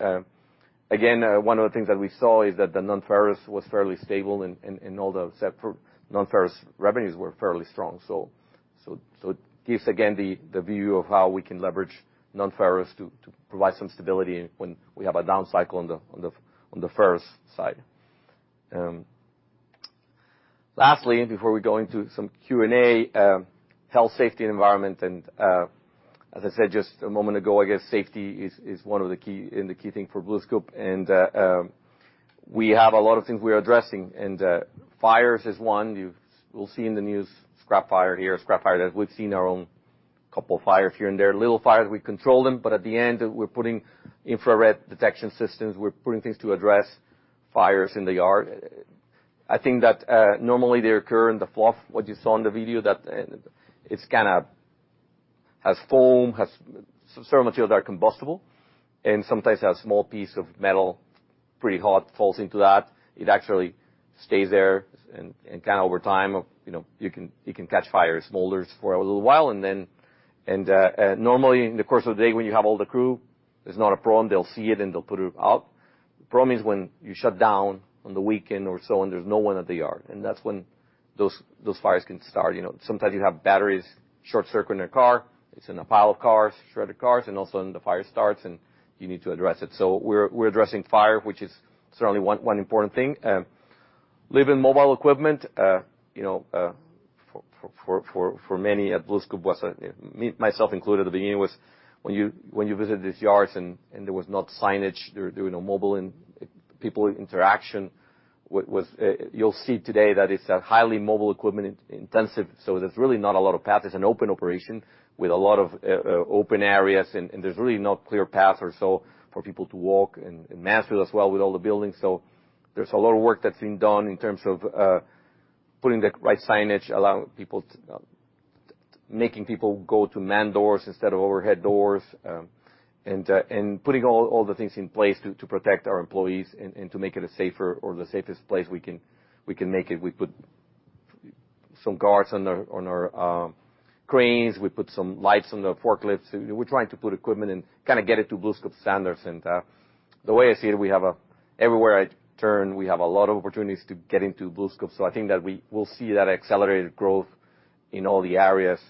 Again, one of the things that we saw is that the non-ferrous was fairly stable and all the set for non-ferrous revenues were fairly strong. it gives again the view of how we can leverage non-ferrous to provide some stability when we have a down cycle on the ferrous side. Lastly, before we go into some Q&A, health, safety, and environment, as I said just a moment ago, I guess safety is one of the key and the key thing for BlueScope. We have a lot of things we are addressing, fires is one. You'll see in the news, scrap fire here, scrap fire there. We've seen our own couple of fires here and there. Little fires, we control them, but at the end, we're putting infrared detection systems, we're putting things to address fires in the yard. I think that, normally they occur in the fluff, what you saw in the video, that it's kinda has foam, has some materials are combustible, and sometimes a small piece of metal, pretty hot, falls into that. It actually stays there and kinda over time, you know, you can catch fire, smolders for a little while, and then, normally in the course of the day, when you have all the crew, it's not a problem. They'll see it, and they'll put it out. The problem is when you shut down on the weekend or so on, there's no one at the yard, and that's when those fires can start. You know, sometimes you have batteries short circuit in a car. It's in a pile of cars, shredded cars, and all of a sudden the fire starts, and you need to address it. We're addressing fire, which is certainly one important thing. Live in mobile equipment, you know, for many at BlueScope. Me, myself included at the beginning was when you visit these yards and there was not signage. There were no mobile people interaction. You'll see today that it's a highly mobile equipment-intensive, there's really not a lot of path. There's an open operation with a lot of open areas, and there's really no clear path or so for people to walk in Mansfield as well with all the buildings. There's a lot of work that's being done in terms of putting the right signage, allowing people to making people go to man doors instead of overhead doors, and putting all the things in place to protect our employees and to make it a safer or the safest place we can make it. We put some guards on our cranes. We put some lights on the forklifts. We're trying to put equipment and kind of get it to BlueScope standards. The way I see it, everywhere I turn, we have a lot of opportunities to get into BlueScope. I think that we will see that accelerated growth in all the areas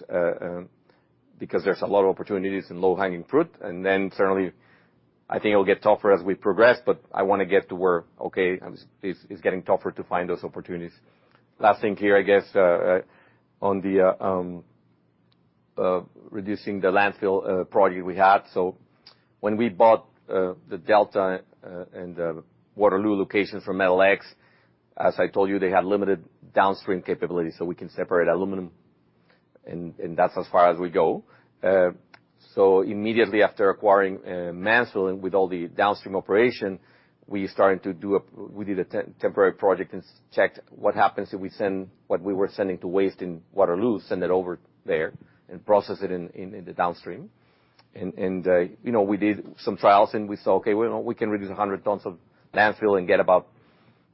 because there's a lot of opportunities and low-hanging fruit. Certainly, I think it will get tougher as we progress, but I wanna get to where, okay, it's getting tougher to find those opportunities. Last thing here, I guess, on the reducing the landfill project we had. When we bought the Delta and the Waterloo location from MetalX, as I told you, they had limited downstream capability, so we can separate aluminum and that's as far as we go. Immediately after acquiring Mansfield with all the downstream operation, we did a temporary project and checked what happens if we send what we were sending to waste in Waterloo, send it over there and process it in the downstream. You know, we did some trials, and we saw, okay, well, we can reduce 100 tons of landfill and get about,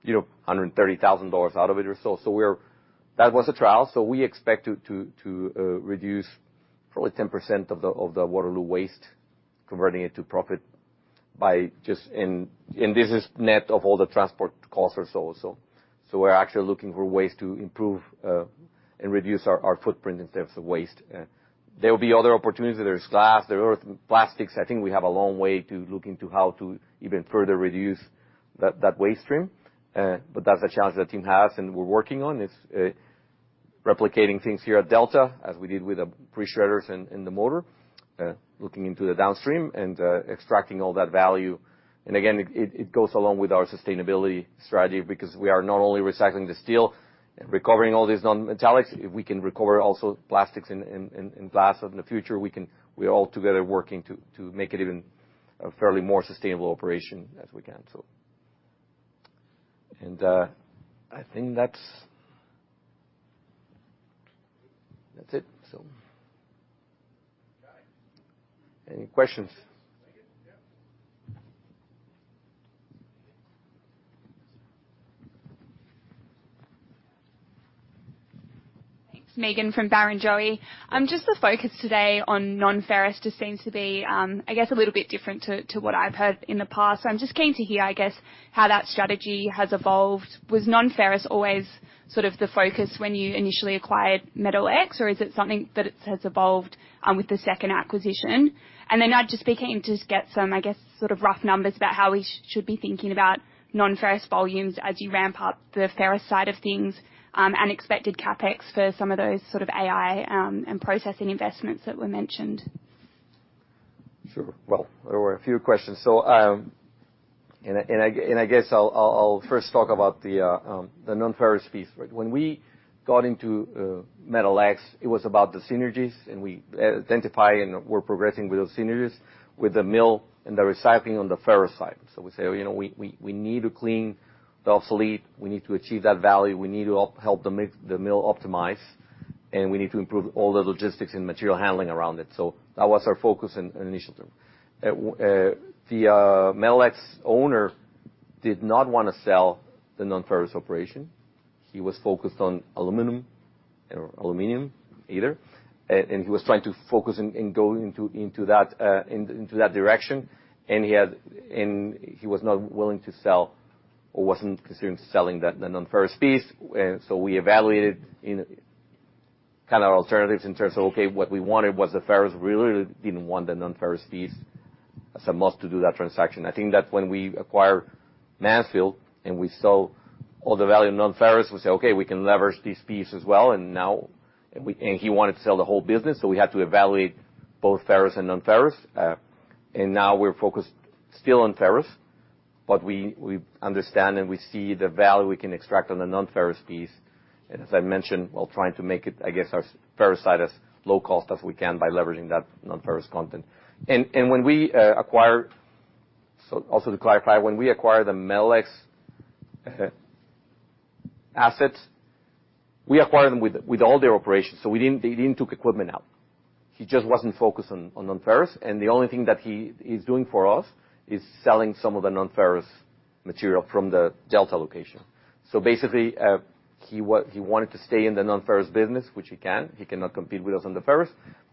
you know, $130,000 out of it or so. That was a trial, so we expect to reduce probably 10% of the Waterloo waste, converting it to profit by just... This is net of all the transport costs or so. We're actually looking for ways to improve and reduce our footprint in terms of waste. There will be other opportunities. There's glass, there are plastics. I think we have a long way to look into how to even further reduce that waste stream. That's a challenge the team has and we're working on. It's replicating things here at Delta, as we did with the pre-shredders in the motor, looking into the downstream and extracting all that value. Again, it goes along with our sustainability strategy because we are not only recycling the steel, recovering all these non-metallics. If we can recover also plastics and glass in the future, we all together working to make it even a fairly more sustainable operation as we can. I think that's... That's it. Okay. Any questions? Megan, yeah. Thanks. Megan from Barrenjoey. Just the focus today on non-ferrous just seems to be, I guess, a little bit different to what I've heard in the past. I'm just keen to hear, I guess, how that strategy has evolved. Was non-ferrous always sort of the focus when you initially acquired MetalX, or is it something that it has evolved with the second acquisition? I'd just be keen to just get some, I guess, sort of rough numbers about how we should be thinking about non-ferrous volumes as you ramp up the ferrous side of things, and expected CapEx for some of those sort of AI, and processing investments that were mentioned. Sure. Well, there were a few questions. I guess I'll first talk about the non-ferrous piece, right? When we got into MetalX, it was about the synergies, and we identify and we're progressing with those synergies with the mill and the recycling on the ferrous side. We say, you know, we need to clean the obsolete, we need to achieve that value, we need to help the mill optimize, and we need to improve all the logistics and material handling around it. That was our focus in initial term. The MetalX owner did not wanna sell the non-ferrous operation. He was focused on aluminum or aluminium, either. He was trying to focus in going into that direction. He was not willing to sell or wasn't considering selling the non-ferrous piece. So we evaluated kinda alternatives in terms of, okay, what we wanted was the ferrous. We really didn't want the non-ferrous piece as a must to do that transaction. I think that's when we acquired Mansell, and we saw all the value of non-ferrous. We say, "Okay, we can leverage this piece as well." He wanted to sell the whole business, so we had to evaluate both ferrous and non-ferrous. Now we're focused still on ferrous, but we understand, and we see the value we can extract on the non-ferrous piece. As I mentioned, while trying to make it, I guess, our ferrous side as low cost as we can by leveraging that non-ferrous content. When we acquire the MetalX assets, we acquired them with all their operations. We didn't, they didn't took equipment out. He just wasn't focused on non-ferrous, and the only thing that he is doing for us is selling some of the non-ferrous material from the Delta location. Basically, he wanted to stay in the non-ferrous business, which he can. He cannot compete with us on the ferrous,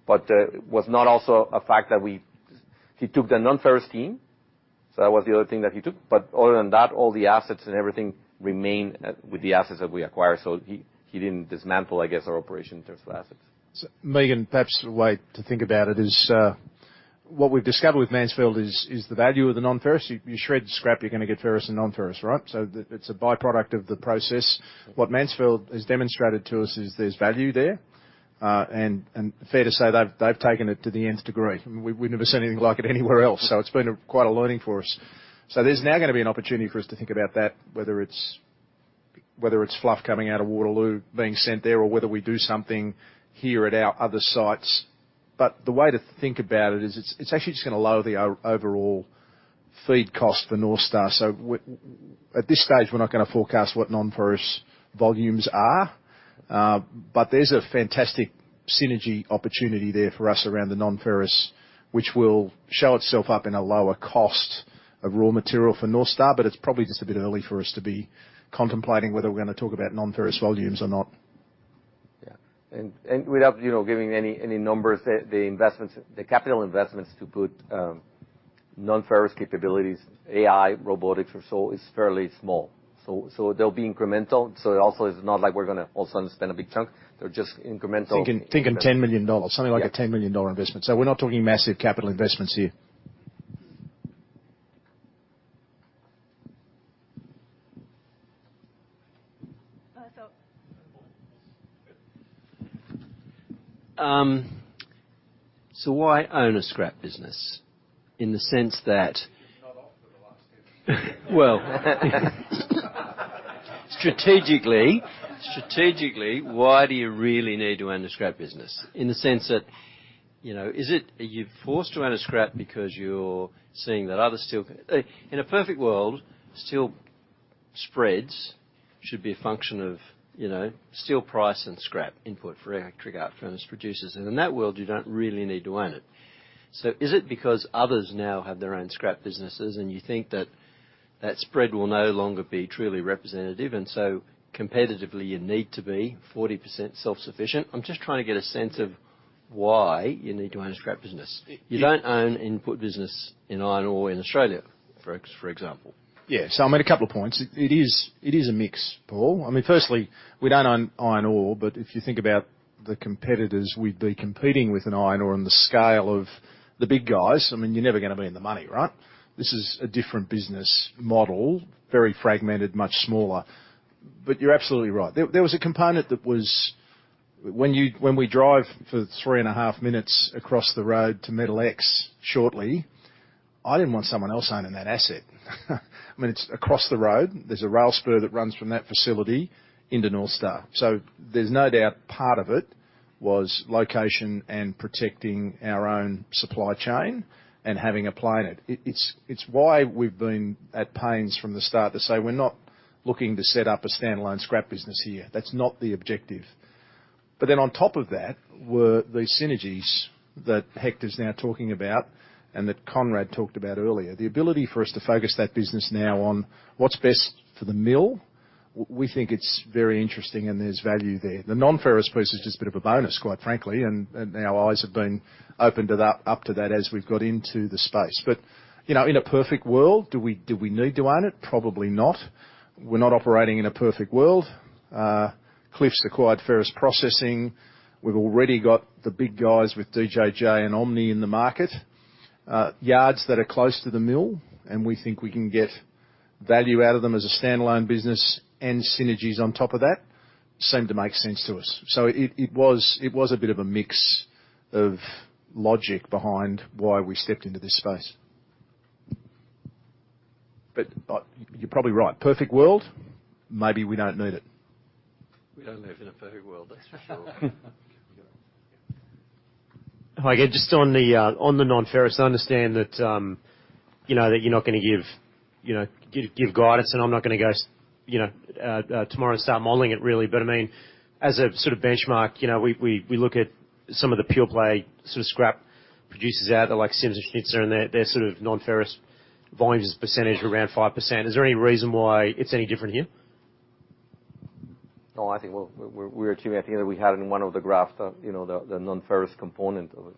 but, was not also a fact that we... He took the non-ferrous team, so that was the other thing that he took. Other than that, all the assets and everything remained with the assets that we acquired. He didn't dismantle, I guess, our operation in terms of assets. Megan, perhaps the way to think about it is. What we've discovered with Mansfield is the value of the non-ferrous. You shred scrap, you're gonna get ferrous and non-ferrous, right? It's a by-product of the process. What Mansfield has demonstrated to us is there's value there, and fair to say they've taken it to the nth degree. We've never seen anything like it anywhere else. It's been quite a learning for us. There's now gonna be an opportunity for us to think about that, whether it's fluff coming out of Waterloo being sent there or whether we do something here at our other sites. The way to think about it is it's actually just gonna lower the overall feed cost for North Star. At this stage, we're not gonna forecast what non-ferrous volumes are, but there's a fantastic synergy opportunity there for us around the non-ferrous, which will show itself up in a lower cost of raw material for North Star, but it's probably just a bit early for us to be contemplating whether we're gonna talk about non-ferrous volumes or not. Yeah. Without, you know, giving any numbers, the investments, the capital investments to put non-ferrous capabilities, AI, robotics or so is fairly small. They'll be incremental. It also is not like we're gonna all of a sudden spend a big chunk. They're just incremental- Thinking $10 million. Something like a $10 million investment. We're not talking massive capital investments here. So. Why own a scrap business? You've not offered the last 10 years. Well, strategically, why do you really need to own a scrap business? In the sense that, you know, are you forced to own a scrap because you're seeing that other steel... In a perfect world, steel spreads should be a function of, you know, steel price and scrap input for electric arc furnace producers. In that world, you don't really need to own it. Is it because others now have their own scrap businesses and you think that that spread will no longer be truly representative, and competitively, you need to be 40% self-sufficient? I'm just trying to get a sense of why you need to own a scrap business. You don't own input business in iron ore in Australia, for example. Yes, I made a couple of points. It is a mix, Paul. I mean, firstly, we don't own iron ore, if you think about the competitors we'd be competing with in iron ore on the scale of the big guys, I mean, you're never gonna be in the money, right? This is a different business model, very fragmented, much smaller. You're absolutely right. There was a component that was when we drive for three and a half minutes across the road to MetalX shortly, I didn't want someone else owning that asset. I mean, it's across the road. There's a rail spur that runs from that facility into North Star. There's no doubt part of it was location and protecting our own supply chain and having a play in it. It's why we've been at pains from the start to say, "We're not looking to set up a standalone scrap business here. That's not the objective. On top of that were these synergies that Hector's now talking about and that Conrad talked about earlier. The ability for us to focus that business now on what's best for the mill, we think it's very interesting and there's value there. The non-ferrous piece is just a bit of a bonus, quite frankly, and our eyes have been opened it up to that as we've got into the space. You know, in a perfect world, do we need to own it? Probably not. We're not operating in a perfect world. Cliffs acquired Ferrous Processing. We've already got the big guys with DJJ and Omni in the market. yards that are close to the mill, and we think we can get value out of them as a standalone business and synergies on top of that, seem to make sense to us. It was a bit of a mix of logic behind why we stepped into this space. You're probably right. Perfect world, maybe we don't need it. We don't live in a perfect world, that's for sure. Hi, again. Just on the non-ferrous, I understand that, you know, that you're not gonna give guidance, and I'm not gonna go you know, tomorrow and start modeling it, really. I mean, as a sort of benchmark, you know, we look at some of the pure play sort of scrap producers out there like Sims and Schnitzer and their sort of non-ferrous volumes percentage of around 5%. Is there any reason why it's any different here? I think we're achieving. I think that we had in one of the graphs the, you know, the non-ferrous component of it.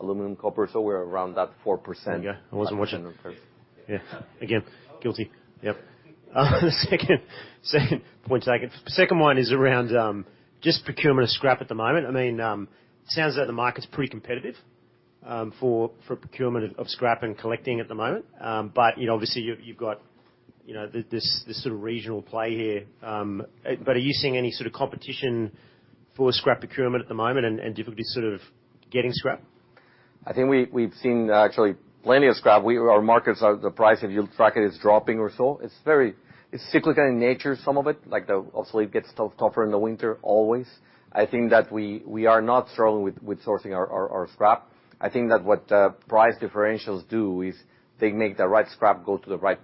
Aluminum, copper, we're around that 4%. There you go. I wasn't watching. Yeah. Again, guilty. Yep. Second point taken. Second one is around, just procurement of scrap at the moment. I mean, sounds like the market's pretty competitive, for procurement of scrap and collecting at the moment. You know, obviously you've got, you know, this sort of regional play here. Are you seeing any sort of competition for scrap procurement at the moment and difficulty sort of getting scrap? I think we've seen actually plenty of scrap. The price, if you'll track it, is dropping or so. It's cyclical in nature, some of it, like the obsolete gets tougher in the winter always. I think that we are not struggling with sourcing our scrap. I think that what price differentials do is they make the right scrap go to the right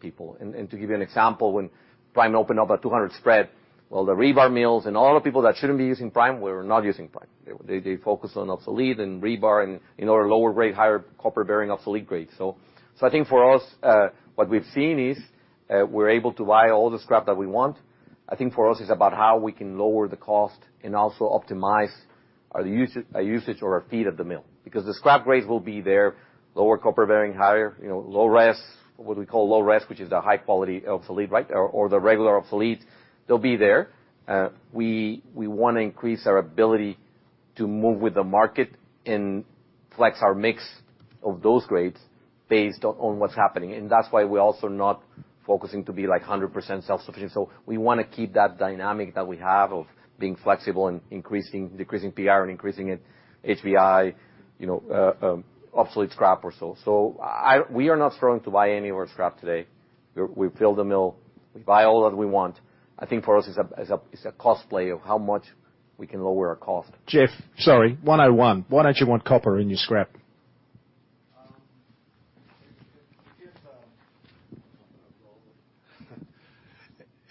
people. To give you an example, when prime opened up at 200 spread, all the rebar mills and all the people that shouldn't be using prime were not using prime. They focused on obsolete and rebar and, you know, lower grade, higher copper-bearing obsolete grade. I think for us, what we've seen is we're able to buy all the scrap that we want. I think for us it's about how we can lower the cost and also optimize our usage or our feed of the mill. The scrap grades will be there, lower copper-bearing, higher, you know, low res, what we call low res, which is the high quality obsolete, right? The regular obsolete, they'll be there. We wanna increase our ability to move with the market and flex our mix of those grades based on what's happening. That's why we're also not focusing to be like 100% self-sufficient. We wanna keep that dynamic that we have of being flexible and increasing decreasing PR and increasing it HBI, you know, obsolete scrap or so. We are not throwing to buy any of our scrap today. We fill the mill, we buy all that we want. I think for us is a cost play of how much we can lower our cost. Jeff, sorry. Why don't you want copper in your scrap?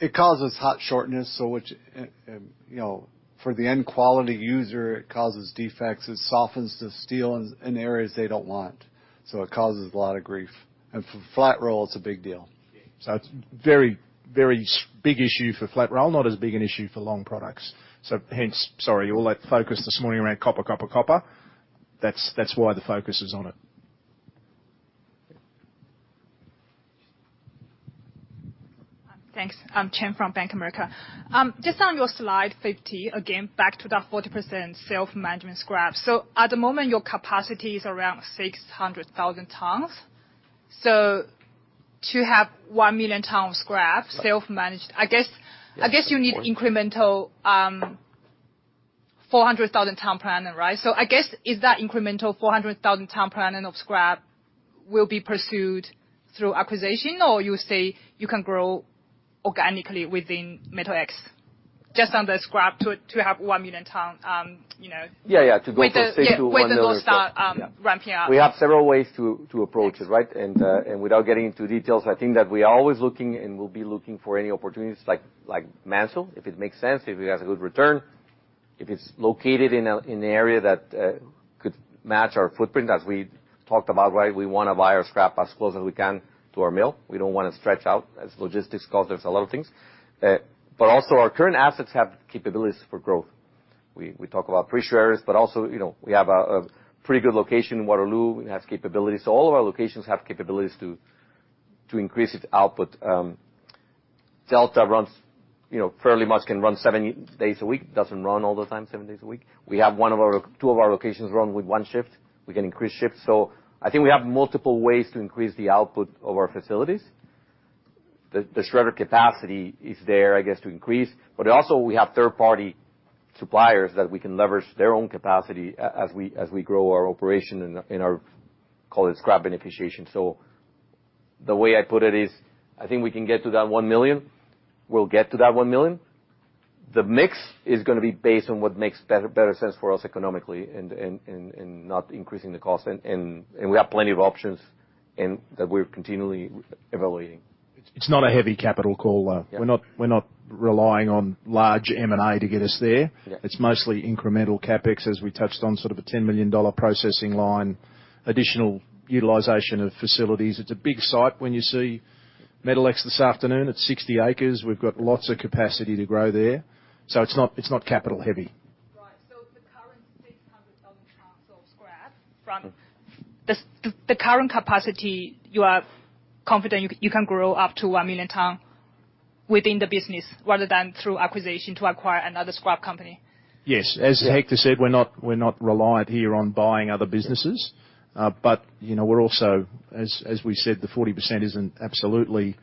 It causes hot shortness, so which, you know, for the end quality user, it causes defects. It softens the steel in areas they don't want, so it causes a lot of grief. For flat roll, it's a big deal. It's a very big issue for flat roll, not as big an issue for long products. Hence, sorry, all that focus this morning around copper. That's why the focus is on it. Thanks. I'm Chen from Bank of America. Just on your slide 50, again, back to the 40% self-management scrap. At the moment, your capacity is around 600,000 tons. To have 1 million tons of scrap. Yeah. Self-managed, I guess you need Good point. incremental, 400,000 ton planning, right? I guess, is that incremental 400,000 ton planning of scrap will be pursued through acquisition? You say you can grow organically within MetalX just on the scrap to have 1 million ton, you know? Yeah, to go from 60 to 1 million ton. With the, yeah, with the mill start, ramping up. We have several ways to approach it, right? Thanks. Without getting into details, I think that we are always looking and we'll be looking for any opportunities like Mansfield, if it makes sense, if it has a good return, if it's located in an area that could match our footprint as we talked about, right? We wanna buy our scrap as close as we can to our mill. We don't wanna stretch out as logistics costs us a lot of things. Also our current assets have capabilities for growth. We talk about pressure areas, but also, you know, we have a pretty good location in Waterloo. It has capabilities. All of our locations have capabilities to increase its output. Delta runs, you know, fairly much can run seven days a week. Doesn't run all the time, seven days a week. We have two of our locations run with one shift. We can increase shifts. I think we have multiple ways to increase the output of our facilities. The shredder capacity is there, I guess, to increase. Also we have third-party suppliers that we can leverage their own capacity as we grow our operation in our, in our, call it scrap beneficiation. The way I put it is, I think we can get to that 1 million. We'll get to that 1 million. The mix is gonna be based on what makes better sense for us economically and not increasing the cost. We have plenty of options that we're continually evaluating. It's not a heavy capital call, though. Yeah. We're not relying on large M&A to get us there. Yeah. It's mostly incremental CapEx, as we touched on, sort of a $10 million processing line, additional utilization of facilities. It's a big site when you see MetalX this afternoon. It's 60 acres. We've got lots of capacity to grow there. It's not capital heavy. Right. The current 600,000 tons of scrap from- Mm-hmm. The current capacity, you are confident you can grow up to 1 million tons within the business rather than through acquisition to acquire another scrap company? Yes. As Hector said, we're not, we're not reliant here on buying other businesses. You know, we're also, as we said, the 40% isn't absolutely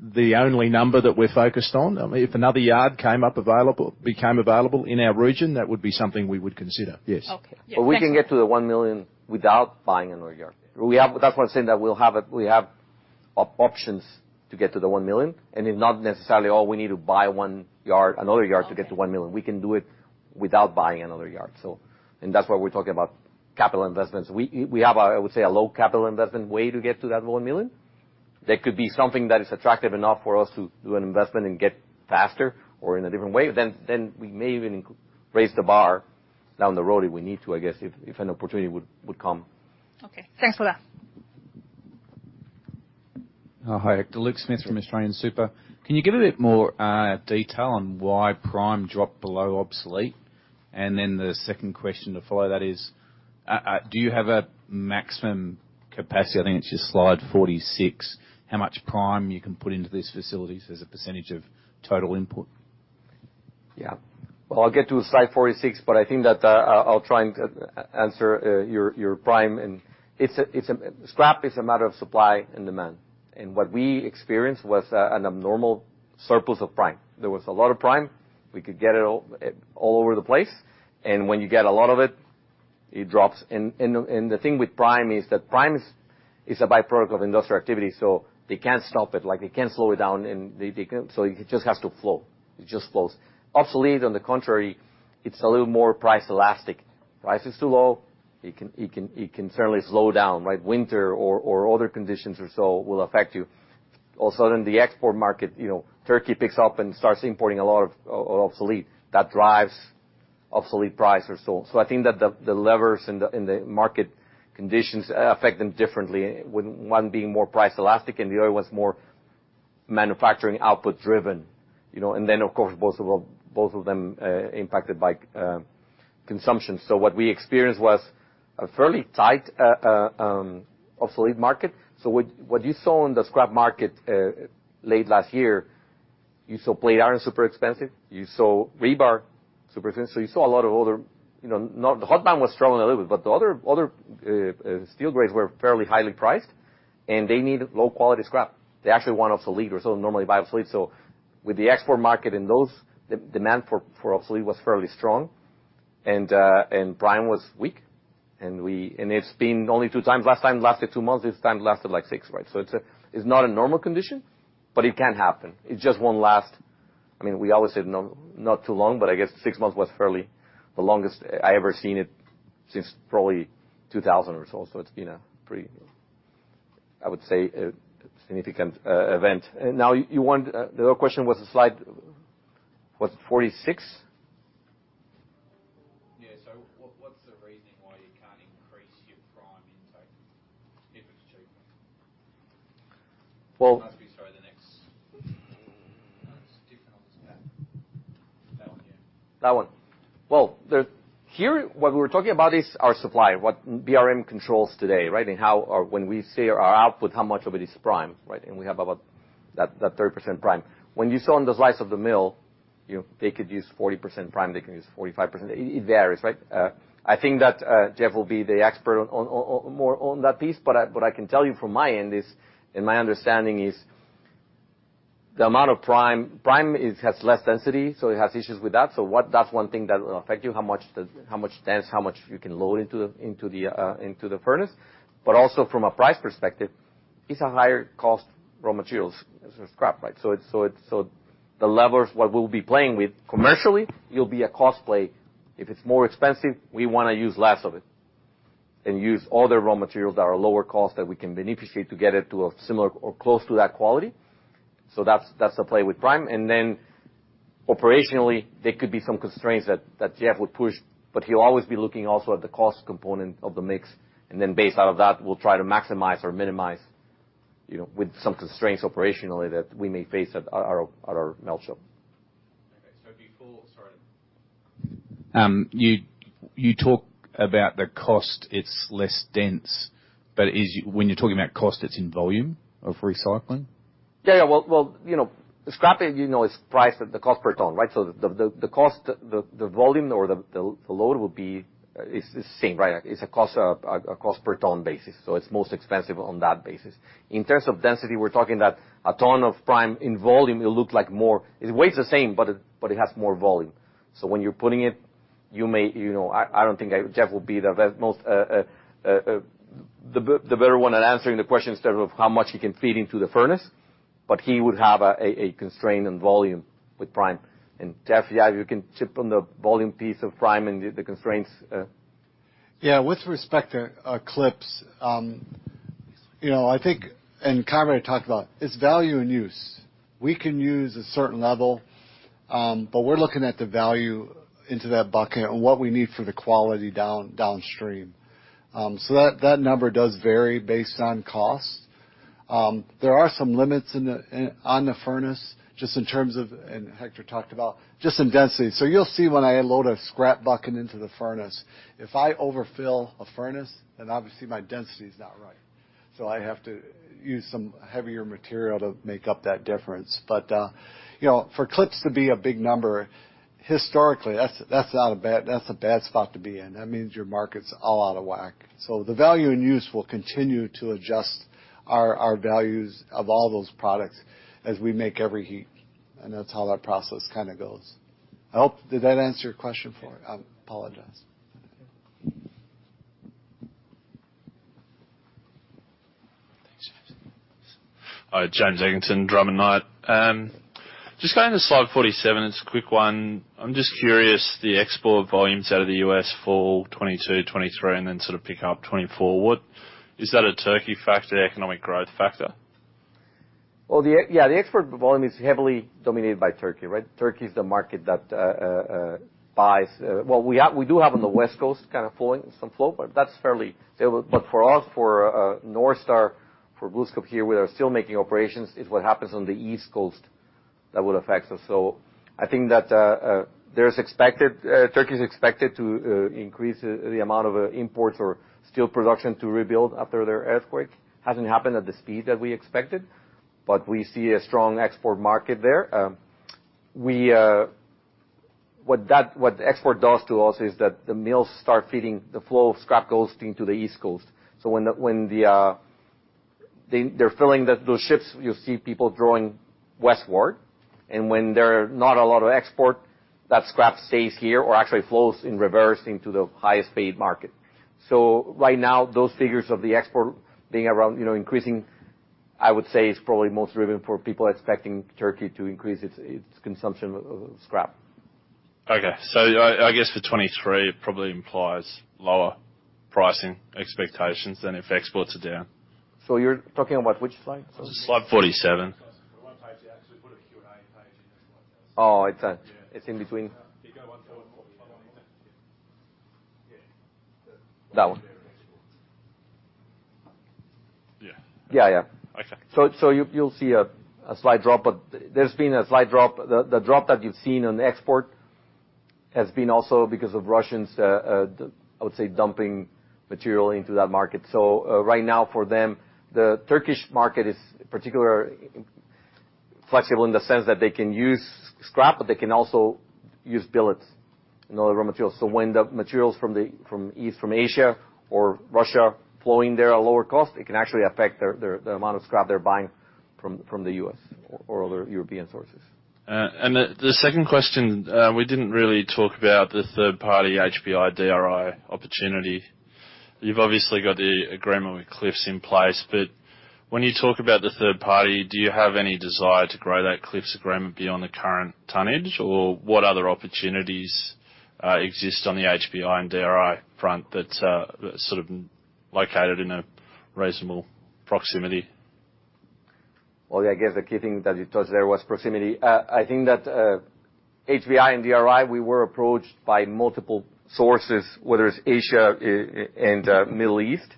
the only number that we're focused on. I mean, if another yard became available in our region, that would be something we would consider. Yes. Okay. Yeah, thanks a lot. We can get to the 1 million without buying another yard. That's why I'm saying that we have options to get to the 1 million, and it's not necessarily, oh, we need to buy one yard, another yard to get to 1 million. Okay. We can do it without buying another yard. That's why we're talking about capital investments. We have a, I would say, a low capital investment way to get to that 1 million. There could be something that is attractive enough for us to do an investment and get faster or in a different way. Then we may even raise the bar down the road if we need to, I guess, if an opportunity would come. Okay. Thanks for that. Hi, Hector. Luke Smith from AustralianSuper. Can you give a bit more detail on why prime dropped below obsolete? The second question to follow that is, do you have a maximum capacity? I think it's your slide 46, how much prime you can put into these facilities as a percentage of total input? Yeah. Well, I'll get to slide 46, but I think that, I'll try and answer your prime. Scrap is a matter of supply and demand. What we experienced was an abnormal surplus of prime. There was a lot of prime. We could get it all over the place. When you get a lot of it drops. The thing with prime is that prime is a by-product of industrial activity, so they can't stop it. Like, they can't slow it down, it just has to flow. It just flows. Obsolete, on the contrary, it's a little more price elastic. Price is too low, it can certainly slow down, right? Winter or other conditions or so will affect you. Also in the export market, you know, Turkey picks up and starts importing a lot of obsolete. That drives obsolete price or so. I think that the levers in the market conditions affect them differently, with one being more price elastic and the other one's more manufacturing output driven, you know? Of course, both of them impacted by consumption. What we experienced was a fairly tight obsolete market. What you saw in the scrap market, late last year. You saw plate iron super expensive. You saw rebar super expensive. You saw a lot of other, you know, The hot metal was struggling a little bit, but the other steel grades were fairly highly priced, and they need low-quality scrap. They actually want obsolete or so normally buy obsolete. With the export market in those, the demand for obsolete was fairly strong and prime was weak. It's been only two times. Last time lasted two months, this time lasted like six, right? It's a, it's not a normal condition, but it can happen. It just won't last, I mean, we always said not too long, but I guess six months was fairly the longest I ever seen it since probably 2000 or so. It's been a pretty, I would say, a significant event. Now the other question was the slide, what, 46? Yeah. What's the reasoning why you can't increase your prime intake if it's cheaper? Well- It must be, sorry, the next. No, it's different on this page. That one, yeah. That one. Well, here, what we were talking about is our supply, what BRM controls today, right? How or when we say our output, how much of it is prime, right? We have about that 30% prime. When you saw on the slice of the mill, you know, they could use 40% prime, they can use 45%. It varies, right? I think that Jeff will be the expert on more on that piece. I, but I can tell you from my end is, and my understanding is the amount of prime is, has less density, so it has issues with that. That's one thing that will affect you, how much dense, how much you can load into the, into the furnace. Also from a price perspective, it's a higher cost raw materials as a scrap, right? The levers, what we'll be playing with commercially, it'll be a cost play. If it's more expensive, we wanna use less of it and use other raw materials that are lower cost that we can beneficiate to get it to a similar or close to that quality. That's the play with prime. Then operationally, there could be some constraints that Jeff would push, but he'll always be looking also at the cost component of the mix. Then based out of that, we'll try to maximize or minimize, you know, with some constraints operationally that we may face at our melt shop. Okay. Sorry. You, you talk about the cost, it's less dense. When you're talking about cost, it's in volume of recycling? Yeah, yeah. Well, you know, scrap, you know, is priced at the cost per ton, right? The cost, the volume or the load is the same, right? It's a cost per ton basis. It's most expensive on that basis. In terms of density, we're talking that a ton of prime in volume, it'll look like more. It weighs the same, but it has more volume. When you're putting it, you may, you know... Jeff will be the most better one at answering the question in terms of how much he can feed into the furnace, but he would have a constraint in volume with prime. Jeff, yeah, if you can chip on the volume piece of prime and the constraints. Yeah. With respect to clips, you know, I think Hector talked about its value-in-use. We can use a certain level, we're looking at the value into that bucket and what we need for the quality downstream. That number does vary based on cost. There are some limits in the furnace just in terms of Hector talked about just in density. You'll see when I load a scrap bucket into the furnace, if I overfill a furnace, obviously my density is not right, I have to use some heavier material to make up that difference. You know, for clips to be a big number, historically, that's not a bad spot to be in. That means your market's all out of whack. The value-in-use will continue to adjust our values of all those products as we make every heat. That's how that process kinda goes. I hope. Did that answer your question for? I apologize. Thanks, Jeff. Hi. James Eginton, Drummond Knight. Just going to slide 47. It's a quick one. I'm just curious, the export volumes out of the U.S. fall 2022, 2023, and then sort of pick up 2024. What is that a Turkey factor, economic growth factor? Yeah, the export volume is heavily dominated by Turkey, right? Turkey is the market that buys. We have, we do have on the West Coast kinda flowing, some flow, but that's fairly stable. For us, for North Star, for BlueScope here, with our steelmaking operations, it's what happens on the East Coast that would affect us. I think that there's expected, Turkey's expected to increase the amount of imports or steel production to rebuild after their earthquake. Hasn't happened at the speed that we expected, but we see a strong export market there. We, what the export does to us is that the mills start feeding the flow of scrap goes into the East Coast. When the they're filling those ships, you'll see people drawing westward. When there are not a lot of export, that scrap stays here or actually flows in reverse into the highest paid market. Right now, those figures of the export being around, you know, increasing, I would say is probably most driven for people expecting Turkey to increase its consumption of scrap. Okay. I guess for 2023, it probably implies lower pricing expectations than if exports are down. You're talking about which slide? Sorry. Slide 47. The one page, yeah. We put a Q&A page in the slide. It's in between. You go one forward. Yeah. That one. Yeah. Yeah, yeah. Okay. You'll see a slight drop, but there's been a slight drop. The drop that you've seen on export has been also because of Russians, I would say, dumping material into that market. Right now for them, the Turkish market is particular flexible in the sense that they can use scrap, but they can also use billets and other raw materials. When the materials from East, from Asia or Russia flowing, they're a lower cost, it can actually affect their amount of scrap they're buying from the U.S. or other European sources. The second question, we didn't really talk about the third-party HBI/DRI opportunity. You've obviously got the agreement with Cliffs in place, when you talk about the third party, do you have any desire to grow that Cliffs agreement beyond the current tonnage? What other opportunities exist on the HBI and DRI front that sort of located in a reasonable proximity? I guess the key thing that you touched there was proximity. I think that HBI and DRI, we were approached by multiple sources, whether it's Asia, And Middle East.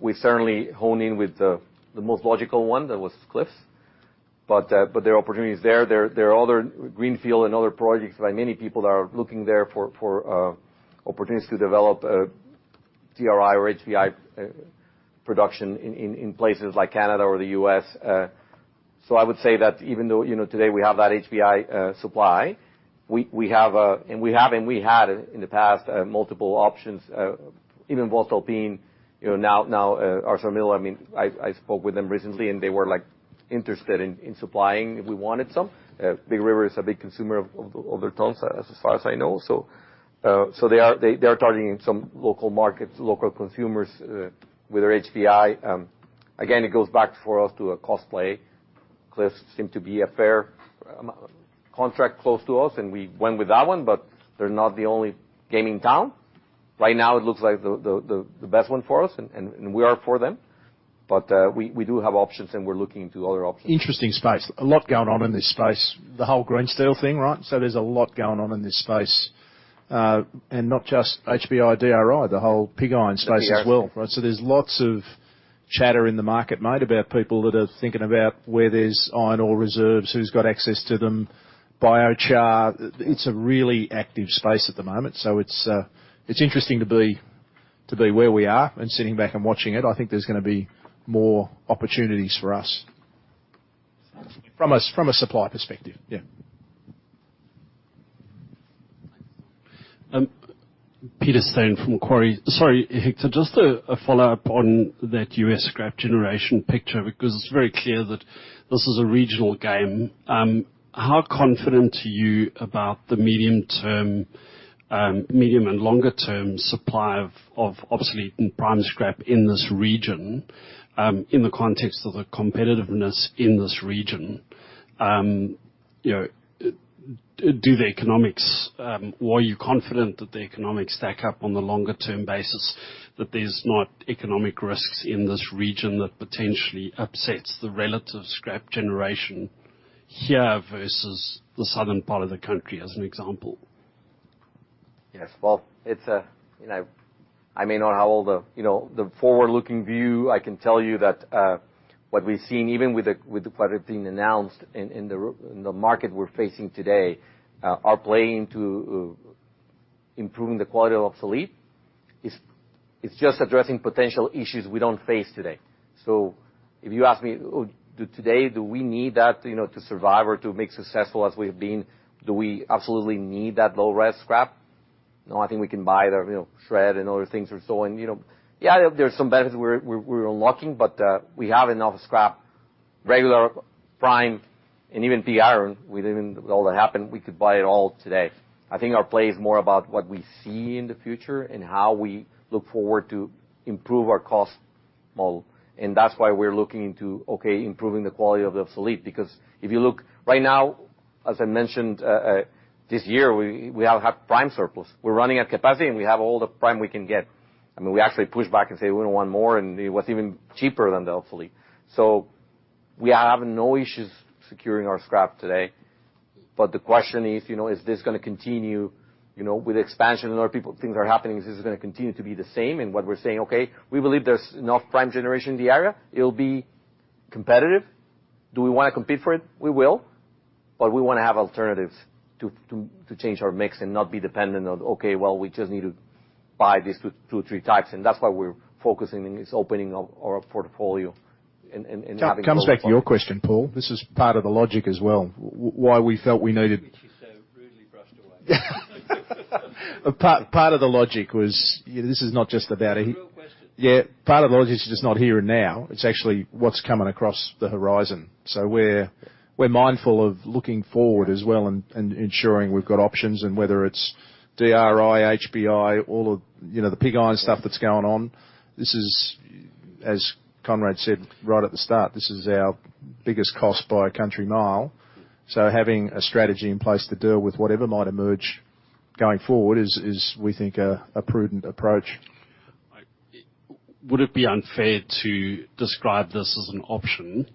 We certainly hone in with the most logical one, that was Cliffs. There are opportunities there. There are other greenfield and other projects by many people that are looking there for opportunities to develop DRI or HBI production in places like Canada or the U.S. I would say that even though, you know, today we have that HBI supply, we have and we have and we had in the past multiple options, even voestalpine, you know, now our mill. I mean, I spoke with them recently, and they were, like, interested in supplying if we wanted some. Big River is a big consumer of their tons, as far as I know. They are targeting some local markets, local consumers with their HBI. Again, it goes back for us to a cost play. Cliffs seem to be a fair contract close to us, and we went with that one, but they're not the only game in town. Right now, it looks like the best one for us, and we are for them. We do have options and we're looking into other options. Interesting space. A lot going on in this space, the whole green steel thing, right? There's a lot going on in this space. Not just HBI, DRI, the whole pig iron space as well, right? There's lots of chatter in the market made about people that are thinking about where there's iron ore reserves, who's got access to them, biochar. It's a really active space at the moment. It's interesting to be where we are and sitting back and watching it. I think there's gonna be more opportunities for us. From a supply perspective, yeah. Peter Steyn from Macquarie. Sorry, Hector, just a follow-up on that U.S. scrap generation picture, because it's very clear that this is a regional game. How confident are you about the medium term, medium and longer term supply of obsolete and prime scrap in this region, in the context of the competitiveness in this region? you know, do the economics, or are you confident that the economics stack up on the longer term basis, that there's not economic risks in this region that potentially upsets the relative scrap generation here versus the southern part of the country, as an example? Yes. Well, it's, you know, I may not have all the, you know, the forward-looking view. I can tell you that, what we've seen, even with the, with the credit being announced in the market we're facing today, are playing into, improving the quality of obsolete. It's just addressing potential issues we don't face today. If you ask me, do today, do we need that, you know, to survive or to make successful as we have been? Do we absolutely need that low res scrap? No, I think we can buy the, you know, shred and other things or so, and, you know. Yeah, there's some benefits we're unlocking, but we have enough scrap, regular prime, and even pig iron, with even with all that happened, we could buy it all today. I think our play is more about what we see in the future and how we look forward to improve our cost model. That's why we're looking into, okay, improving the quality of the obsolete. If you look right now, as I mentioned, this year, we have prime surplus. We're running at capacity, and we have all the prime we can get. I mean, we actually pushed back and say, "We don't want more." It was even cheaper than the obsolete. We are having no issues securing our scrap today. The question is, you know, is this gonna continue, you know, with expansion and other people, things are happening, is this gonna continue to be the same? What we're saying, "Okay, we believe there's enough prime generation in the area. It'll be competitive." Do we wanna compete for it? We will. We wanna have alternatives to change our mix and not be dependent on, okay, well, we just need to buy these two, three types. That's why we're focusing in this opening of our portfolio and Comes back to your question, Paul. This is part of the logic as well, why we felt we needed- Which you so rudely brushed away. Part of the logic was, this is not just about. Real question. Yeah. Part of the logic is just not here and now. It's actually what's coming across the horizon. We're mindful of looking forward as well and ensuring we've got options, and whether it's DRI, HBI, all of, you know, the pig iron stuff that's going on. This is, as Conrad said right at the start, this is our biggest cost by a country mile. Having a strategy in place to deal with whatever might emerge going forward is we think a prudent approach. Would it be unfair to describe this as an option?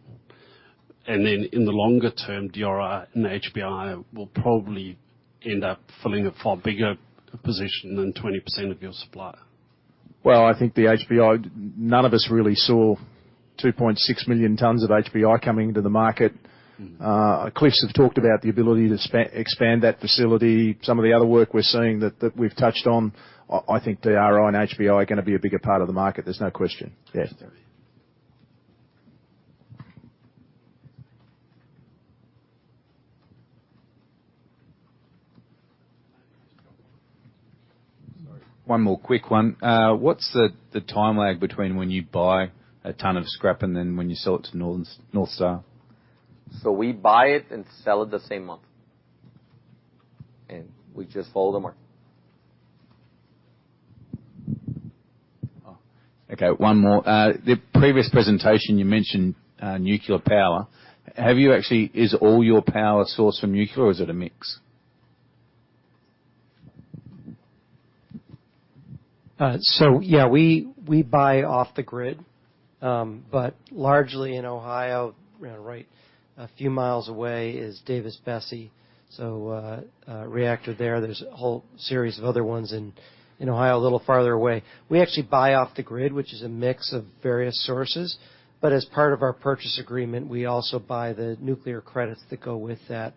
In the longer term, DRI and HBI will probably end up filling a far bigger position than 20% of your supplier. Well, I think the HBI, none of us really saw 2.6 million tons of HBI coming into the market. Cliffs have talked about the ability to expand that facility. Some of the other work we're seeing that we've touched on, I think DRI and HBI are gonna be a bigger part of the market, there's no question. Yes. Sorry. One more quick one. What's the time lag between when you buy a ton of scrap and then when you sell it to North Star? We buy it and sell it the same month, and we just follow the market. Oh, okay. One more. The previous presentation you mentioned, nuclear power. Have you actually... Is all your power sourced from nuclear, or is it a mix? Yeah, we buy off the grid. Largely in Ohio, you know, right, a few miles away is Davis-Besse. Reactor there. There's a whole series of other ones in Ohio, a little farther away. We actually buy off the grid, which is a mix of various sources. As part of our purchase agreement, we also buy the nuclear credits that go with that.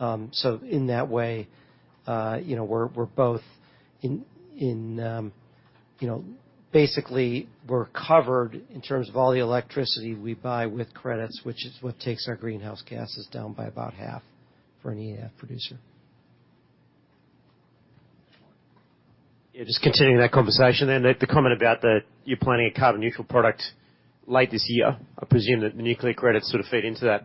In that way, you know, we're both in, you know, basically we're covered in terms of all the electricity we buy with credits, which is what takes our greenhouse gases down by about half for an EAF producer. Yeah, just continuing that conversation then. The comment about you're planning a carbon-neutral product late this year. I presume that the nuclear credits sort of feed into that.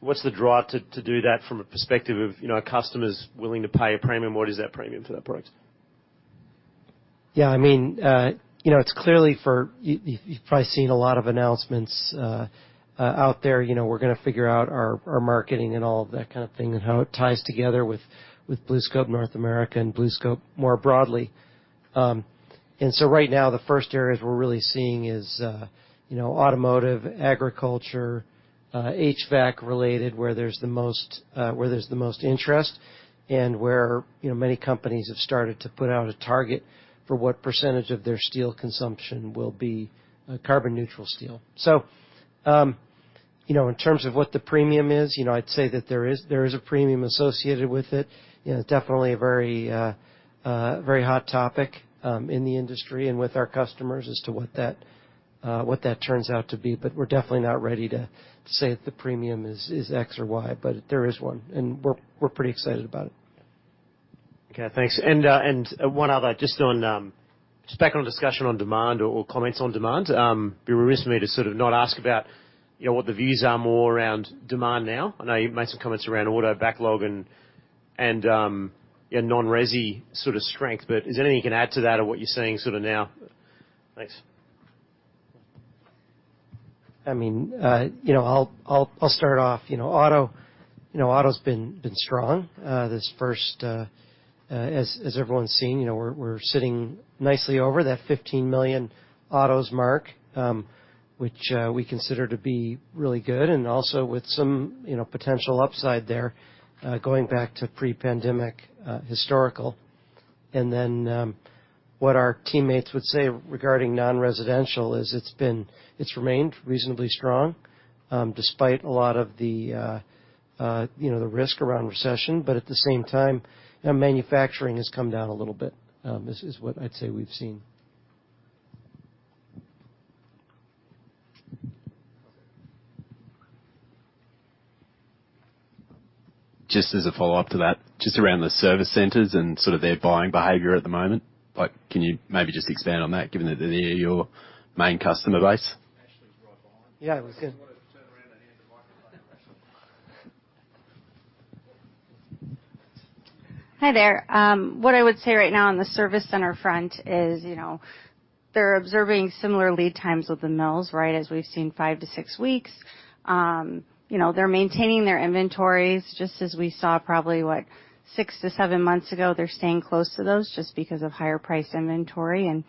What's the drive to do that from a perspective of, you know, are customers willing to pay a premium? What is that premium for that product? I mean, you know, it's clearly for... You've probably seen a lot of announcements out there. You know, we're gonna figure out our marketing and all of that kind of thing and how it ties together with BlueScope North America and BlueScope more broadly. Right now the first areas we're really seeing is, you know, automotive, agriculture, HVAC-related, where there's the most, where there's the most interest and where, you know, many companies have started to put out a target for what percentage of their steel consumption will be carbon-neutral steel. In terms of what the premium is, you know, I'd say that there is, there is a premium associated with it. You know, definitely a very very hot topic in the industry and with our customers as to what that what that turns out to be. We're definitely not ready to say that the premium is X or Y, but there is one, and we're pretty excited about it. Okay, thanks. One other just on, just back on discussion on demand or comments on demand. It'd be remiss of me to sort of not ask about, you know, what the views are more around demand now. I know you've made some comments around auto backlog and, yeah, non-resi sort of strength, but is there anything you can add to that or what you're seeing sort of now? Thanks. I mean, you know, I'll start off. You know, auto, you know, auto's been strong, this first, as everyone's seen. You know, we're sitting nicely over that 15 million autos mark, which we consider to be really good and also with some, you know, potential upside there, going back to pre-pandemic historical. What our teammates would say regarding non-residential is it's remained reasonably strong, despite a lot of the, you know, the risk around recession. At the same time, you know, manufacturing has come down a little bit, is what I'd say we've seen. Just as a follow-up to that, just around the service centers and sort of their buying behavior at the moment. Like, can you maybe just expand on that, given that they're your main customer base? Ashley's right behind. Yeah. Good. If you wanna turn around and hand the microphone to Ashley. Hi, there. What I would say right now on the service center front is, you know, they're observing similar lead times with the mills, right, as we've seen 5-6 weeks. You know, they're maintaining their inventories, just as we saw probably, what, 6-7 months ago. They're staying close to those just because of higher price inventory and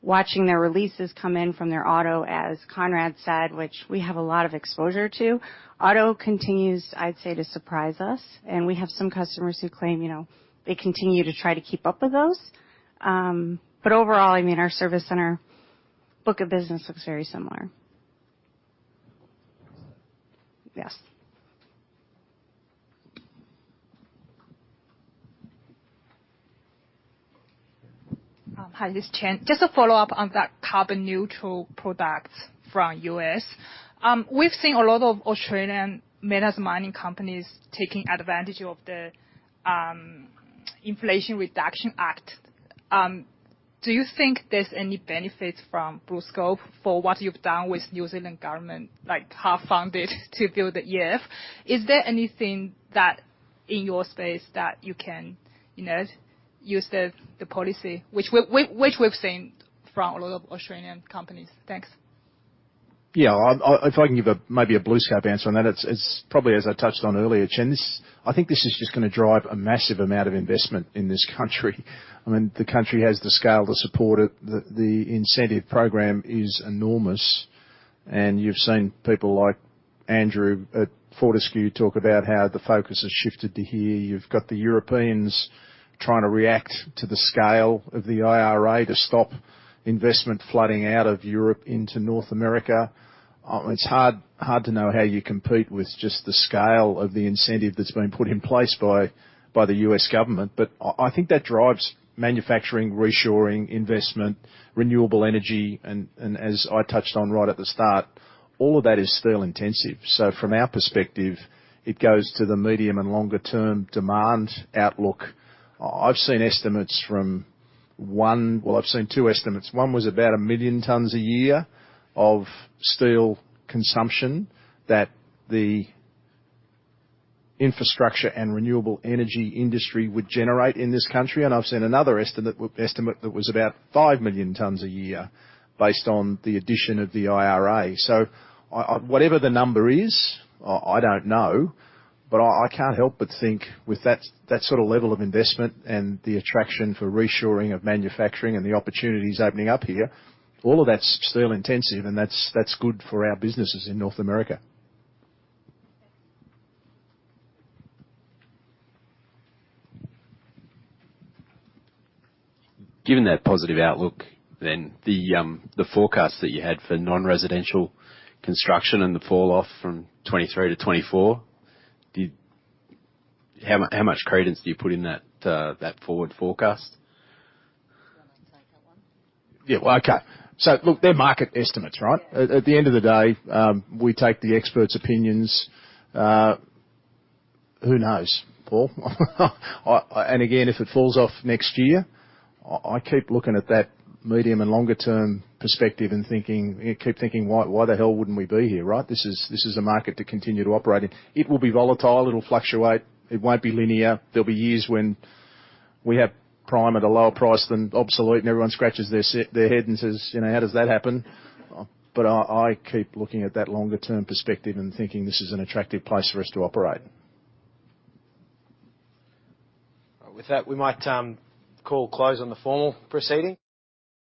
watching their releases come in from their auto, as Conrad said, which we have a lot of exposure to. Auto continues, I'd say, to surprise us, and we have some customers who claim, you know, they continue to try to keep up with those. Overall, I mean, our service center book of business looks very similar. Yes. Hi, this is Chen. Just a follow-up on that carbon-neutral products from U.S. We've seen a lot of Australian metals mining companies taking advantage of the Inflation Reduction Act. Do you think there's any benefit from BlueScope for what you've done with New Zealand government, like half fund it to build the EAF? Is there anything that, in your space, that you can, you know, use the policy which we've seen from a lot of Australian companies? Thanks. Yeah. I, if I can give a, maybe a BlueScope answer on that. It's, it's probably, as I touched on earlier, Chen, this, I think this is just gonna drive a massive amount of investment in this country. I mean, the country has the scale to support it. The, the incentive program is enormous. You've seen people like Andrew at Fortescue talk about how the focus has shifted to here. You've got the Europeans trying to react to the scale of the IRA to stop investment flooding out of Europe into North America. It's hard, hard to know how you compete with just the scale of the incentive that's been put in place by the U.S. government. I think that drives manufacturing, reshoring, investment, renewable energy, and as I touched on right at the start, all of that is steel-intensive. From our perspective, it goes to the medium and longer-term demand outlook. I've seen estimates from one. I've seen two estimates. One was about 1 million tons a year of steel consumption that the infrastructure and renewable energy industry would generate in this country, and I've seen another estimate that was about 5 million tons a year based on the addition of the IRA. Whatever the number is, I don't know, but I can't help but think with that sort of level of investment and the attraction for reshoring of manufacturing and the opportunities opening up here, all of that's steel-intensive, and that's good for our businesses in North America. Given that positive outlook, the forecast that you had for non-residential construction and the fall off from 2023 to 2024, How much credence do you put in that forward forecast? Do you want me to take that one? Yeah, well, okay. Look, they're market estimates, right? Yeah. At the end of the day, we take the experts' opinions. Who knows, Paul? I... And again, if it falls off next year, I keep looking at that medium and longer-term perspective and thinking, "Why the hell wouldn't we be here," right? This is a market to continue to operate in. It will be volatile. It'll fluctuate. It won't be linear. There'll be years when we have prime at a lower price than obsolete, and everyone scratches their head and says, "You know, how does that happen?" I keep looking at that longer-term perspective and thinking, "This is an attractive place for us to operate. With that, we might, call close on the formal proceeding.